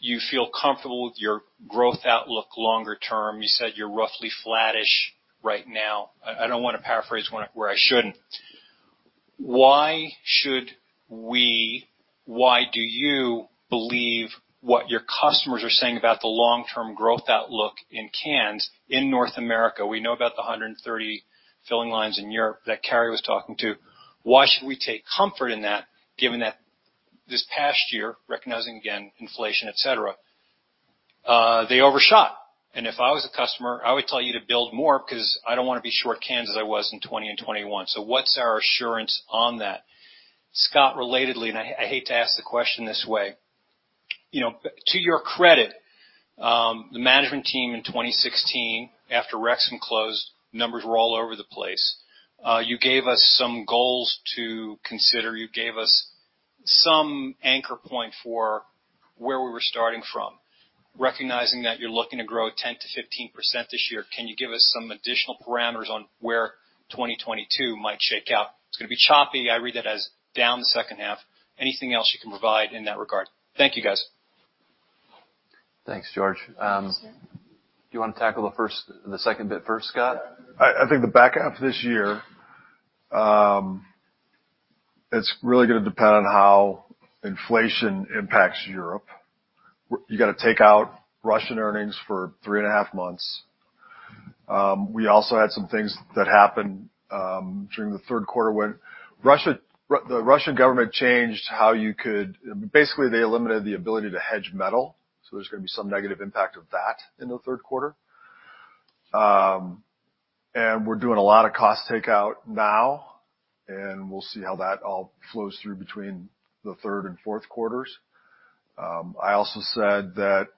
Speaker 14: You feel comfortable with your growth outlook longer term. You said you're roughly flattish right now. I don't wanna paraphrase when I shouldn't. Why should we? Why do you believe what your customers are saying about the long-term growth outlook in cans in North America? We know about the 130 filling lines in Europe that Carey was talking to. Why should we take comfort in that given that this past year, recognizing again inflation, et cetera, they overshot. If I was a customer, I would tell you to build more 'cause I don't wanna be short cans as I was in 2020 and 2021. What's our assurance on that? Scott, relatedly, and I hate to ask the question this way. You know, to your credit, the management team in 2016 after Rexam closed, numbers were all over the place. You gave us some goals to consider. You gave us some anchor point for where we were starting from. Recognizing that you're looking to grow 10%-15% this year, can you give us some additional parameters on where 2022 might shake out? It's gonna be choppy. I read that as down the second half. Anything else you can provide in that regard? Thank you, guys.
Speaker 2: Thanks, George. Do you wanna tackle the second bit first, Scott?
Speaker 4: I think the back half of this year, it's really gonna depend on how inflation impacts Europe. You gotta take out Russian earnings for three and a half months. We also had some things that happened during the third quarter when the Russian government changed how you could. Basically, they eliminated the ability to hedge metal, so there's gonna be some negative impact of that in the third quarter. We're doing a lot of cost takeout now, and we'll see how that all flows through between the third and fourth quarters. I also said that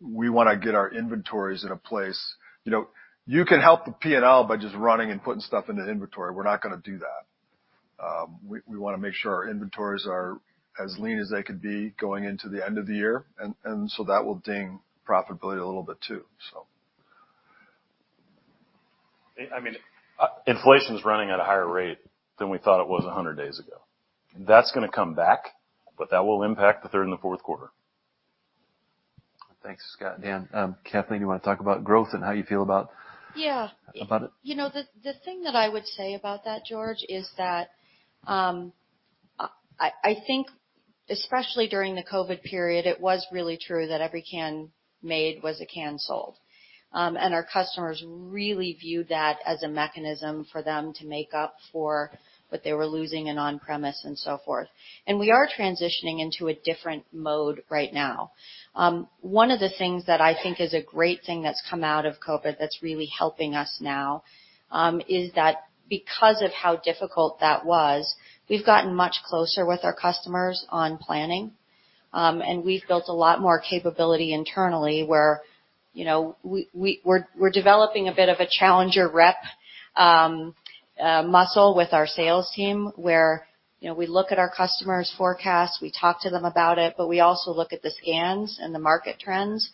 Speaker 4: we wanna get our inventories in a place. You know, you can help the P&L by just running and putting stuff into inventory. We're not gonna do that. We wanna make sure our inventories are as lean as they could be going into the end of the year and so that will ding profitability a little bit too.
Speaker 1: I mean, inflation is running at a higher rate than we thought it was 100 days ago. That's gonna come back, but that will impact the third and the fourth quarter.
Speaker 2: Thanks, Scott. Dan, Kathleen, you wanna talk about growth and how you feel about-
Speaker 9: Yeah.
Speaker 2: About it.
Speaker 9: You know, the thing that I would say about that, George, is that I think especially during the COVID period, it was really true that every can made was a can sold. Our customers really viewed that as a mechanism for them to make up for what they were losing in on-premise and so forth. We are transitioning into a different mode right now. One of the things that I think is a great thing that's come out of COVID that's really helping us now is that because of how difficult that was, we've gotten much closer with our customers on planning, and we've built a lot more capability internally, where, you know, we're developing a bit of a challenger rep muscle with our sales team, where, you know, we look at our customers' forecasts, we talk to them about it, but we also look at the scans and the market trends.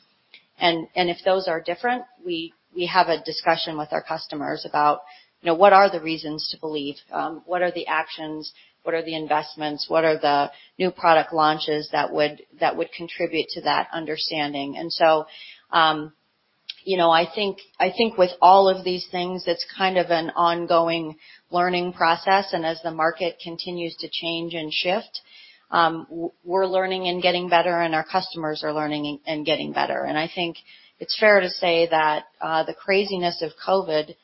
Speaker 9: If those are different, we have a discussion with our customers about, you know, what are the reasons to believe, what are the actions, what are the investments, what are the new product launches that would contribute to that understanding. You know, I think with all of these things, it's kind of an ongoing learning process, and as the market continues to change and shift, we're learning and getting better and our customers are learning and getting better. I think it's fair to say that the craziness of COVID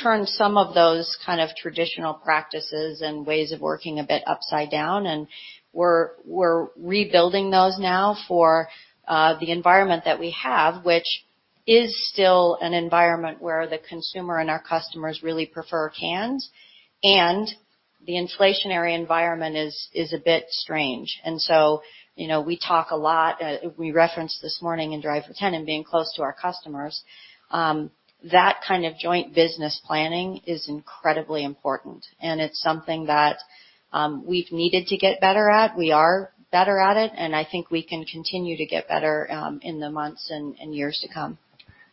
Speaker 9: turned some of those kind of traditional practices and ways of working a bit upside down, and we're rebuilding those now for the environment that we have, which is still an environment where the consumer and our customers really prefer cans, and the inflationary environment is a bit strange. You know, we talk a lot. We referenced this morning in Drive for 10 and being close to our customers, that kind of joint business planning is incredibly important, and it's something that we've needed to get better at. We are better at it, and I think we can continue to get better in the months and years to come.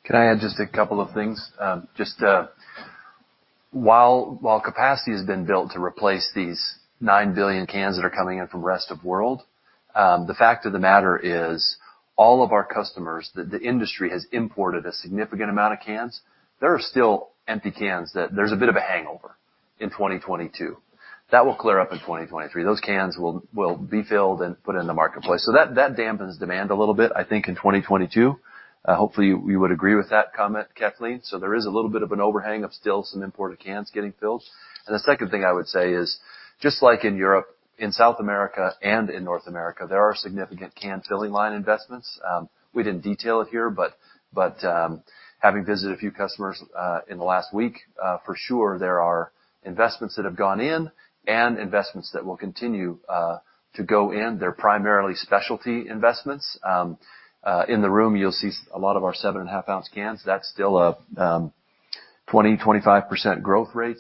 Speaker 2: Can I add just a couple of things? While capacity has been built to replace these 9 billion cans that are coming in from rest of world, the fact of the matter is all of our customers, the industry has imported a significant amount of cans. There are still empty cans that there's a bit of a hangover in 2022. That will clear up in 2023. Those cans will be filled and put in the marketplace. That dampens demand a little bit, I think in 2022. Hopefully you would agree with that comment, Kathleen. There is a little bit of an overhang of still some imported cans getting filled. The second thing I would say is just like in Europe, in South America and in North America, there are significant can filling line investments. We didn't detail it here, but having visited a few customers in the last week, for sure there are investments that have gone in and investments that will continue to go in. They're primarily specialty investments. In the room, you'll see a lot of our 7.5 ounce cans. That's still a 25% growth rate.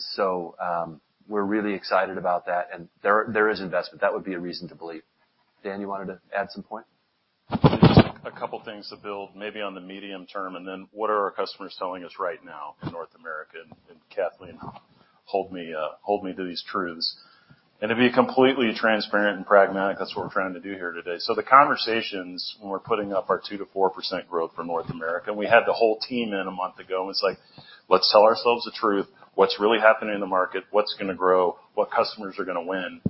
Speaker 2: We're really excited about that. There is investment. That would be a reason to believe. Dan, you wanted to add some point?
Speaker 1: Just a couple of things to build maybe on the medium term, and then what are our customers telling us right now in North America, and Kathleen, hold me to these truths. To be completely transparent and pragmatic, that's what we're trying to do here today. The conversations when we're putting up our 2%-4% growth for North America, and we had the whole team in a month ago, and it's like, let's tell ourselves the truth, what's really happening in the market, what's gonna grow, what customers are gonna win.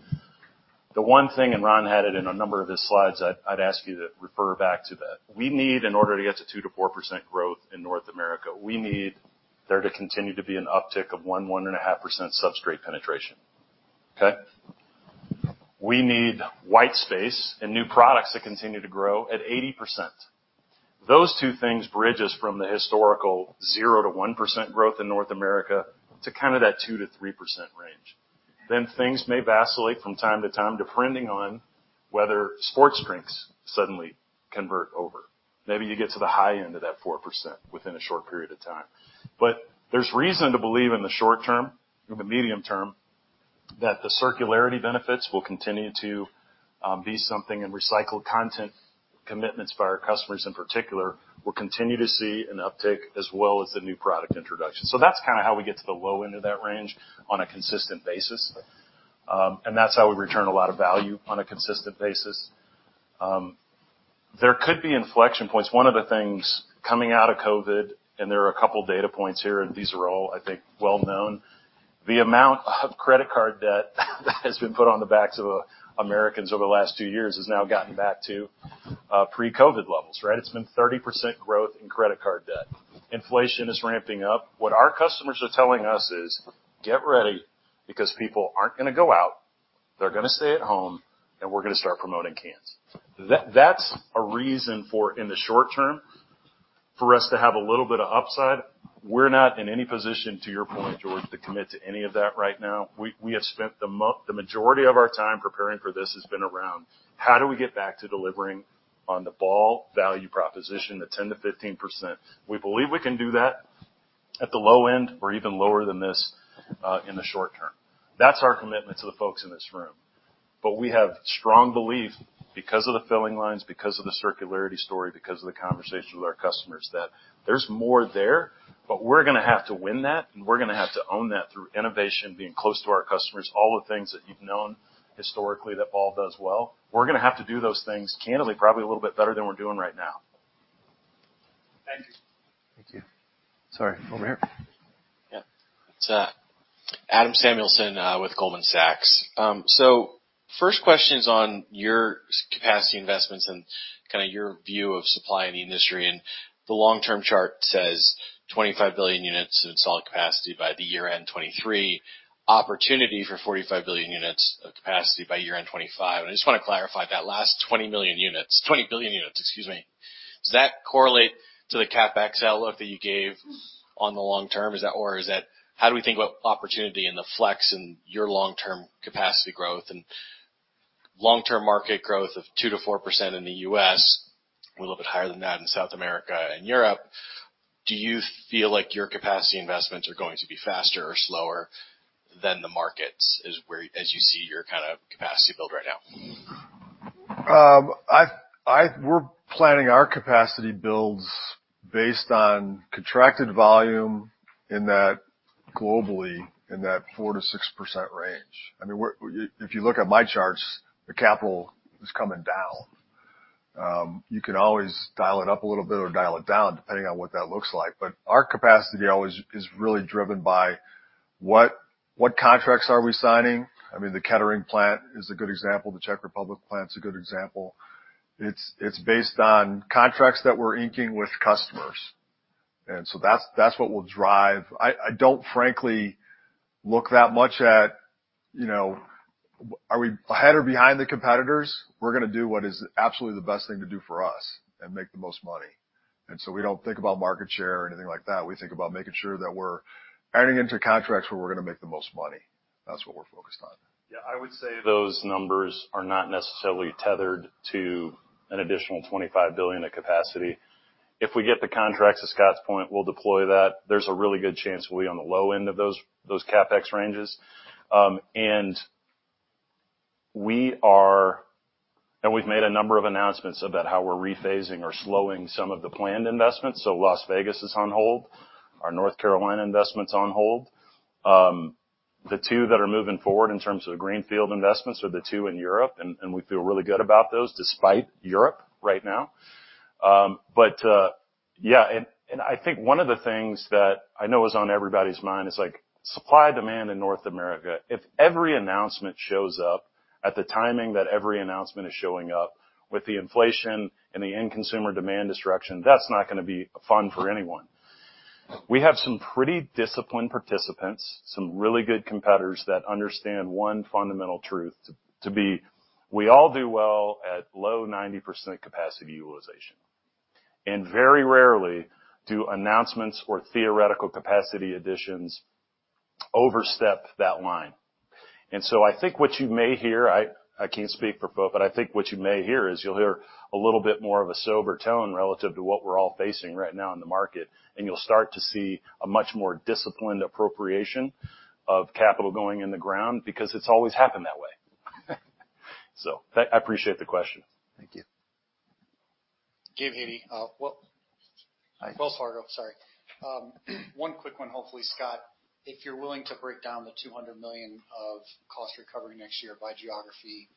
Speaker 1: The one thing, Ron had it in a number of his slides, I'd ask you to refer back to that. We need in order to get to 2%-4% growth in North America, we need there to continue to be an uptick of 1%-1.5% substrate penetration. Okay? We need white space and new products that continue to grow at 80%. Those two things bridge us from the historical 0%-1% growth in North America to kind of that 2%-3% range. Things may vacillate from time to time, depending on whether sports drinks suddenly convert over. Maybe you get to the high end of that 4% within a short period of time. There's reason to believe in the short term, in the medium term, that the circularity benefits will continue to be something and recycled content commitments by our customers in particular, will continue to see an uptick as well as the new product introduction. That's kinda how we get to the low end of that range on a consistent basis. That's how we return a lot of value on a consistent basis. There could be inflection points. One of the things coming out of COVID, and there are a couple data points here, and these are all, I think, well known. The amount of credit card debt has been put on the backs of Americans over the last two years has now gotten back to pre-COVID levels, right? It's been 30% growth in credit card debt. Inflation is ramping up. What our customers are telling us is, "Get ready because people aren't gonna go out, they're gonna stay at home, and we're gonna start promoting cans." That's a reason for, in the short term, for us to have a little bit of upside. We're not in any position, to your point, George, to commit to any of that right now. We have spent the majority of our time preparing for this has been around how do we get back to delivering on the Ball value proposition, the 10%-15%. We believe we can do that at the low end or even lower than this, in the short term. That's our commitment to the folks in this room. We have strong belief because of the filling lines, because of the circularity story, because of the conversation with our customers, that there's more there, but we're gonna have to win that, and we're gonna have to own that through innovation, being close to our customers, all the things that you've known historically that Ball does well. We're gonna have to do those things, candidly, probably a little bit better than we're doing right now.
Speaker 2: Thank you.
Speaker 1: Thank you. Sorry. Over here.
Speaker 15: Yeah. It's Adam Samuelson with Goldman Sachs. So first question is on your capacity investments and kinda your view of supply in the industry. The long-term chart says 25 billion units in solid capacity by year-end 2023, opportunity for 45 billion units of capacity by year-end 2025. I just wanna clarify, that last 20 billion units, excuse me. Does that correlate to the CapEx outlook that you gave on the long term? How do we think about opportunity and the flex in your long-term capacity growth and long-term market growth of 2%-4% in the U.S., a little bit higher than that in South America and Europe? Do you feel like your capacity investments are going to be faster or slower than the market is, as you see your kinda capacity build right now?
Speaker 4: We're planning our capacity builds based on contracted volume in that, globally, in that 4%-6% range. I mean, if you look at my charts, the capital is coming down. You can always dial it up a little bit or dial it down, depending on what that looks like. Our capacity always is really driven by what contracts are we signing. I mean, the Kettering plant is a good example. The Czech Republic plant is a good example. It's based on contracts that we're inking with customers. That's what we'll drive. I don't frankly look that much at, you know, are we ahead or behind the competitors. We're gonna do what is absolutely the best thing to do for us and make the most money. We don't think about market share or anything like that. We think about making sure that we're entering into contracts where we're gonna make the most money. That's what we're focused on.
Speaker 1: Yeah, I would say those numbers are not necessarily tethered to an additional 25 billion of capacity. If we get the contracts to Scott's point, we'll deploy that. There's a really good chance we'll be on the low end of those CapEx ranges. We've made a number of announcements about how we're rephasing or slowing some of the planned investments. Las Vegas is on hold. Our North Carolina investment's on hold. The two that are moving forward in terms of the greenfield investments are the two in Europe, and we feel really good about those despite Europe right now. I think one of the things that I know is on everybody's mind is, like, supply-demand in North America. If every announcement shows up at the timing that every announcement is showing up with the inflation and the end consumer demand destruction, that's not gonna be fun for anyone. We have some pretty disciplined participants, some really good competitors that understand one fundamental truth, we all do well at low 90% capacity utilization. Very rarely do announcements or theoretical capacity additions overstep that line. I think what you may hear, I can't speak for folks, but I think what you may hear is you'll hear a little bit more of a sober tone relative to what we're all facing right now in the market, and you'll start to see a much more disciplined appropriation of capital going in the ground because it's always happened that way. I appreciate the question.
Speaker 2: Thank you.
Speaker 16: Gabe Hajde,
Speaker 1: Hi.
Speaker 16: Wells Fargo, sorry. One quick one, hopefully, Scott. If you're willing to break down the $200 million of cost recovery next year by geography,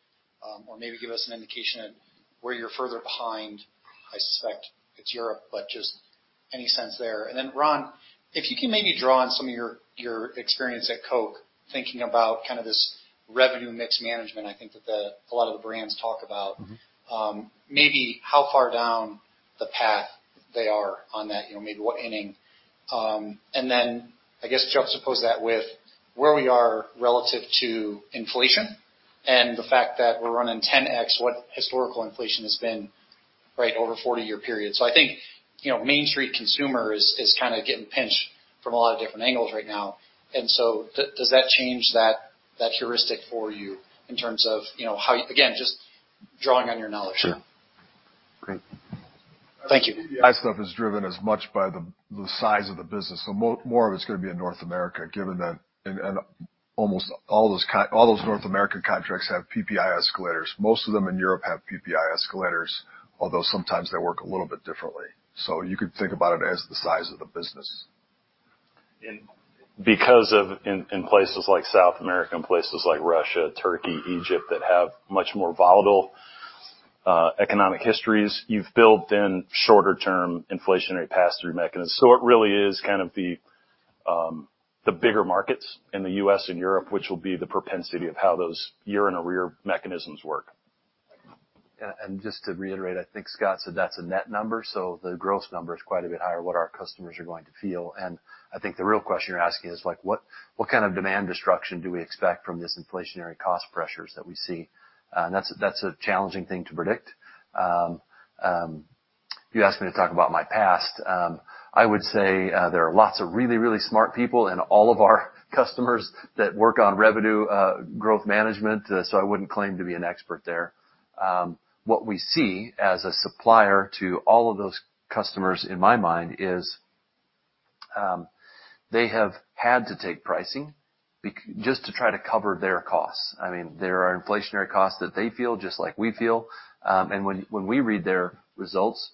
Speaker 16: or maybe give us an indication of where you're further behind. I suspect it's Europe, but just any sense there. Then, Ron, if you can maybe draw on some of your experience at Coke, thinking about kind of this revenue mix management, I think a lot of the brands talk about.
Speaker 1: Mm-hmm.
Speaker 16: Maybe how far down the path they are on that, you know, maybe what inning. Then I guess juxtapose that with where we are relative to inflation and the fact that we're running 10x what historical inflation has been, right, over a 40-year period. I think, you know, Main Street consumer is kinda getting pinched from a lot of different angles right now. Does that change that heuristic for you in terms of, you know, how. Again, just drawing on your knowledge.
Speaker 4: Sure.
Speaker 1: Great.
Speaker 16: Thank you.
Speaker 4: The high stuff is driven as much by the size of the business. More of it's gonna be in North America, given that. Almost all those North American contracts have PPI escalators. Most of them in Europe have PPI escalators, although sometimes they work a little bit differently. You could think about it as the size of the business.
Speaker 1: Because of in places like South America and places like Russia, Turkey, Egypt, that have much more volatile economic histories, you've built in shorter-term inflationary pass-through mechanisms. It really is kind of the bigger markets in the U.S. and Europe, which will be the propensity of how those year-on-year mechanisms work.
Speaker 2: Just to reiterate, I think Scott said that's a net number, so the gross number is quite a bit higher what our customers are going to feel. I think the real question you're asking is, like, what kind of demand destruction do we expect from this inflationary cost pressures that we see? That's a challenging thing to predict. If you ask me to talk about my past, I would say, there are lots of really smart people in all of our customers that work on revenue growth management, so I wouldn't claim to be an expert there. What we see as a supplier to all of those customers, in my mind, is they have had to take pricing just to try to cover their costs. I mean, there are inflationary costs that they feel just like we feel. When we read their results,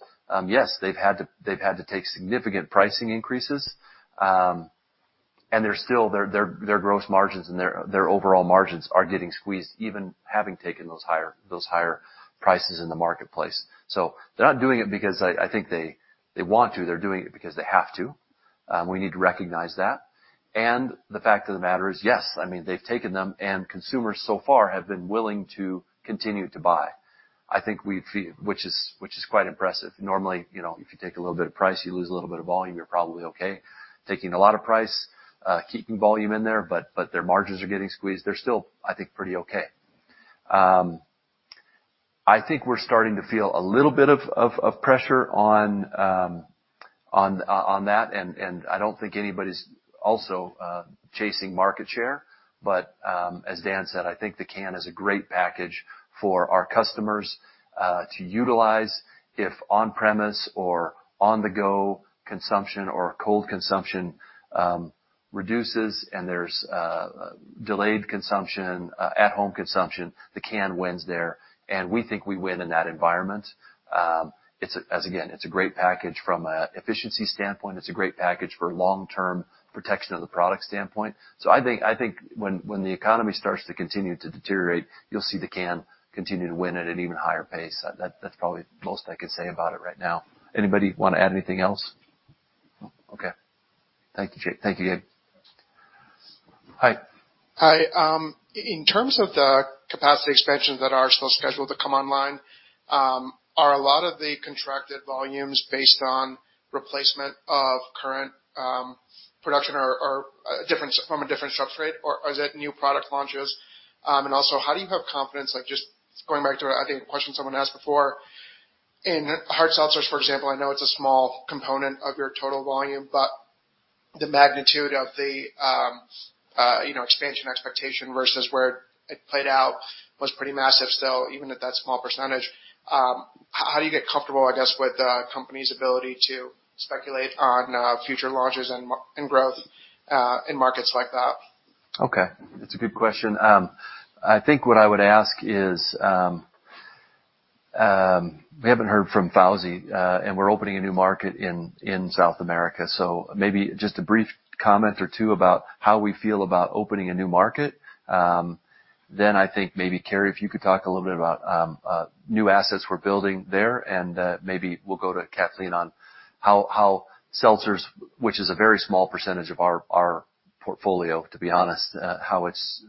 Speaker 2: yes, they've had to take significant pricing increases. They're still their gross margins and their overall margins are getting squeezed even having taken those higher prices in the marketplace. They're not doing it because I think they want to. They're doing it because they have to. We need to recognize that. The fact of the matter is, yes, I mean, they've taken them, and consumers so far have been willing to continue to buy. I think we feel which is quite impressive. Normally, you know, if you take a little bit of price, you lose a little bit of volume, you're probably okay. Taking a lot of price, keeping volume in there, but their margins are getting squeezed. They're still, I think, pretty okay. I think we're starting to feel a little bit of pressure on that, and I don't think anybody's also chasing market share. As Dan said, I think the can is a great package for our customers to utilize if on-premise or on-the-go consumption or cold consumption reduces and there's delayed consumption, at-home consumption, the can wins there. We think we win in that environment. It's a great package from a efficiency standpoint. It's a great package for long-term protection of the product standpoint. I think when the economy starts to continue to deteriorate, you'll see the can continue to win at an even higher pace. That's probably the most I could say about it right now. Anybody wanna add anything else? No. Okay. Thank you, Dan. Thank you, Gabe. Hi.
Speaker 17: Hi. In terms of the capacity expansions that are still scheduled to come online, are a lot of the contracted volumes based on replacement of current production or from a different substrate, or is it new product launches? Also how do you have confidence, like, just going back to, I think, a question someone asked before, in hard seltzers, for example, I know it's a small component of your total volume, but the magnitude of the expansion expectation versus where it played out was pretty massive still, even at that small percentage. How do you get comfortable, I guess, with the company's ability to speculate on future launches and growth in markets like that?
Speaker 2: Okay. That's a good question. I think what I would ask is, we haven't heard from Fauze, and we're opening a new market in South America. Maybe just a brief comment or two about how we feel about opening a new market. I think maybe, Carey, if you could talk a little bit about new assets we're building there, and maybe we'll go to Kathleen on how seltzers, which is a very small percentage of our portfolio, to be honest, how it's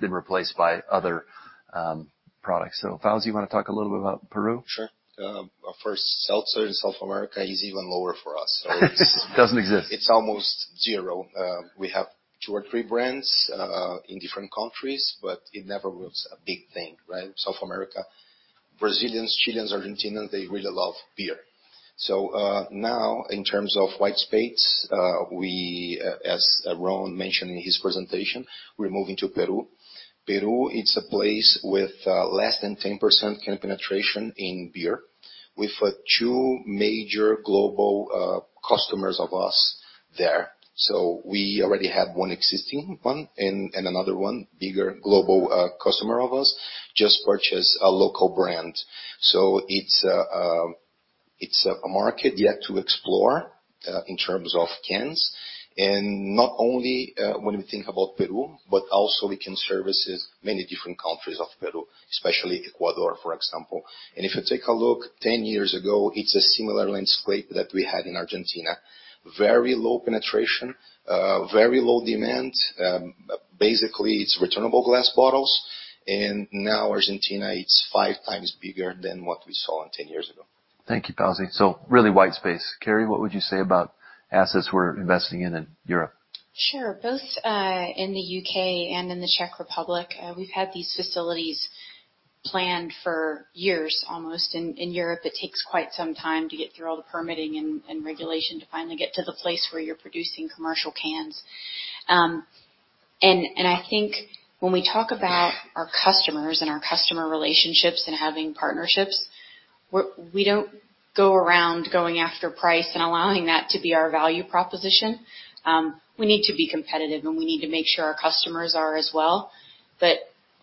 Speaker 2: been replaced by other products. Fauze, you wanna talk a little bit about Peru?
Speaker 7: Sure. First, seltzer in South America is even lower for us.
Speaker 2: Doesn't exist.
Speaker 7: It's almost zero. We have two or three brands in different countries, but it never was a big thing, right? South America, Brazilians, Chileans, Argentinians, they really love beer. Now in terms of white space, as Ron mentioned in his presentation, we're moving to Peru. Peru, it's a place with less than 10% can penetration in beer, with two major global customers of us there. We already have one existing one and another one, bigger global customer of ours just purchased a local brand. It's a market yet to explore in terms of cans, and not only when we think about Peru, but also we can service many different countries off Peru, especially Ecuador, for example. If you take a look 10 years ago, it's a similar landscape that we had in Argentina. Very low penetration, very low demand. Basically, it's returnable glass bottles. Now Argentina, it's 5x bigger than what we saw 10 years ago.
Speaker 2: Thank you, Fauze. Really white space. Carey, what would you say about assets we're investing in Europe?
Speaker 5: Sure. Both in the U.K. and in the Czech Republic, we've had these facilities planned for years almost. In Europe, it takes quite some time to get through all the permitting and regulation to finally get to the place where you're producing commercial cans. I think when we talk about our customers and our customer relationships and having partnerships, we don't go around going after price and allowing that to be our value proposition. We need to be competitive, and we need to make sure our customers are as well.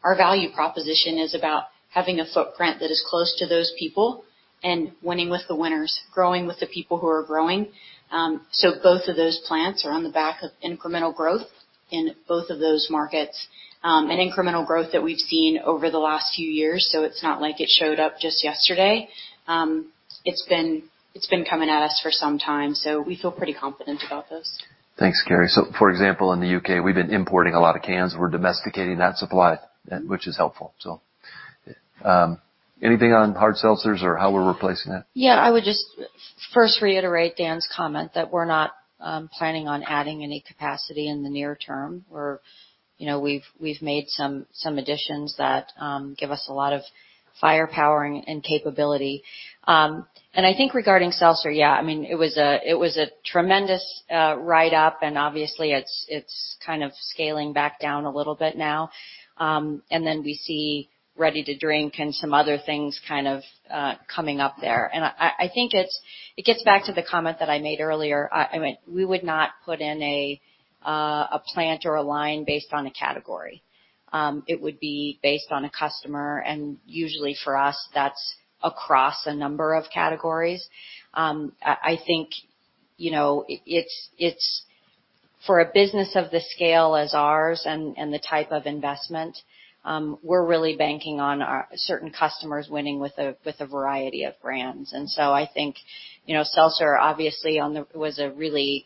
Speaker 5: Our value proposition is about having a footprint that is close to those people and winning with the winners, growing with the people who are growing. Both of those plants are on the back of incremental growth in both of those markets, and incremental growth that we've seen over the last few years. It's not like it showed up just yesterday. It's been coming at us for some time, so we feel pretty confident about those.
Speaker 2: Thanks, Carey. For example, in the U.K., we've been importing a lot of cans. We're domesticating that supply, which is helpful. Anything on hard seltzers or how we're replacing that?
Speaker 9: Yeah. I would just first reiterate Dan's comment that we're not planning on adding any capacity in the near term. We're, you know, we've made some additions that give us a lot of firepower and capability. I think regarding seltzer, yeah, I mean, it was a tremendous ride up, and obviously it's kind of scaling back down a little bit now. We see ready-to-drink and some other things kind of coming up there. I think it gets back to the comment that I made earlier. I mean, we would not put in a plant or a line based on a category. It would be based on a customer, and usually for us, that's across a number of categories. I think- You know, it's for a business of the scale as ours and the type of investment, we're really banking on our certain customers winning with a variety of brands. I think, you know, seltzer obviously was a really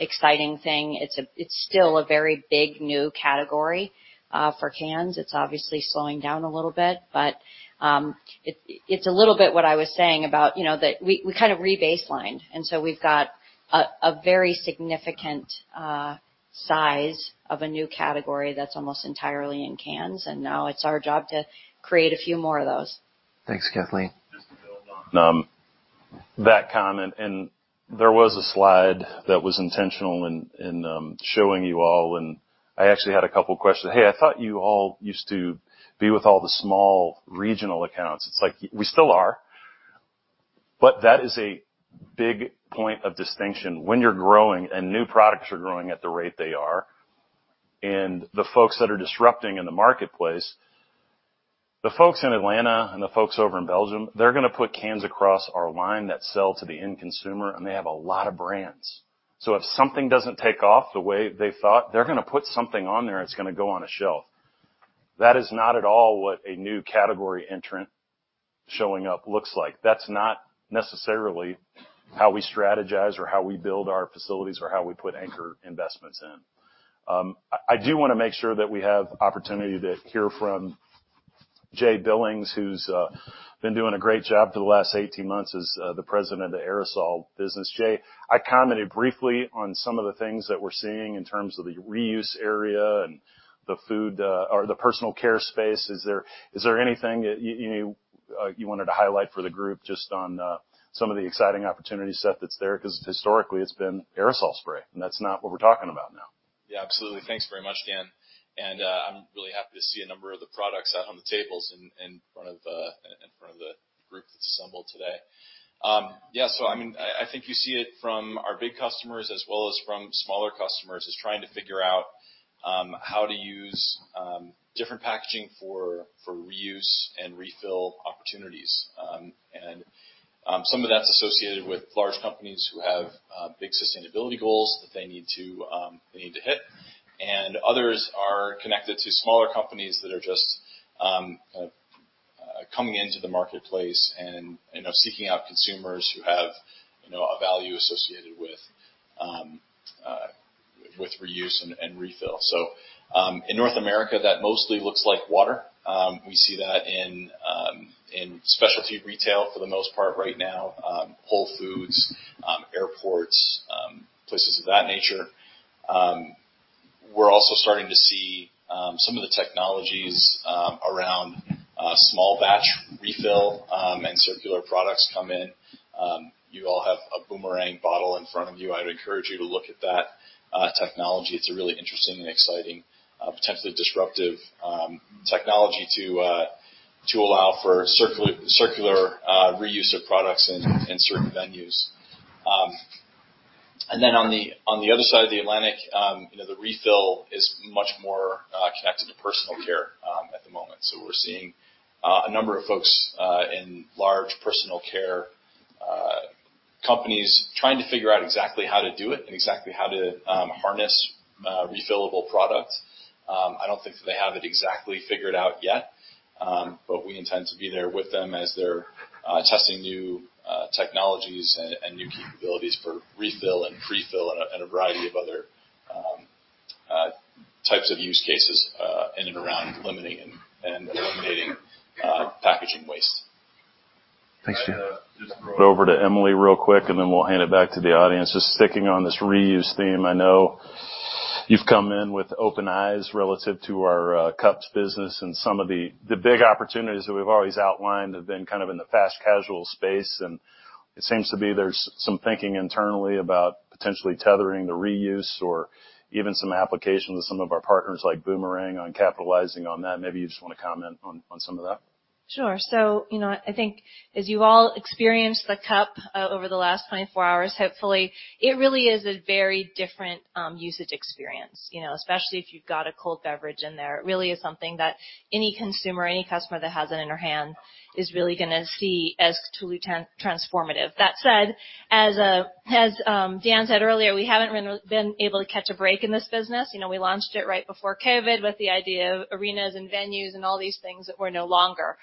Speaker 9: exciting thing. It's still a very big new category for cans. It's obviously slowing down a little bit, but it's a little bit what I was saying about, you know, that we kind of rebaselined, and so we've got a very significant size of a new category that's almost entirely in cans, and now it's our job to create a few more of those.
Speaker 2: Thanks, Kathleen.
Speaker 1: Just to build on that comment, and there was a slide that was intentional in showing you all, and I actually had a couple questions. Hey, I thought you all used to be with all the small regional accounts. It's like we still are, but that is a big point of distinction when you're growing and new products are growing at the rate they are, and the folks that are disrupting in the marketplace. The folks in Atlanta and the folks over in Belgium, they're gonna put cans across our line that sell to the end consumer, and they have a lot of brands. If something doesn't take off the way they thought, they're gonna put something on there that's gonna go on a shelf. That is not at all what a new category entrant showing up looks like. That's not necessarily how we strategize or how we build our facilities or how we put anchor investments in. I do wanna make sure that we have opportunity to hear from Jay Billings, who's been doing a great job for the last 18 months as the President of the Aerosol business. Jay, I commented briefly on some of the things that we're seeing in terms of the reuse area and the food, or the personal care space. Is there anything you wanted to highlight for the group just on some of the exciting opportunity set that's there? 'Cause historically it's been aerosol spray, and that's not what we're talking about now.
Speaker 6: Yeah, absolutely. Thanks very much, Dan. I'm really happy to see a number of the products out on the tables in front of the group that's assembled today. Yeah, I mean, I think you see it from our big customers as well as from smaller customers, is trying to figure out how to use different packaging for reuse and refill opportunities. Some of that's associated with large companies who have big sustainability goals that they need to hit. Others are connected to smaller companies that are just coming into the marketplace and you know, seeking out consumers who have you know, a value associated with reuse and refill. In North America, that mostly looks like water. We see that in specialty retail for the most part right now, Whole Foods, airports, places of that nature. We're also starting to see some of the technologies around small batch refill and circular products come in. You all have a Boomerang bottle in front of you. I'd encourage you to look at that technology. It's a really interesting and exciting potentially disruptive technology to allow for circular reuse of products in certain venues. On the other side of the Atlantic, you know, the refill is much more connected to personal care at the moment. We're seeing a number of folks in large personal care companies trying to figure out exactly how to do it and exactly how to harness refillable product. I don't think that they have it exactly figured out yet, but we intend to be there with them as they're testing new technologies and new capabilities for refill and prefill and a variety of other types of use cases in and around limiting and eliminating packaging waste.
Speaker 2: Thanks, Jay.
Speaker 1: I just throw it over to Emily real quick, and then we'll hand it back to the audience. Just sticking on this reuse theme, I know you've come in with open eyes relative to our Cups business and some of the big opportunities that we've always outlined have been kind of in the fast casual space, and it seems to be there's some thinking internally about potentially tethering the reuse or even some applications with some of our partners like Boomerang on capitalizing on that. Maybe you just wanna comment on some of that.
Speaker 10: Sure. You know, I think as you've all experienced the cup over the last 24 hours, hopefully, it really is a very different usage experience, you know, especially if you've got a cold beverage in there. It really is something that any consumer, any customer that has it in their hand is really gonna see as truly transformative. That said, as Dan said earlier, we haven't been able to catch a break in this business. You know, we launched it right before COVID with the idea of arenas and venues and all these things that were no longer.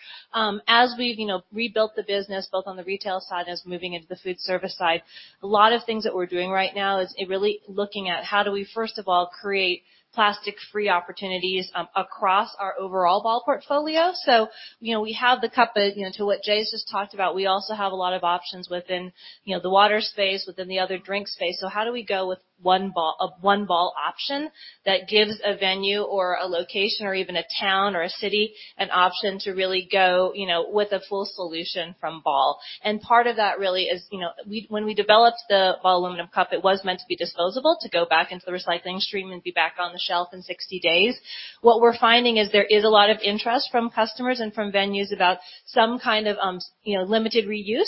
Speaker 10: As we've, you know, rebuilt the business both on the retail side and as moving into the food service side, a lot of things that we're doing right now is really looking at how do we, first of all, create plastic-free opportunities across our overall Ball portfolio. You know, we have the cup, you know, to what Jay's just talked about, we also have a lot of options within, you know, the water space, within the other drink space. How do we go with a one Ball option that gives a venue or a location or even a town or a city an option to really go, you know, with a full solution from Ball. Part of that really is, you know, we, when we developed the Ball Aluminum Cup, it was meant to be disposable, to go back into the recycling stream and be back on the shelf in 60 days. What we're finding is there is a lot of interest from customers and from venues about some kind of, you know, limited reuse.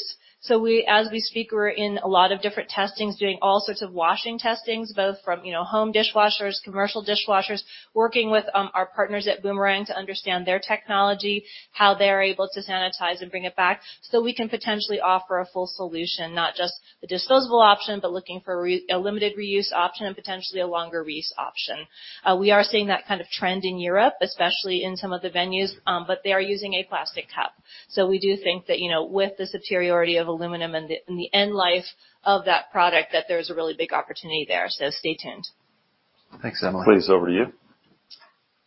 Speaker 10: We, as we speak, we're in a lot of different testings, doing all sorts of washing testings, both from, you know, home dishwashers, commercial dishwashers, working with our partners at Boomerang to understand their technology, how they're able to sanitize and bring it back, so we can potentially offer a full solution, not just the disposable option, but looking for a limited reuse option and potentially a longer reuse option. We are seeing that kind of trend in Europe, especially in some of the venues, but they are using a plastic cup. We do think that, you know, with the superiority of aluminum and the end life of that product, that there's a really big opportunity there, so stay tuned.
Speaker 2: Thanks, Emily.
Speaker 4: Please, over to you.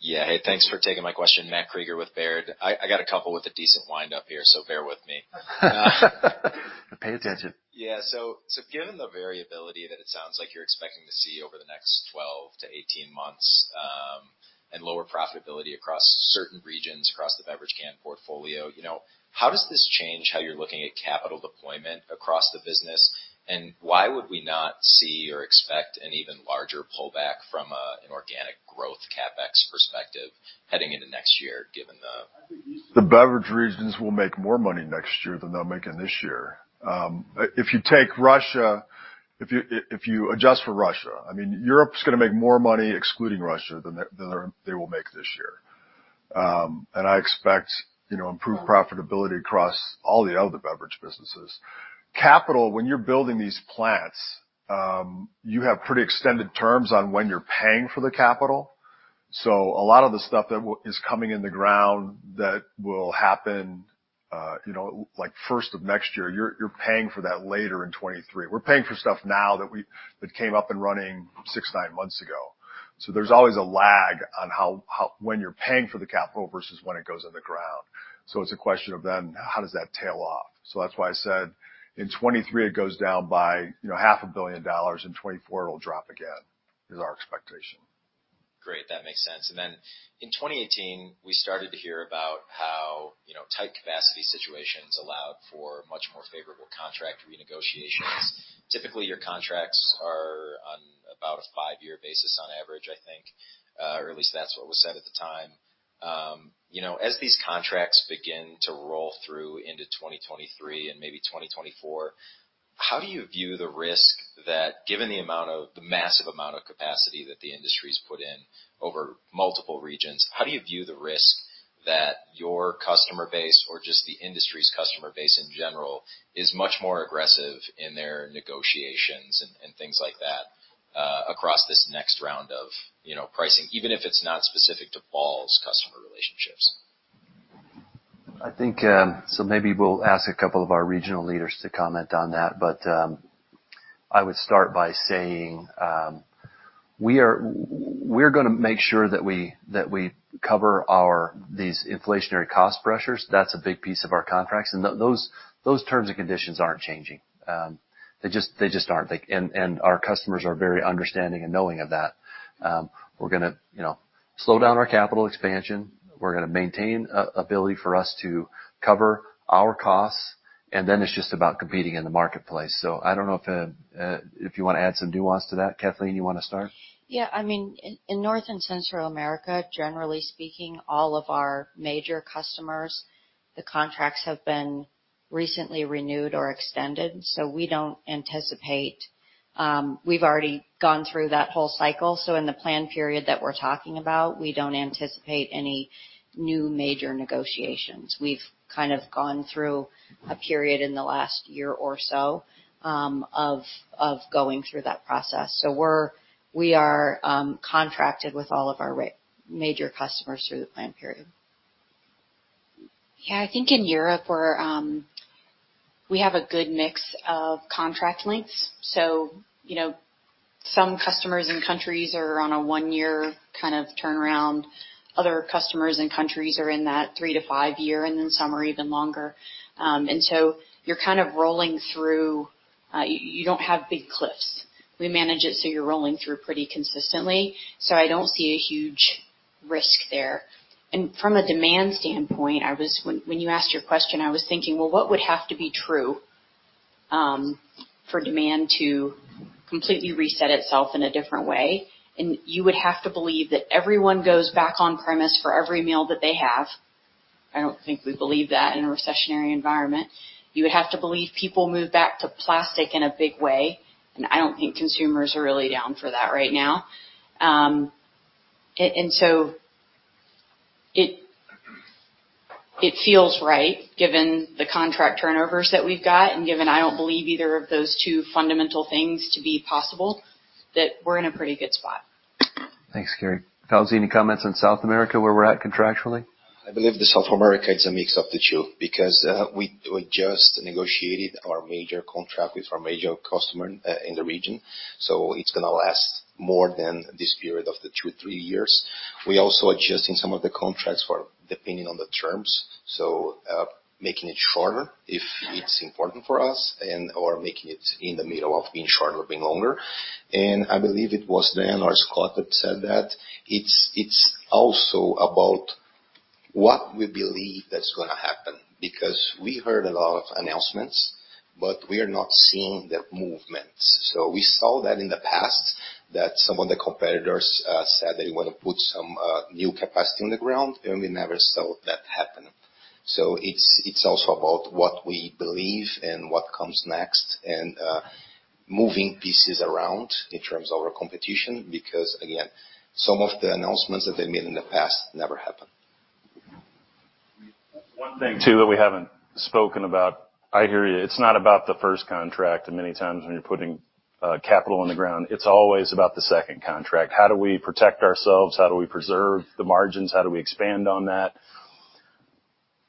Speaker 18: Yeah. Hey, thanks for taking my question. Matt Krueger with Baird. I got a couple with a decent wind up here, so bear with me.
Speaker 4: Pay attention.
Speaker 18: Yeah. Given the variability that it sounds like you're expecting to see over the next 12-18 months, and lower profitability across certain regions across the beverage can portfolio, you know, how does this change how you're looking at capital deployment across the business? And why would we not see or expect an even larger pullback from an organic growth CapEx perspective heading into next year given the-
Speaker 4: The beverage regions will make more money next year than they're making this year. If you take Russia, if you adjust for Russia, I mean, Europe's gonna make more money excluding Russia than they will make this year. I expect, you know, improved profitability across all the other Beverage businesses. Capital, when you're building these plants, you have pretty extended terms on when you're paying for the capital. A lot of the stuff that is coming in the ground that will happen, you know, like, first of next year, you're paying for that later in 2023. We're paying for stuff now that came up and running six months, nine months ago. There's always a lag on how when you're paying for the capital versus when it goes in the ground. It's a question of then how does that tail off? That's why I said in 2023, it goes down by, you know, $500 million. In 2024, it'll drop again, is our expectation.
Speaker 18: Great. That makes sense. Then in 2018, we started to hear about how, you know, tight capacity situations allowed for much more favorable contract renegotiations. Typically, your contracts are on about a five-year basis on average, I think, or at least that's what was said at the time. You know, as these contracts begin to roll through into 2023 and maybe 2024, how do you view the risk that given the massive amount of capacity that the industry's put in over multiple regions, how do you view the risk that your customer base or just the industry's customer base in general is much more aggressive in their negotiations and things like that, across this next round of, you know, pricing, even if it's not specific to Ball's customer relationships?
Speaker 2: I think, maybe we'll ask a couple of our regional leaders to comment on that. I would start by saying, we're gonna make sure that we cover these inflationary cost pressures. That's a big piece of our contracts. Those terms and conditions aren't changing. They just aren't. And our customers are very understanding and knowing of that. We're gonna, you know, slow down our capital expansion. We're gonna maintain an ability for us to cover our costs, and then it's just about competing in the marketplace. I don't know if you wanna add some nuance to that. Kathleen, you wanna start?
Speaker 9: Yeah. I mean, in North and Central America, generally speaking, all of our major customers, the contracts have been recently renewed or extended, so we don't anticipate. We've already gone through that whole cycle, so in the plan period that we're talking about, we don't anticipate any new major negotiations. We've kind of gone through a period in the last year or so, of going through that process. We are contracted with all of our major customers through the plan period.
Speaker 5: Yeah. I think in Europe we have a good mix of contract lengths. You know, some customers and countries are on a one-year kind of turnaround. Other customers and countries are in that three to five-year, and then some are even longer. You're kind of rolling through. You don't have big cliffs. We manage it so you're rolling through pretty consistently, so I don't see a huge risk there. From a demand standpoint, when you asked your question, I was thinking, well, what would have to be true for demand to completely reset itself in a different way? You would have to believe that everyone goes back on premise for every meal that they have. I don't think we believe that in a recessionary environment. You would have to believe people move back to plastic in a big way, and I don't think consumers are really down for that right now. It feels right given the contract turnovers that we've got and given I don't believe either of those two fundamental things to be possible, that we're in a pretty good spot.
Speaker 2: Thanks, Carey. Fauze, any comments on South America, where we're at contractually?
Speaker 7: I believe the South America is a mix of the two because, we just negotiated our major contract with our major customer, in the region, so it's gonna last more than this period of the two to three years. We're also adjusting some of the contracts for depending on the terms, so, making it shorter if it's important for us and or making it in the middle of being shorter or being longer. I believe it was Dan or Scott that said that it's also about What we believe that's gonna happen because we heard a lot of announcements, but we are not seeing the movements. We saw that in the past that some of the competitors said that they want to put some new capacity in the ground, and we never saw that happen. It's also about what we believe and what comes next and moving pieces around in terms of our competition because, again, some of the announcements that they made in the past never happened.
Speaker 1: One thing too that we haven't spoken about. I hear you. It's not about the first contract many times when you're putting capital on the ground. It's always about the second contract. How do we protect ourselves? How do we preserve the margins? How do we expand on that?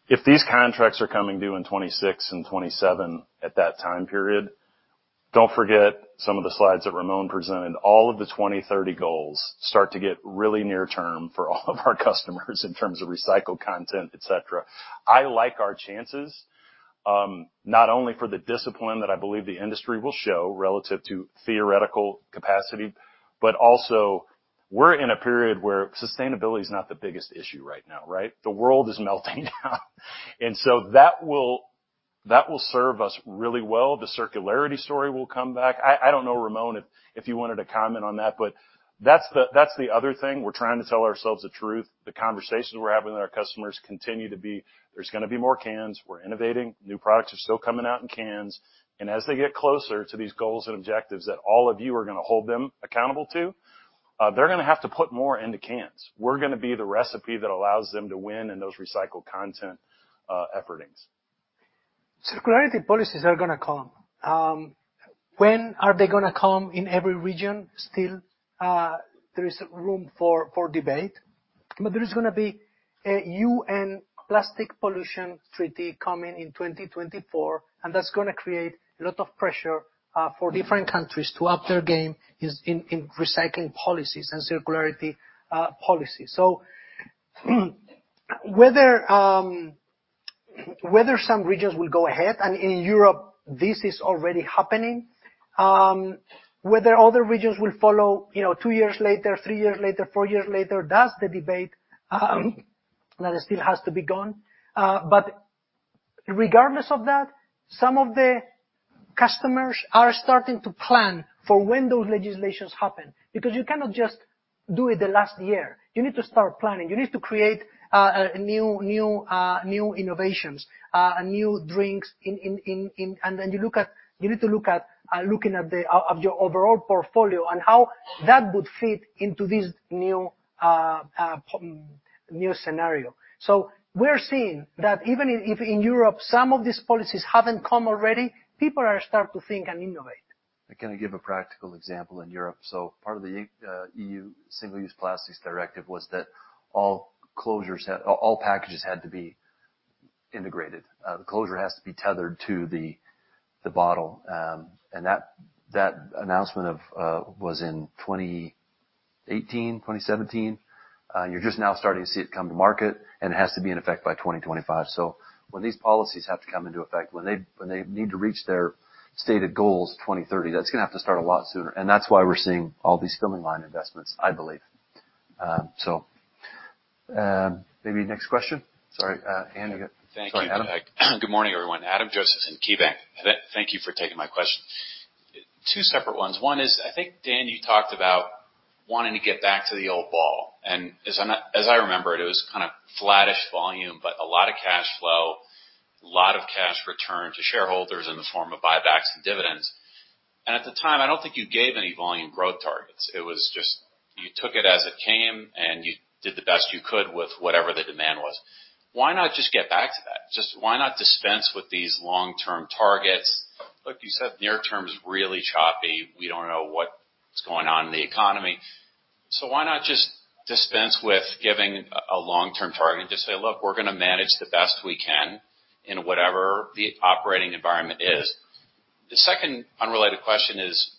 Speaker 1: If these contracts are coming due in 2026 and 2027 at that time period, don't forget some of the slides that Ramon presented. All of the 2030 goals start to get really near term for all of our customers in terms of recycled content, et cetera. I like our chances, not only for the discipline that I believe the industry will show relative to theoretical capacity, but also we're in a period where sustainability is not the biggest issue right now. Right? The world is melting down. That will serve us really well. The circularity story will come back. I don't know, Ramon, if you wanted to comment on that, but that's the other thing. We're trying to tell ourselves the truth. The conversations we're having with our customers continue to be, there's gonna be more cans. We're innovating. New products are still coming out in cans. As they get closer to these goals and objectives that all of you are gonna hold them accountable to, they're gonna have to put more into cans. We're gonna be the recipe that allows them to win in those recycled content efforts.
Speaker 3: Circularity policies are gonna come. When are they gonna come? In every region still, there is room for debate. There is gonna be a UN Global Plastics Treaty coming in 2024, and that's gonna create a lot of pressure for different countries to up their game in recycling policies and circularity policy. Whether some regions will go ahead, and in Europe, this is already happening, whether other regions will follow, you know, two years later, three years later, four years later, that's the debate that still has to be had. Regardless of that, some of the customers are starting to plan for when those legislations happen because you cannot just do it the last year. You need to start planning. You need to create new innovations, new drinks. You need to look at your overall portfolio and how that would fit into this new scenario. We're seeing that even if in Europe some of these policies haven't come already, people are starting to think and innovate.
Speaker 2: I can give a practical example in Europe. Part of the EU Single-Use Plastics Directive was that all packages had to be integrated. The closure has to be tethered to the bottle. That announcement was in 2018, 2017. You're just now starting to see it come to market, and it has to be in effect by 2025. When these policies have to come into effect, when they need to reach their stated goals, 2030, that's gonna have to start a lot sooner. That's why we're seeing all these filling line investments, I believe. Maybe next question. Sorry, Andrew. Go ahead.
Speaker 15: Thank you. Good morning, everyone. Adam Josephson at KeyBanc Capital Markets. Thank you for taking my question. Two separate ones. One is, I think, Dan, you talked about wanting to get back to the old Ball. As I remember it was kind of flattish volume, but a lot of cash flow, a lot of cash return to shareholders in the form of buybacks and dividends. At the time, I don't think you gave any volume growth targets. It was just you took it as it came, and you did the best you could with whatever the demand was. Why not just get back to that? Just why not dispense with these long-term targets? Look, you said near term is really choppy. We don't know what's going on in the economy. Why not just dispense with giving a long-term target and just say, "Look, we're gonna manage the best we can in whatever the operating environment is"? The second unrelated question is.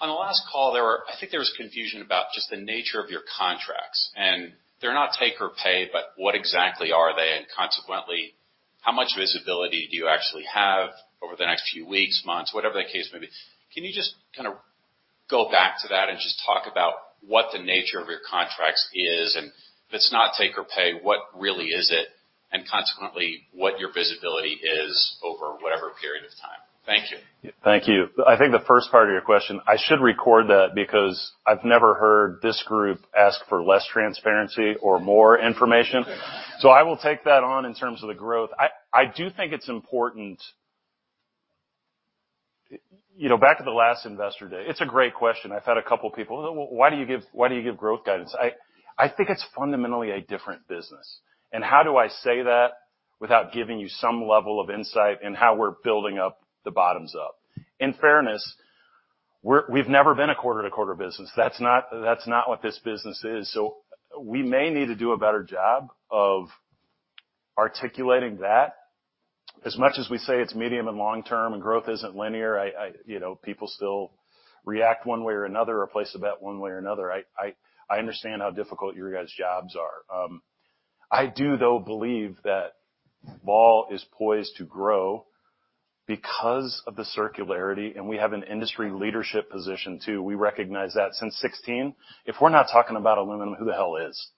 Speaker 15: On the last call, I think there was confusion about just the nature of your contracts, and they're not take or pay, but what exactly are they? Consequently, how much visibility do you actually have over the next few weeks, months, whatever the case may be? Can you just kinda go back to that and just talk about what the nature of your contracts is? If it's not take or pay, what really is it? Consequently, what your visibility is over whatever period of time. Thank you.
Speaker 1: Thank you. I think the first part of your question, I should record that because I've never heard this group ask for less transparency or more information. I will take that on in terms of the growth. I do think it's important. You know, back at the last Investor Day, it's a great question. I've had a couple people, "Why do you give growth guidance?" I think it's fundamentally a different business. How do I say that without giving you some level of insight in how we're building up the bottoms up? In fairness, we've never been a quarter to quarter business. That's not what this business is. We may need to do a better job of articulating that. As much as we say it's medium and long term and growth isn't linear, you know, people still react one way or another or place a bet one way or another. I understand how difficult your guys' jobs are. I do though believe that Ball is poised to grow. Because of the circularity, and we have an industry leadership position too. We recognize that since 2016. If we're not talking about aluminum, who the hell is?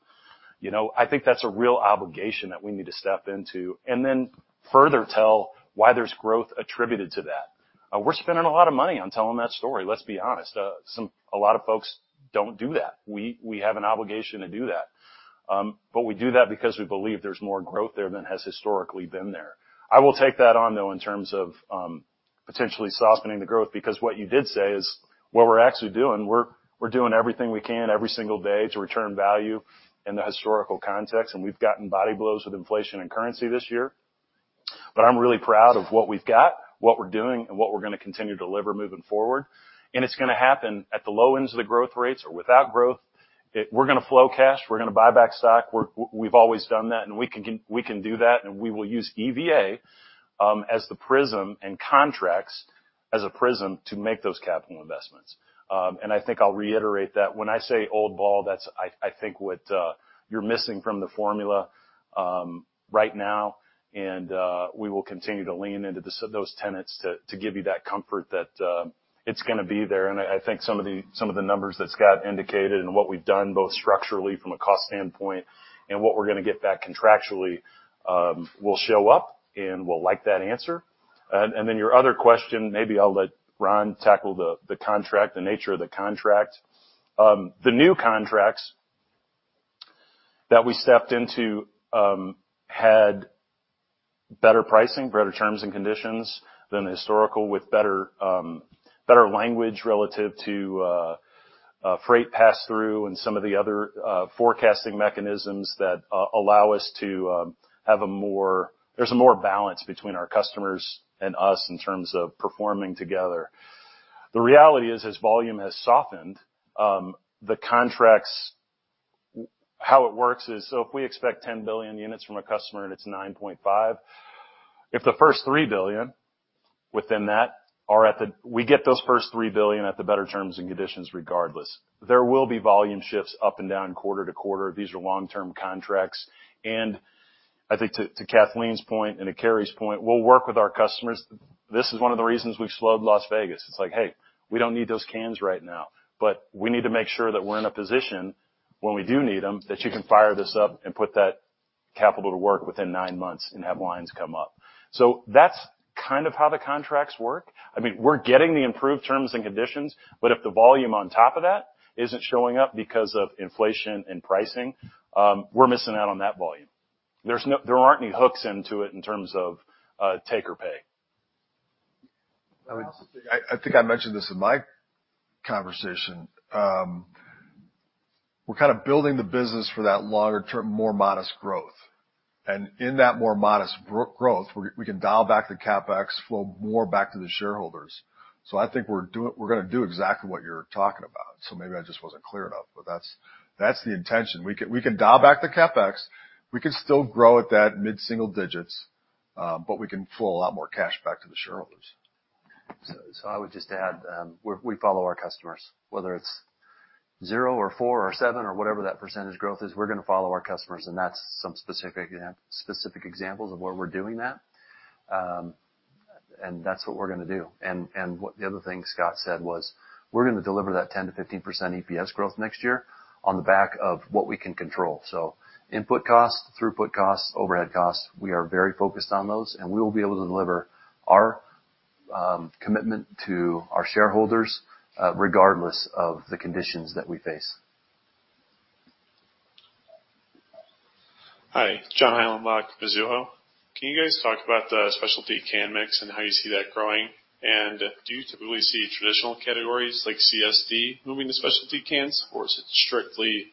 Speaker 1: You know, I think that's a real obligation that we need to step into and then further tell why there's growth attributed to that. We're spending a lot of money on telling that story, let's be honest. A lot of folks don't do that. We have an obligation to do that. We do that because we believe there's more growth there than has historically been there. I will take that on, though, in terms of potentially softening the growth, because what you did say is what we're actually doing. We're doing everything we can every single day to return value in the historical context, and we've gotten body blows with inflation and currency this year. I'm really proud of what we've got, what we're doing, and what we're gonna continue to deliver moving forward. It's gonna happen at the low ends of the growth rates or without growth. We're gonna flow cash, we're gonna buy back stock. We've always done that, and we can do that, and we will use EVA as the prism and contracts as a prism to make those capital investments. I think I'll reiterate that when I say old Ball, that's, I think what you're missing from the formula right now, and we will continue to lean into those tenets to give you that comfort that it's gonna be there. I think some of the numbers that Scott indicated and what we've done both structurally from a cost standpoint and what we're gonna get back contractually will show up, and we'll like that answer. Then your other question, maybe I'll let Ron tackle the contract, the nature of the contract. The new contracts that we stepped into had better pricing, better terms and conditions than the historical with better language relative to freight pass-through and some of the other forecasting mechanisms that allow us to have a more. There is more balance between our customers and us in terms of performing together. The reality is, as volume has softened, the contracts. How it works is, so if we expect 10 billion units from a customer and it's 9.5, we get those first 3 billion at the better terms and conditions regardless. There will be volume shifts up and down quarter to quarter. These are long-term contracts. I think to Kathleen's point and to Carey's point, we'll work with our customers. This is one of the reasons we've slowed Las Vegas. It's like, "Hey, we don't need those cans right now, but we need to make sure that we're in a position when we do need them, that you can fire this up and put that capital to work within nine months and have lines come up." That's kind of how the contracts work. I mean, we're getting the improved terms and conditions, but if the volume on top of that isn't showing up because of inflation and pricing, we're missing out on that volume. There aren't any hooks into it in terms of take or pay.
Speaker 4: I think I mentioned this in my conversation. We're kind of building the business for that longer-term, more modest growth. In that more modest growth, we can dial back the CapEx, flow more back to the shareholders. I think we're gonna do exactly what you're talking about. Maybe I just wasn't clear enough, but that's the intention. We can dial back the CapEx. We can still grow at that mid-single digits, but we can flow a lot more cash back to the shareholders.
Speaker 2: I would just add, we follow our customers, whether it's 0% or 4% or 7% or whatever that percentage growth is, we're gonna follow our customers, and that's some specific examples of where we're doing that. That's what we're gonna do. What the other thing Scott said was, we're gonna deliver that 10%-15% EPS growth next year on the back of what we can control. Input costs, throughput costs, overhead costs, we are very focused on those, and we will be able to deliver our commitment to our shareholders, regardless of the conditions that we face.
Speaker 19: Hi. John Heilenbach, Mizuho. Can you guys talk about the specialty can mix and how you see that growing? And do you typically see traditional categories like CSD moving to specialty cans, or is it strictly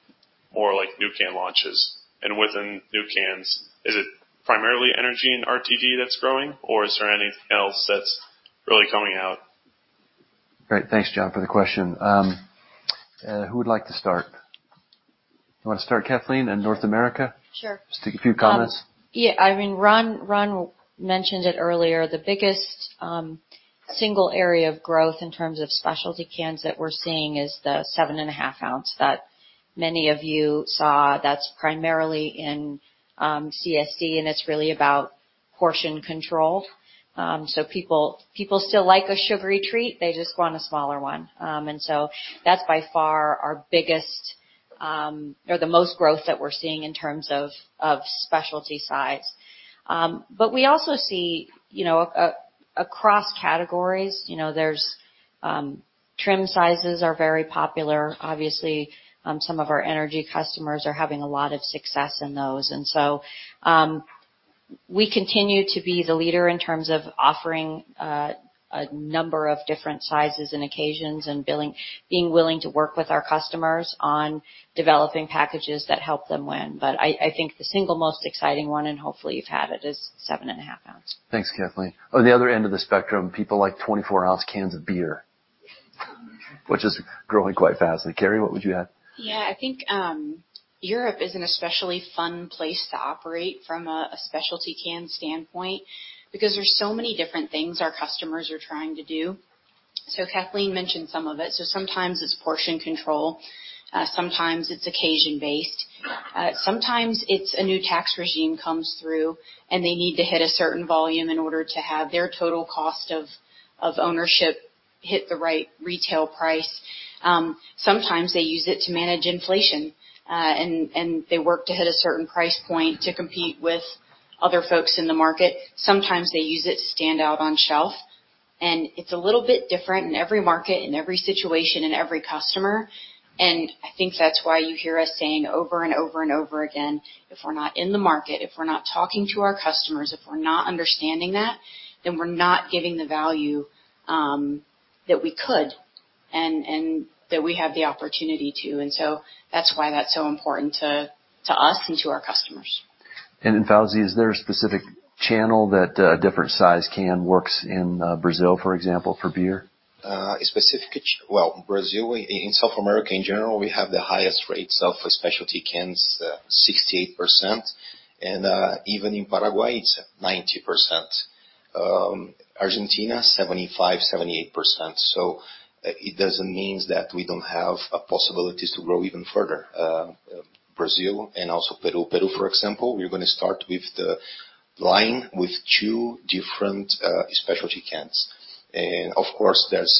Speaker 19: more like new can launches? And within new cans, is it primarily energy and RTD that's growing, or is there anything else that's really coming out?
Speaker 2: Great. Thanks, John, for the question. Who would like to start? You wanna start, Kathleen, in North America?
Speaker 9: Sure.
Speaker 2: Just a few comments.
Speaker 9: Yeah. I mean, Ron mentioned it earlier. The biggest single area of growth in terms of specialty cans that we're seeing is the 7.5 ounce that many of you saw. That's primarily in CSD, and it's really about portion control. People still like a sugary treat, they just want a smaller one. That's by far our biggest, or the most growth that we're seeing in terms of specialty size. But we also see, you know, across categories. You know, there's trim sizes are very popular. Obviously, some of our energy customers are having a lot of success in those. We continue to be the leader in terms of offering a number of different sizes and occasions and being willing to work with our customers on developing packages that help them win. I think the single most exciting one, and hopefully you've had it, is 7.5 ounce.
Speaker 1: Thanks, Kathleen. On the other end of the spectrum, people like 24-ounce cans of beer, which is growing quite fast. Carey, what would you add?
Speaker 5: Yeah. I think Europe is an especially fun place to operate from a specialty can standpoint because there's so many different things our customers are trying to do. Kathleen mentioned some of it. Sometimes it's portion control. Sometimes it's occasion-based. Sometimes it's a new tax regime comes through, and they need to hit a certain volume in order to have their total cost of ownership hit the right retail price. Sometimes they use it to manage inflation, and they work to hit a certain price point to compete with other folks in the market. Sometimes they use it to stand out on shelf, and it's a little bit different in every market, in every situation, in every customer. I think that's why you hear us saying over and over and over again, if we're not in the market, if we're not talking to our customers, if we're not understanding that, then we're not giving the value that we could and that we have the opportunity to.
Speaker 2: That's why that's so important to us and to our customers. Fauze, is there a specific channel that a different size can works in Brazil, for example, for beer?
Speaker 7: Brazil, in South America in general, we have the highest rates of specialty cans, 68%. Even in Paraguay, it's 90%. Argentina, 75%-78%. It doesn't mean that we don't have possibilities to grow even further. Brazil and also Peru. Peru, for example, we're gonna start with the line with two different specialty cans. Of course, there's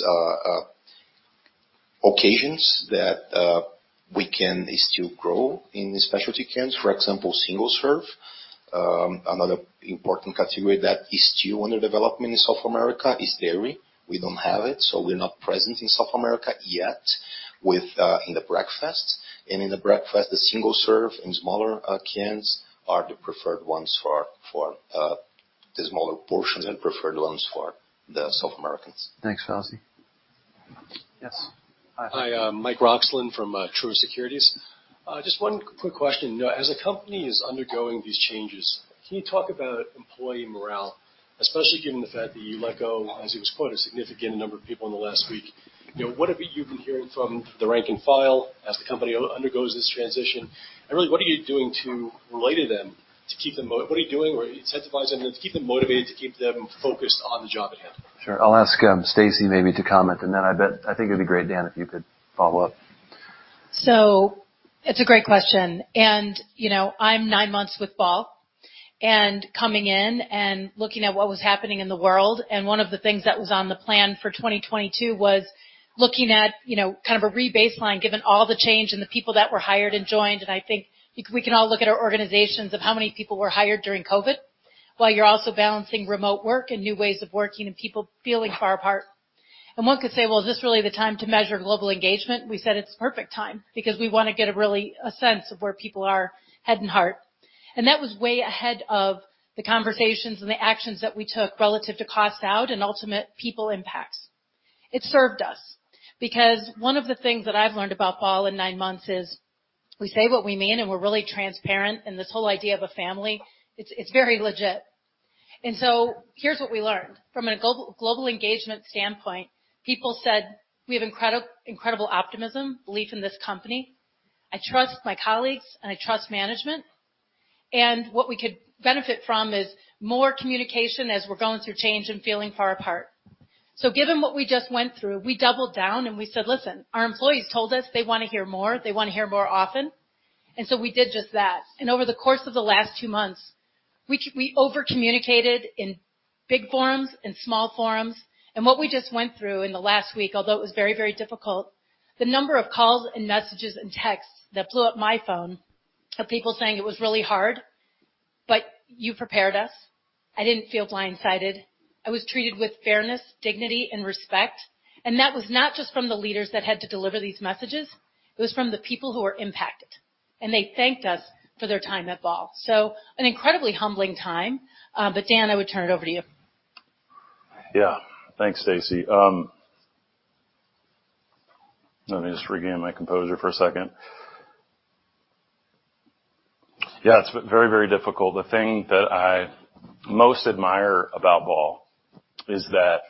Speaker 7: occasions that we can still grow in the specialty cans, for example, single serve. Another important category that is still under development in South America is dairy. We don't have it, so we're not present in South America yet with in the breakfast. In the breakfast, the single serve in smaller cans are the preferred ones for the smaller portions and preferred ones for the South Americans.
Speaker 2: Thanks, Fauze. Yes.
Speaker 20: Hi, I'm Mike Roxland from Truist Securities. Just one quick question. As a company is undergoing these changes, can you talk about employee morale, especially given the fact that you let go, as it was quoted, a significant number of people in the last week? You know, what have you been hearing from the rank and file as the company undergoes this transition? Really, what are you doing to relate to them? What are you doing to incentivize them to keep them motivated, to keep them focused on the job at hand?
Speaker 2: Sure. I'll ask, Stacey, maybe to comment, and then I think it'd be great, Dan, if you could follow up.
Speaker 21: It's a great question. You know, I'm nine months with Ball and coming in and looking at what was happening in the world. One of the things that was on the plan for 2022 was looking at, you know, kind of a rebaseline, given all the change in the people that were hired and joined. I think we can all look at our organizations of how many people were hired during COVID, while you're also balancing remote work and new ways of working and people feeling far apart. One could say, "Well, is this really the time to measure global engagement?" We said it's perfect time because we wanna get a really a sense of where people are, head and heart. That was way ahead of the conversations and the actions that we took relative to cost out and ultimate people impacts. It served us because one of the things that I've learned about Ball in nine months is we say what we mean, and we're really transparent. This whole idea of a family, it's very legit. Here's what we learned. From a global engagement standpoint, people said, "We have incredible optimism, belief in this company. I trust my colleagues, and I trust management. What we could benefit from is more communication as we're going through change and feeling far apart." Given what we just went through, we doubled down, and we said, "Listen, our employees told us they wanna hear more, they wanna hear more often." We did just that. Over the course of the last two months, we over communicated in big forums, in small forums. What we just went through in the last week, although it was very, very difficult, the number of calls and messages and texts that blew up my phone of people saying, "It was really hard, but you prepared us. I didn't feel blindsided. I was treated with fairness, dignity, and respect." That was not just from the leaders that had to deliver these messages. It was from the people who were impacted, and they thanked us for their time at Ball. An incredibly humbling time. Dan, I would turn it over to you.
Speaker 6: Yeah. Thanks, Stacey. Let me just regain my composure for a second. Yeah, it's been very, very difficult. The thing that I most admire about Ball is that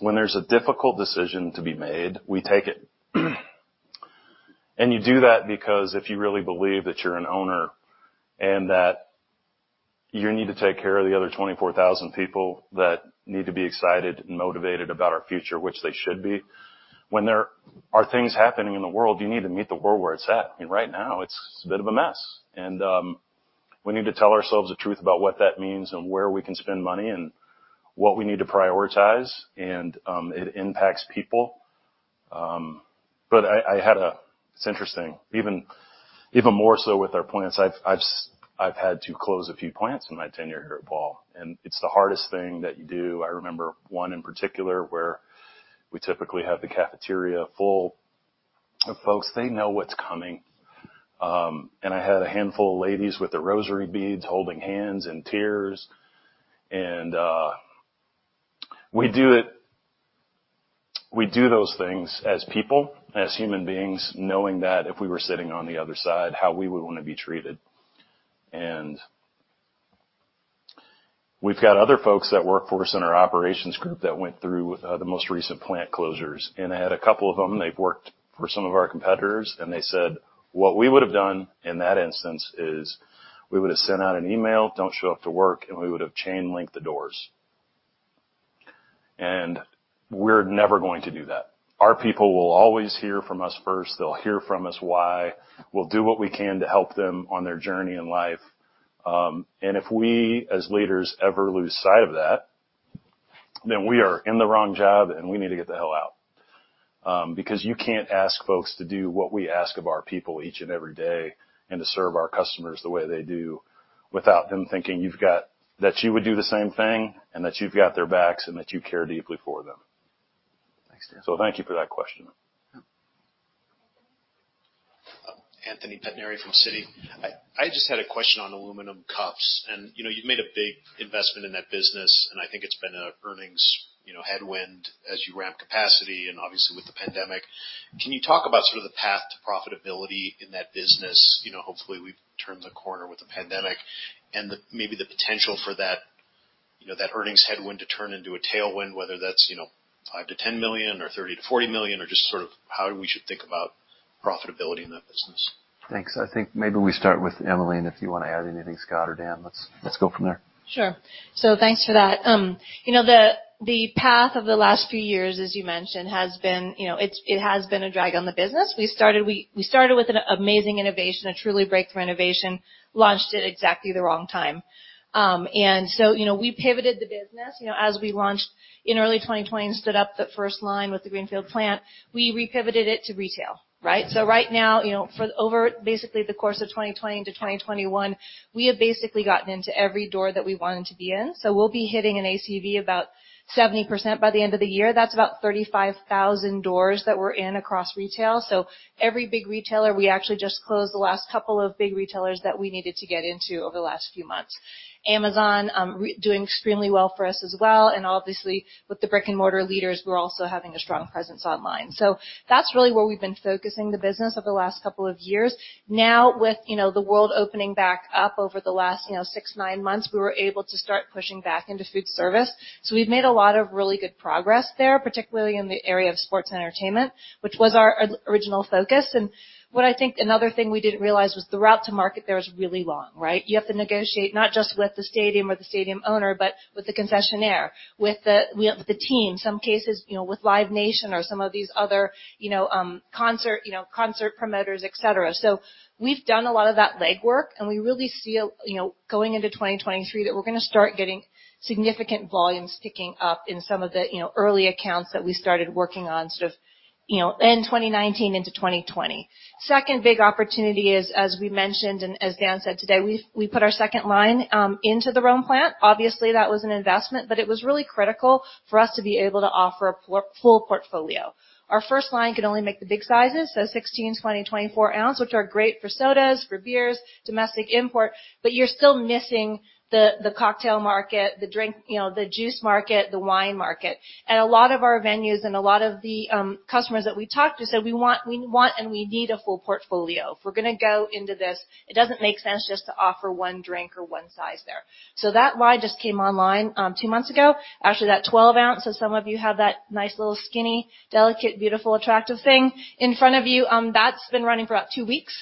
Speaker 6: when there's a difficult decision to be made, we take it. You do that because if you really believe that you're an owner and that you need to take care of the other 24,000 people that need to be excited and motivated about our future, which they should be. When there are things happening in the world, you need to meet the world where it's at. Right now, it's a bit of a mess. We need to tell ourselves the truth about what that means and where we can spend money and what we need to prioritize, and it impacts people.
Speaker 1: It's interesting, more so with our plants. I've had to close a few plants in my tenure here at Ball, and it's the hardest thing that you do. I remember one in particular where we typically have the cafeteria full of folks. They know what's coming. I had a handful of ladies with their rosary beads, holding hands in tears. We do those things as people, as human beings, knowing that if we were sitting on the other side, how we would wanna be treated. We've got other folks that work for us in our operations group that went through the most recent plant closures. I had a couple of them, they've worked for some of our competitors, and they said, "What we would have done in that instance is we would have sent out an email, don't show up to work, and we would have chain linked the doors." We're never going to do that. Our people will always hear from us first. They'll hear from us why. We'll do what we can to help them on their journey in life. If we, as leaders, ever lose sight of that, then we are in the wrong job and we need to get the hell out. Because you can't ask folks to do what we ask of our people each and every day and to serve our customers the way they do without them thinking that you would do the same thing and that you've got their backs and that you care deeply for them.
Speaker 2: Thanks, Dan.
Speaker 1: Thank you for that question.
Speaker 20: Yeah.
Speaker 22: Anthony Pettinari from Citi. I just had a question on aluminum cups. You know, you've made a big investment in that business, and I think it's been an earnings headwind as you ramp capacity and obviously with the pandemic. Can you talk about sort of the path to profitability in that business? You know, hopefully we've turned the corner with the pandemic and maybe the potential for that earnings headwind to turn into a tailwind, whether that's $5 million-$10 million or $30 million-$40 million, or just sort of how we should think about profitability in that business.
Speaker 1: Thanks. I think maybe we start with Emily, and if you wanna add anything, Scott or Dan, let's go from there.
Speaker 10: Sure. Thanks for that. You know, the path of the last few years, as you mentioned, has been, you know, it has been a drag on the business. We started with an amazing innovation, a truly breakthrough innovation, launched at exactly the wrong time. You know, we pivoted the business, you know, as we launched in early 2020 and stood up the first line with the Greenfield plant. We re-pivoted it to retail, right? Right now, you know, over basically the course of 2020 to 2021, we have basically gotten into every door that we wanted to be in. We'll be hitting an ACV about 70% by the end of the year. That's about 35,000 doors that we're in across retail. Every big retailer, we actually just closed the last couple of big retailers that we needed to get into over the last few months. Amazon really doing extremely well for us as well. Obviously, with the brick-and-mortar leaders, we're also having a strong presence online. That's really where we've been focusing the business over the last couple of years. Now, with the world opening back up over the last six months, nine months, we were able to start pushing back into food service. We've made a lot of really good progress there, particularly in the area of sports entertainment, which was our original focus. What I think another thing we didn't realize was the route to market there is really long, right? You have to negotiate not just with the stadium or the stadium owner, but with the concessionaire, with the team, in some cases, you know, with Live Nation or some of these other, you know, concert promoters, et cetera. We've done a lot of that legwork, and we really see, you know, going into 2023, that we're gonna start getting significant volumes ticking up in some of the, you know, early accounts that we started working on sort of, you know, in 2019 into 2020. Second big opportunity is, as we mentioned, and as Dan said today, we've put our second line into the Rome plant. Obviously, that was an investment, but it was really critical for us to be able to offer a full portfolio. Our first line could only make the big sizes, so 16-ounce, 20-ounce, 24-ounce, which are great for sodas, for beers, domestic import, but you're still missing the cocktail market, the drink, you know, the juice market, the wine market. A lot of our venues and a lot of the customers that we talked to said, "We want and we need a full portfolio. If we're gonna go into this, it doesn't make sense just to offer one drink or one size there." That line just came online two months ago. Actually, that 12-ounce, so some of you have that nice little skinny, delicate, beautiful, attractive thing in front of you, that's been running for about two weeks.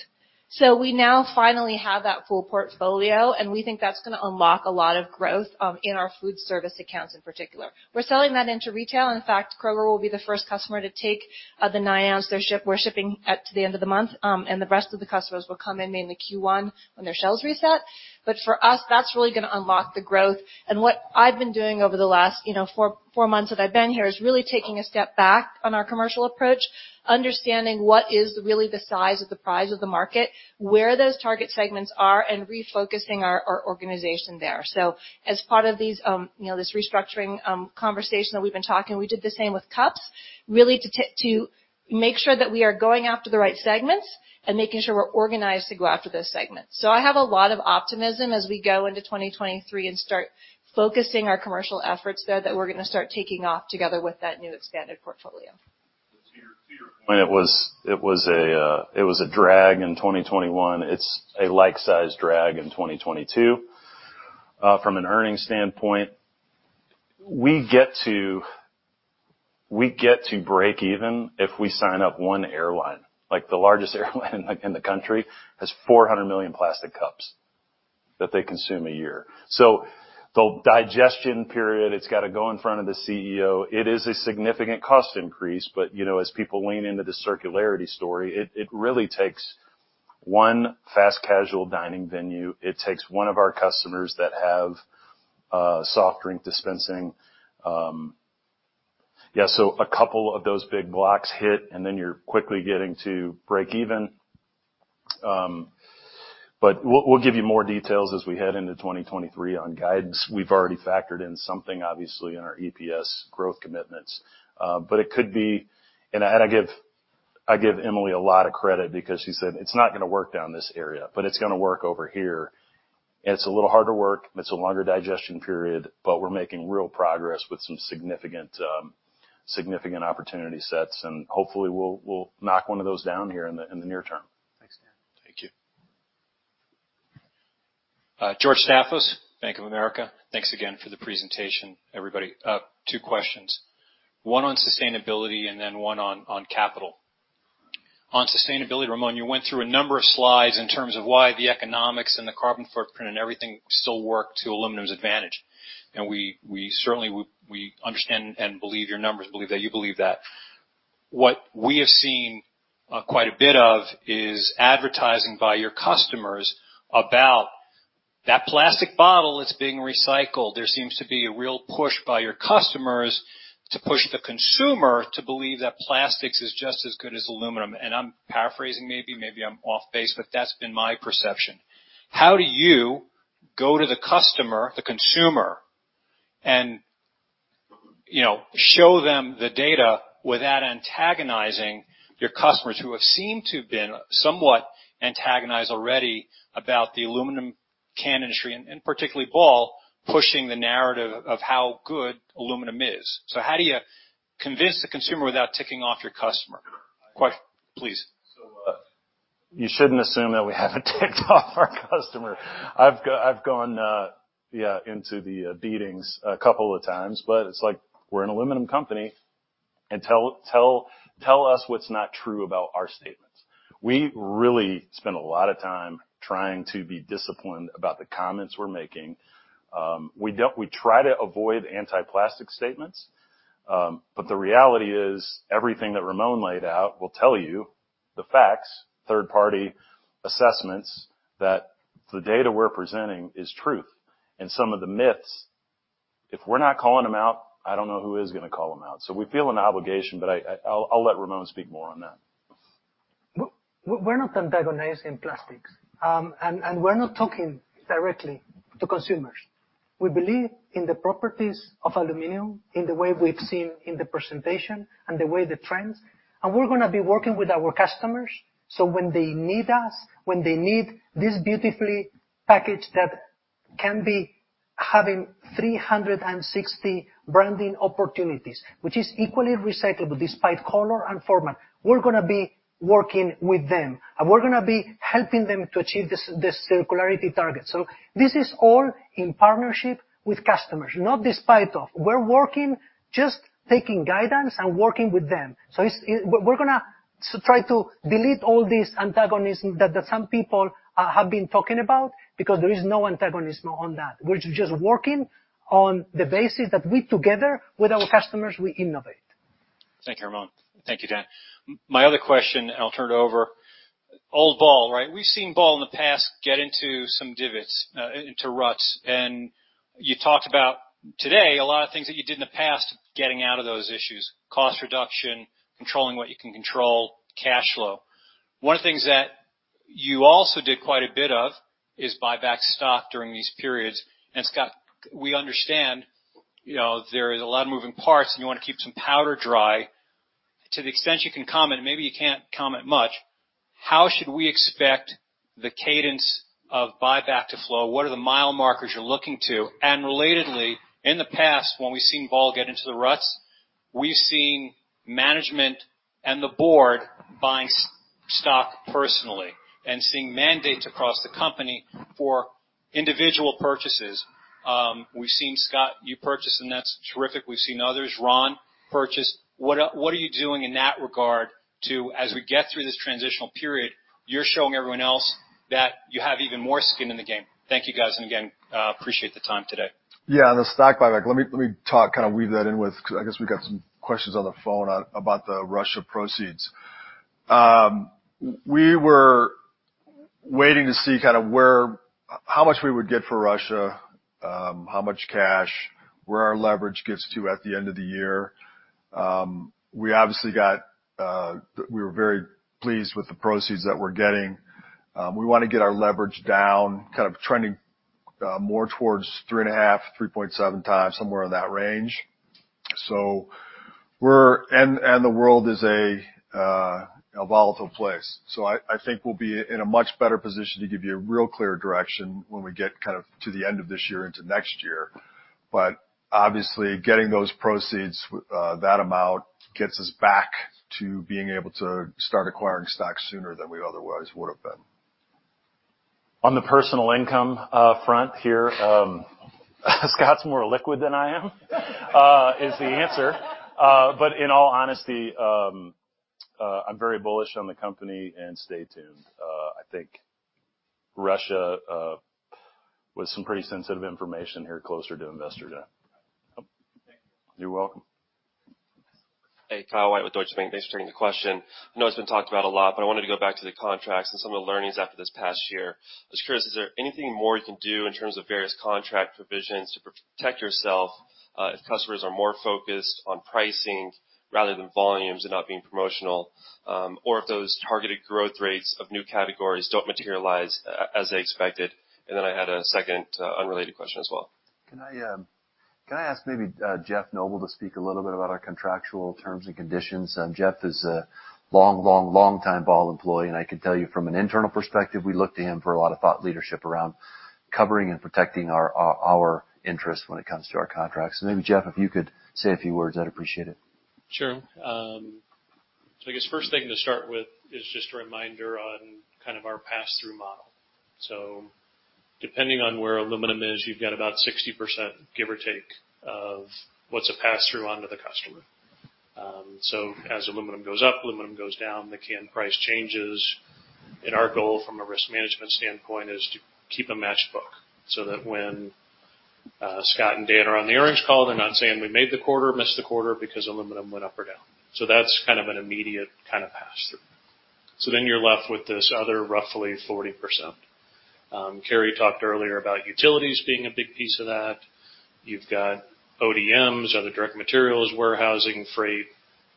Speaker 10: We now finally have that full portfolio, and we think that's gonna unlock a lot of growth in our food service accounts in particular. We're selling that into retail. In fact, Kroger will be the first customer to take the 9 ounce. We're shipping at the end of the month, and the rest of the customers will come in mainly Q1 when their shelves reset. For us, that's really gonna unlock the growth. What I've been doing over the last four months that I've been here is really taking a step back on our commercial approach, understanding what is really the size of the prize of the market, where those target segments are, and refocusing our organization there. As part of these, you know, this restructuring conversation that we've been talking, we did the same with cups, really to make sure that we are going after the right segments and making sure we're organized to go after those segments. I have a lot of optimism as we go into 2023 and start focusing our commercial efforts there, that we're gonna start taking off together with that new expanded portfolio.
Speaker 1: It was a drag in 2021. It's a like-sized drag in 2022. From an earnings standpoint, we get to break even if we sign up one airline. Like, the largest airline in the country has 400 million plastic cups that they consume a year. The digestion period, it's gotta go in front of the CEO. It is a significant cost increase, but, you know, as people lean into the circularity story, it really takes one fast casual dining venue, it takes one of our customers that have a soft drink dispensing. A couple of those big blocks hit, and then you're quickly getting to break even. We'll give you more details as we head into 2023 on guidance. We've already factored in something, obviously, in our EPS growth commitments. But it could be. I give Emily a lot of credit because she said, "It's not gonna work in this area, but it's gonna work over here." It's a little harder work, and it's a longer gestation period, but we're making real progress with some significant opportunity sets. Hopefully, we'll knock one of those down here in the near term.
Speaker 2: Thanks, Dan.
Speaker 22: Thank you.
Speaker 14: George Staphos, Bank of America. Thanks again for the presentation, everybody. Two questions. One on sustainability and then one on capital. On sustainability, Ramon, you went through a number of slides in terms of why the economics and the carbon footprint and everything still work to aluminum's advantage. We certainly understand and believe your numbers, believe that you believe that. What we have seen quite a bit of is advertising by your customers about that plastic bottle that's being recycled. There seems to be a real push by your customers to push the consumer to believe that plastics is just as good as aluminum. I'm paraphrasing maybe, I'm off base, but that's been my perception. How do you go to the customer, the consumer, and, you know, show them the data without antagonizing your customers who have seemed to have been somewhat antagonized already about the aluminum can industry, and particularly Ball, pushing the narrative of how good aluminum is? How do you convince the consumer without ticking off your customer? Please.
Speaker 1: You shouldn't assume that we haven't ticked off our customer. I've gone into the beatings a couple of times, but it's like we're an aluminum company, and tell us what's not true about our statements. We really spend a lot of time trying to be disciplined about the comments we're making. We try to avoid anti-plastic statements. But the reality is, everything that Ramon laid out will tell you the facts, third-party assessments that the data we're presenting is truth. Some of the myths, if we're not calling them out, I don't know who is gonna call them out. We feel an obligation, but I'll let Ramon speak more on that.
Speaker 3: We're not antagonizing plastics, and we're not talking directly to consumers. We believe in the properties of aluminum, in the way we've seen in the presentation and the way the trends, and we're gonna be working with our customers, so when they need us, when they need this beautifully packaged that can be having 360 branding opportunities, which is equally recyclable despite color and format. We're gonna be working with them, and we're gonna be helping them to achieve this circularity target. This is all in partnership with customers, not despite of. We're working, just taking guidance and working with them. It's we're gonna try to delete all this antagonism that some people have been talking about because there is no antagonism on that. We're just working on the basis that we together with our customers, we innovate.
Speaker 14: Thank you, Ramon. Thank you, Dan. My other question, and I'll turn it over. Old Ball, right? We've seen Ball in the past get into some divots into ruts. You talked about today a lot of things that you did in the past, getting out of those issues, cost reduction, controlling what you can control, cash flow. One of the things that you also did quite a bit of is buy back stock during these periods. Scott, we understand, you know, there is a lot of moving parts, and you want to keep some powder dry. To the extent you can comment, maybe you can't comment much, how should we expect the cadence of buyback to flow? What are the mile markers you're looking to? Relatedly, in the past, when we've seen Ball get into the ruts, we've seen management and the board buying stock personally and setting mandates across the company for individual purchases. We've seen, Scott, you purchase, and that's terrific. We've seen others. Ron purchased. What are you doing in that regard to, as we get through this transitional period, you're showing everyone else that you have even more skin in the game. Thank you guys. Again, appreciate the time today.
Speaker 4: Yeah. The stock buyback. Let me talk, kind of weave that in with 'cause I guess we got some questions on the phone about the Russia proceeds. We were waiting to see kind of how much we would get for Russia, how much cash, where our leverage gets to at the end of the year. We were very pleased with the proceeds that we're getting. We want to get our leverage down, kind of trending more towards 3.5x-3.7x, somewhere in that range. The world is a volatile place. I think we'll be in a much better position to give you a real clear direction when we get kind of to the end of this year into next year. Obviously, getting those proceeds, that amount gets us back to being able to start acquiring stock sooner than we otherwise would have been.
Speaker 1: On the personal income front here, Scott's more liquid than I am is the answer. In all honesty, I'm very bullish on the company, and stay tuned. I think we'll share some pretty sensitive information here closer to Investor Day.
Speaker 14: Thank you.
Speaker 1: You're welcome.
Speaker 23: Hey, Kyle White with Deutsche Bank. Thanks for taking the question. I know it's been talked about a lot, but I wanted to go back to the contracts and some of the learnings after this past year. I was curious, is there anything more you can do in terms of various contract provisions to protect yourself, if customers are more focused on pricing rather than volumes and not being promotional, or if those targeted growth rates of new categories don't materialize as they expected? I had a second, unrelated question as well.
Speaker 2: Can I ask maybe Jeff Knobel to speak a little bit about our contractual terms and conditions? Jeff is a long time Ball employee, and I can tell you from an internal perspective, we look to him for a lot of thought leadership around covering and protecting our interest when it comes to our contracts. Maybe, Jeff, if you could say a few words, I'd appreciate it.
Speaker 8: Sure. I guess first thing to start with is just a reminder on kind of our pass-through model. Depending on where aluminum is, you've got about 60%, give or take, of what's a pass-through onto the customer. As aluminum goes up, aluminum goes down, the can price changes. Our goal from a risk management standpoint is to keep a matched book, so that when Scott and Dan are on the earnings call, they're not saying, "We made the quarter, missed the quarter because aluminum went up or down." That's kind of an immediate kind of pass-through. You're left with this other roughly 40%. Carey talked earlier about utilities being a big piece of that. You've got ODMs, other direct materials, warehousing, freight.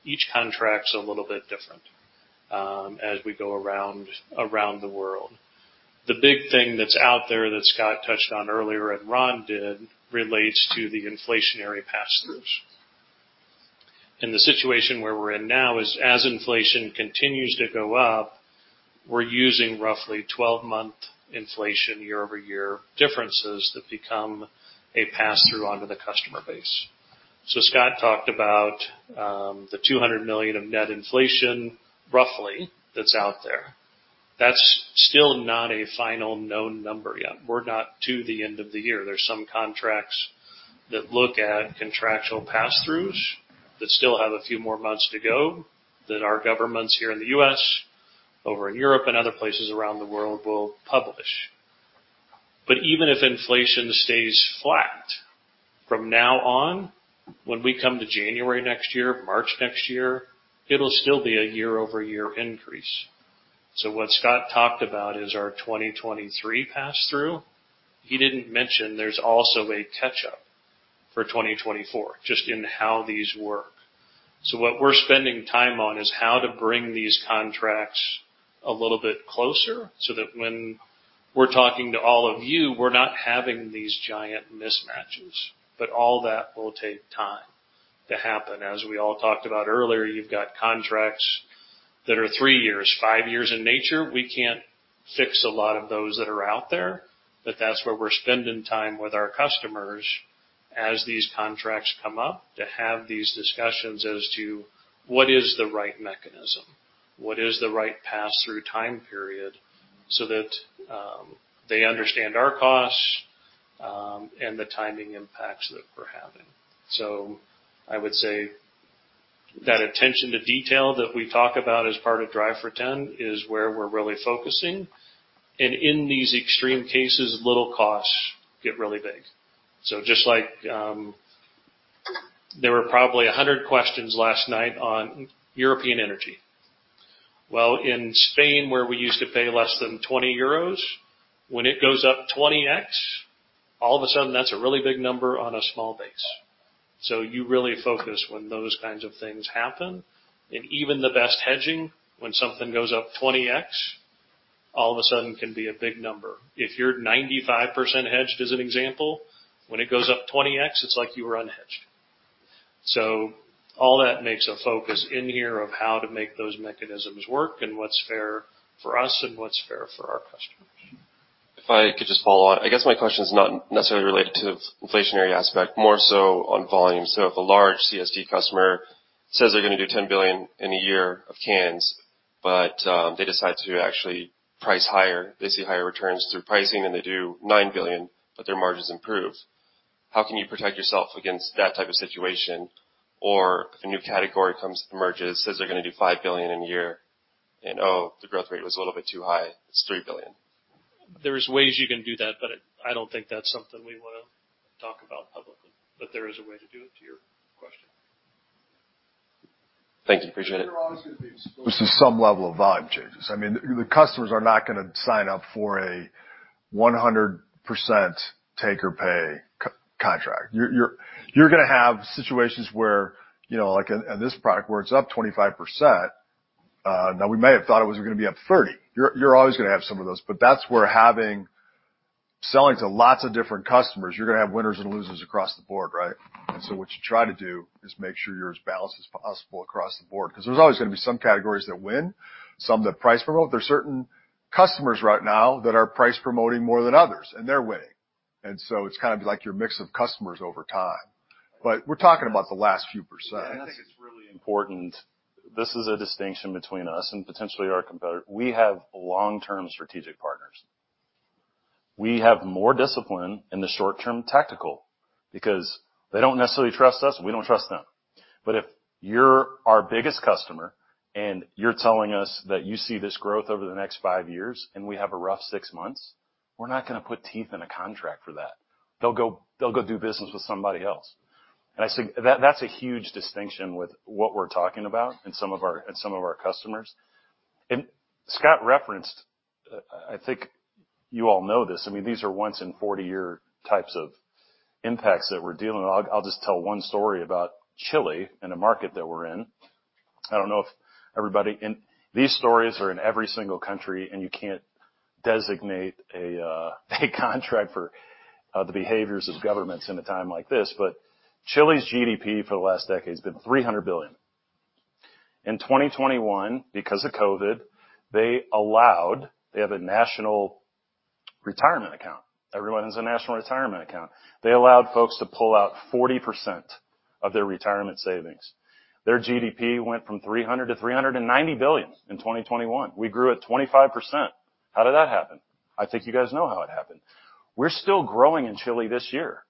Speaker 8: Each contract's a little bit different as we go around the world. The big thing that's out there that Scott touched on earlier and Ron did relates to the inflationary pass-throughs. The situation where we're in now is as inflation continues to go up, we're using roughly twelve-month inflation year-over-year differences that become a pass-through onto the customer base. Scott talked about the $200 million of net inflation roughly that's out there. That's still not a final known number yet. We're not to the end of the year. There's some contracts that look at contractual pass-throughs that still have a few more months to go, that our governments here in the U.S., over in Europe and other places around the world will publish. Even if inflation stays flat from now on, when we come to January next year, March next year, it'll still be a year-over-year increase. What Scott talked about is our 2023 pass-through. He didn't mention there's also a catch-up for 2024, just in how these work. What we're spending time on is how to bring these contracts a little bit closer, so that when we're talking to all of you, we're not having these giant mismatches, but all that will take time to happen. As we all talked about earlier, you've got contracts that are three years, five years in nature. We can't fix a lot of those that are out there. That's where we're spending time with our customers as these contracts come up to have these discussions as to what is the right mechanism, what is the right pass-through time period, so that they understand our costs and the timing impacts that we're having. I would say that attention to detail that we talk about as part of Drive for 10 is where we're really focusing. In these extreme cases, little costs get really big. Just like, there were probably 100 questions last night on European energy. Well, in Spain, where we used to pay less than 20 euros, when it goes up 20x, all of a sudden, that's a really big number on a small base. You really focus when those kinds of things happen. Even the best hedging, when something goes up 20x, all of a sudden can be a big number. If you're 95% hedged, as an example, when it goes up 20x, it's like you were unhedged. All that makes a focus in here of how to make those mechanisms work and what's fair for us and what's fair for our customers.
Speaker 23: If I could just follow on. I guess my question is not necessarily related to inflationary aspect, more so on volume. If a large CSD customer says they're gonna do 10 billion in a year of cans, but they decide to actually price higher. They see higher returns through pricing, and they do 9 billion, but their margins improve. How can you protect yourself against that type of situation? If a new category comes, emerges, says they're gonna do 5 billion in a year, and oh, the growth rate was a little bit too high, it's 3 billion.
Speaker 8: There's ways you can do that, but I don't think that's something we wanna talk about publicly. There is a way to do it, to your question.
Speaker 23: Thank you. Appreciate it.
Speaker 4: There's some level of volume changes. I mean, the customers are not gonna sign up for a 100% take-or-pay contract. You're gonna have situations where, you know, like in this product where it's up 25%, now we may have thought it was gonna be up 30%. You're always gonna have some of those, but that's where selling to lots of different customers, you're gonna have winners and losers across the board, right? What you try to do is make sure you're as balanced as possible across the board. 'Cause there's always gonna be some categories that win, some that price promote. There's certain customers right now that are price promoting more than others, and they're winning. It's kind of like your mix of customers over time. We're talking about the last few percent.
Speaker 1: Yeah, I think it's really important. This is a distinction between us and potentially our competitor. We have long-term strategic partners. We have more discipline in the short term tactical because they don't necessarily trust us, and we don't trust them. But if you're our biggest customer and you're telling us that you see this growth over the next five years and we have a rough six months, we're not gonna put teeth in a contract for that. They'll go do business with somebody else. I think that's a huge distinction with what we're talking about and some of our customers. Scott referenced. I think you all know this. I mean, these are once in 40-year types of impacts that we're dealing with. I'll just tell one story about Chile and a market that we're in. These stories are in every single country, and you can't designate a contract for the behaviors of governments in a time like this. Chile's GDP for the last decade has been $300 billion. In 2021, because of COVID, they have a national retirement account. Everyone has a national retirement account. They allowed folks to pull out 40% of their retirement savings. Their GDP went from $300 billion to $390 billion in 2021. We grew at 25%. How did that happen? I think you guys know how it happened. We're still growing in Chile this year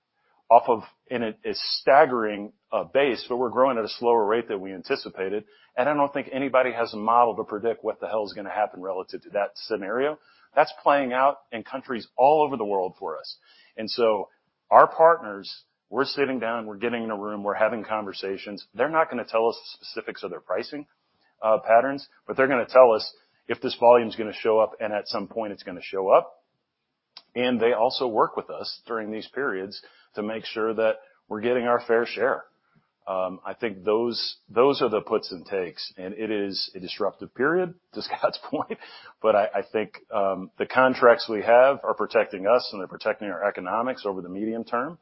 Speaker 1: off of. In a staggering base, but we're growing at a slower rate than we anticipated, and I don't think anybody has a model to predict what the hell is gonna happen relative to that scenario. That's playing out in countries all over the world for us. Our partners, we're sitting down, we're getting in a room, we're having conversations. They're not gonna tell us the specifics of their pricing patterns, but they're gonna tell us if this volume's gonna show up, and at some point, it's gonna show up. They also work with us during these periods to make sure that we're getting our fair share. I think those are the puts and takes, and it is a disruptive period, to Scott's point. I think the contracts we have are protecting us, and they're protecting our economics over the medium term.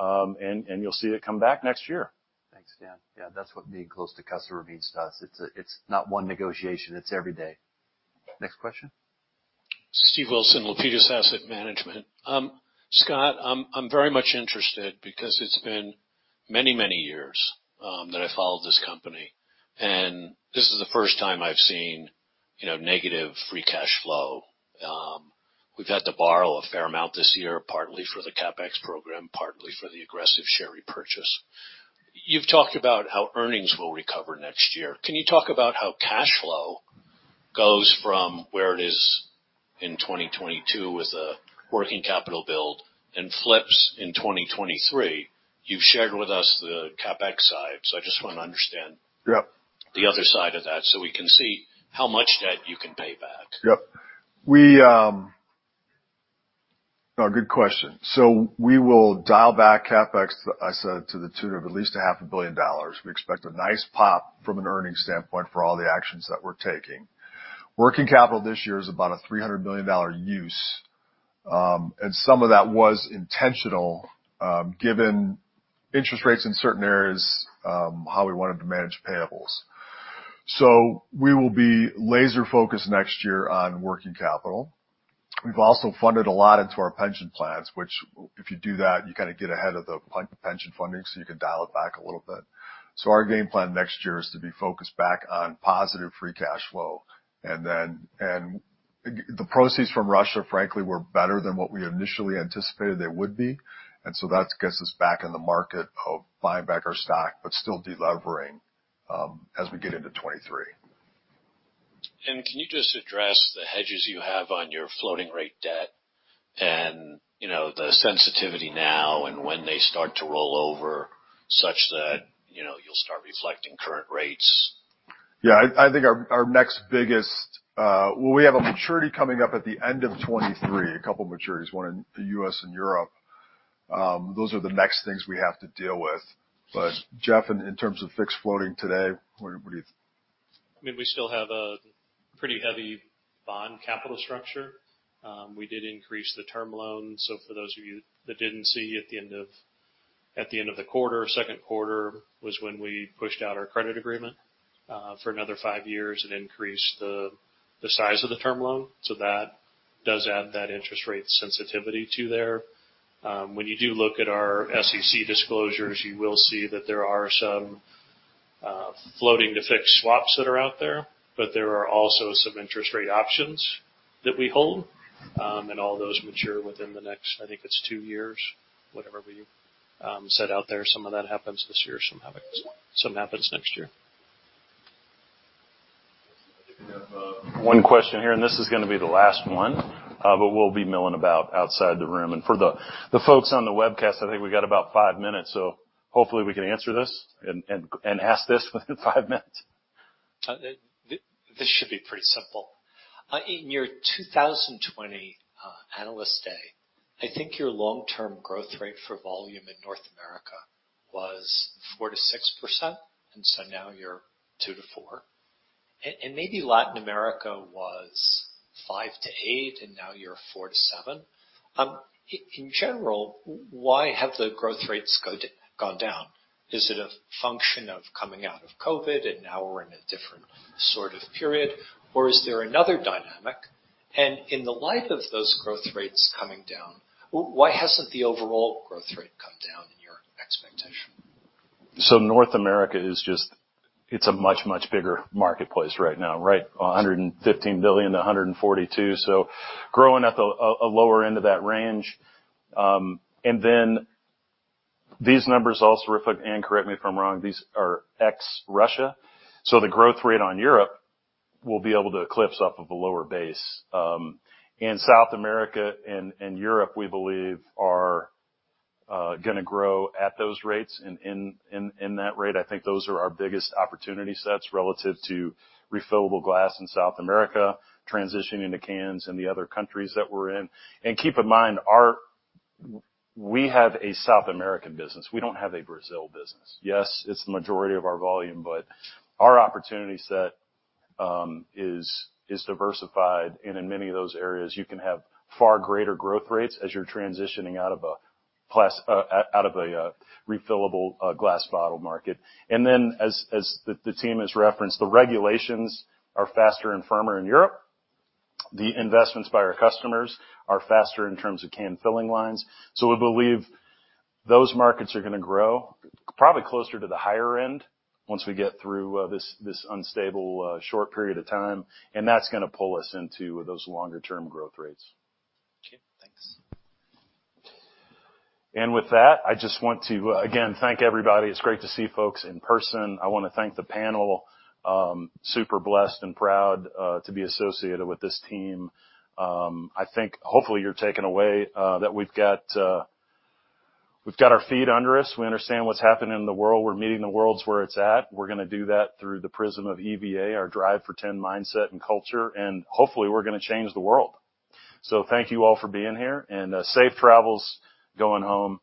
Speaker 1: You'll see it come back next year.
Speaker 2: Thanks, Dan. Yeah, that's what being close to customer means to us. It's not one negotiation, it's every day. Next question.
Speaker 24: Steve Wilson, Lapides Asset Management. Scott, I'm very much interested because it's been many, many years that I followed this company, and this is the first time I've seen, you know, negative free cash flow. We've had to borrow a fair amount this year, partly for the CapEx program, partly for the aggressive share repurchase. You've talked about how earnings will recover next year. Can you talk about how cash flow goes from where it is in 2022 with the working capital build and flips in 2023? You've shared with us the CapEx side, so I just wanna understand.
Speaker 4: Yep.
Speaker 24: On the other side of that, so we can see how much debt you can pay back.
Speaker 4: No, good question. We will dial back CapEx, I said, to the tune of at least $500 million. We expect a nice pop from an earnings standpoint for all the actions that we're taking. Working capital this year is about a $300 million use, and some of that was intentional, given interest rates in certain areas, how we wanted to manage payables. We will be laser-focused next year on working capital. We've also funded a lot into our pension plans, which if you do that, you kinda get ahead of the pension funding, so you can dial it back a little bit. Our game plan next year is to be focused back on positive free cash flow. The proceeds from Russia, frankly, were better than what we initially anticipated they would be. That gets us back in the market of buying back our stock, but still de-levering, as we get into 2023.
Speaker 24: Can you just address the hedges you have on your floating rate debt and, you know, the sensitivity now and when they start to roll over such that, you know, you'll start reflecting current rates?
Speaker 4: Yeah. I think our next biggest. Well, we have a maturity coming up at the end of 2023, a couple maturities, one in U.S. and Europe. Those are the next things we have to deal with. Jeff, in terms of fixed floating today, what do you?
Speaker 8: I mean, we still have a pretty heavy bond capital structure. We did increase the term loan. For those of you that didn't see at the end of the quarter, second quarter was when we pushed out our credit agreement for another five years and increased the size of the term loan. That does add that interest rate sensitivity to there. When you do look at our SEC disclosures, you will see that there are some floating to fixed swaps that are out there, but there are also some interest rate options that we hold. All those mature within the next, I think it's two years, whatever we set out there. Some of that happens this year. Some happens next year.
Speaker 1: I think we have one question here, and this is gonna be the last one. We'll be milling about outside the room. For the folks on the webcast, I think we got about five minutes. Hopefully we can answer this and ask this within five minutes.
Speaker 25: This should be pretty simple. In your 2020 Analyst Day, I think your long-term growth rate for volume in North America was 4%-6%, and so now you're 2%-4%. Maybe Latin America was 5%-8%, and now you're 4%-7%. In general, why have the growth rates gone down? Is it a function of coming out of COVID, and now we're in a different sort of period, or is there another dynamic? In the light of those growth rates coming down, why hasn't the overall growth rate come down in your expectation?
Speaker 1: North America is just a much, much bigger marketplace right now, right? $115 billion-$142 billion. Growing at a lower end of that range. These numbers also reflect, and correct me if I'm wrong, these are ex-Russia. The growth rate on Europe will be able to eclipse off of a lower base. South America and Europe, we believe, are gonna grow at those rates. At that rate, I think those are our biggest opportunity sets relative to refillable glass in South America, transitioning to cans in the other countries that we're in. Keep in mind, we have a South American business. We don't have a Brazil business. Yes, it's the majority of our volume, but our opportunity set is diversified. In many of those areas, you can have far greater growth rates as you're transitioning out of a refillable glass bottle market. As the team has referenced, the regulations are faster and firmer in Europe. The investments by our customers are faster in terms of can filling lines. We believe those markets are gonna grow probably closer to the higher end once we get through this unstable short period of time, and that's gonna pull us into those longer term growth rates.
Speaker 25: Okay, thanks.
Speaker 1: With that, I just want to again thank everybody. It's great to see folks in person. I wanna thank the panel. Super blessed and proud to be associated with this team. I think hopefully you're taking away that we've got our feet under us. We understand what's happening in the world. We're meeting the world where it's at. We're gonna do that through the prism of EVA, our Drive for 10 mindset and culture, and hopefully, we're gonna change the world. Thank you all for being here, and safe travels going home.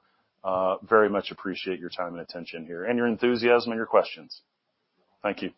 Speaker 1: Very much appreciate your time and attention here, and your enthusiasm and your questions. Thank you.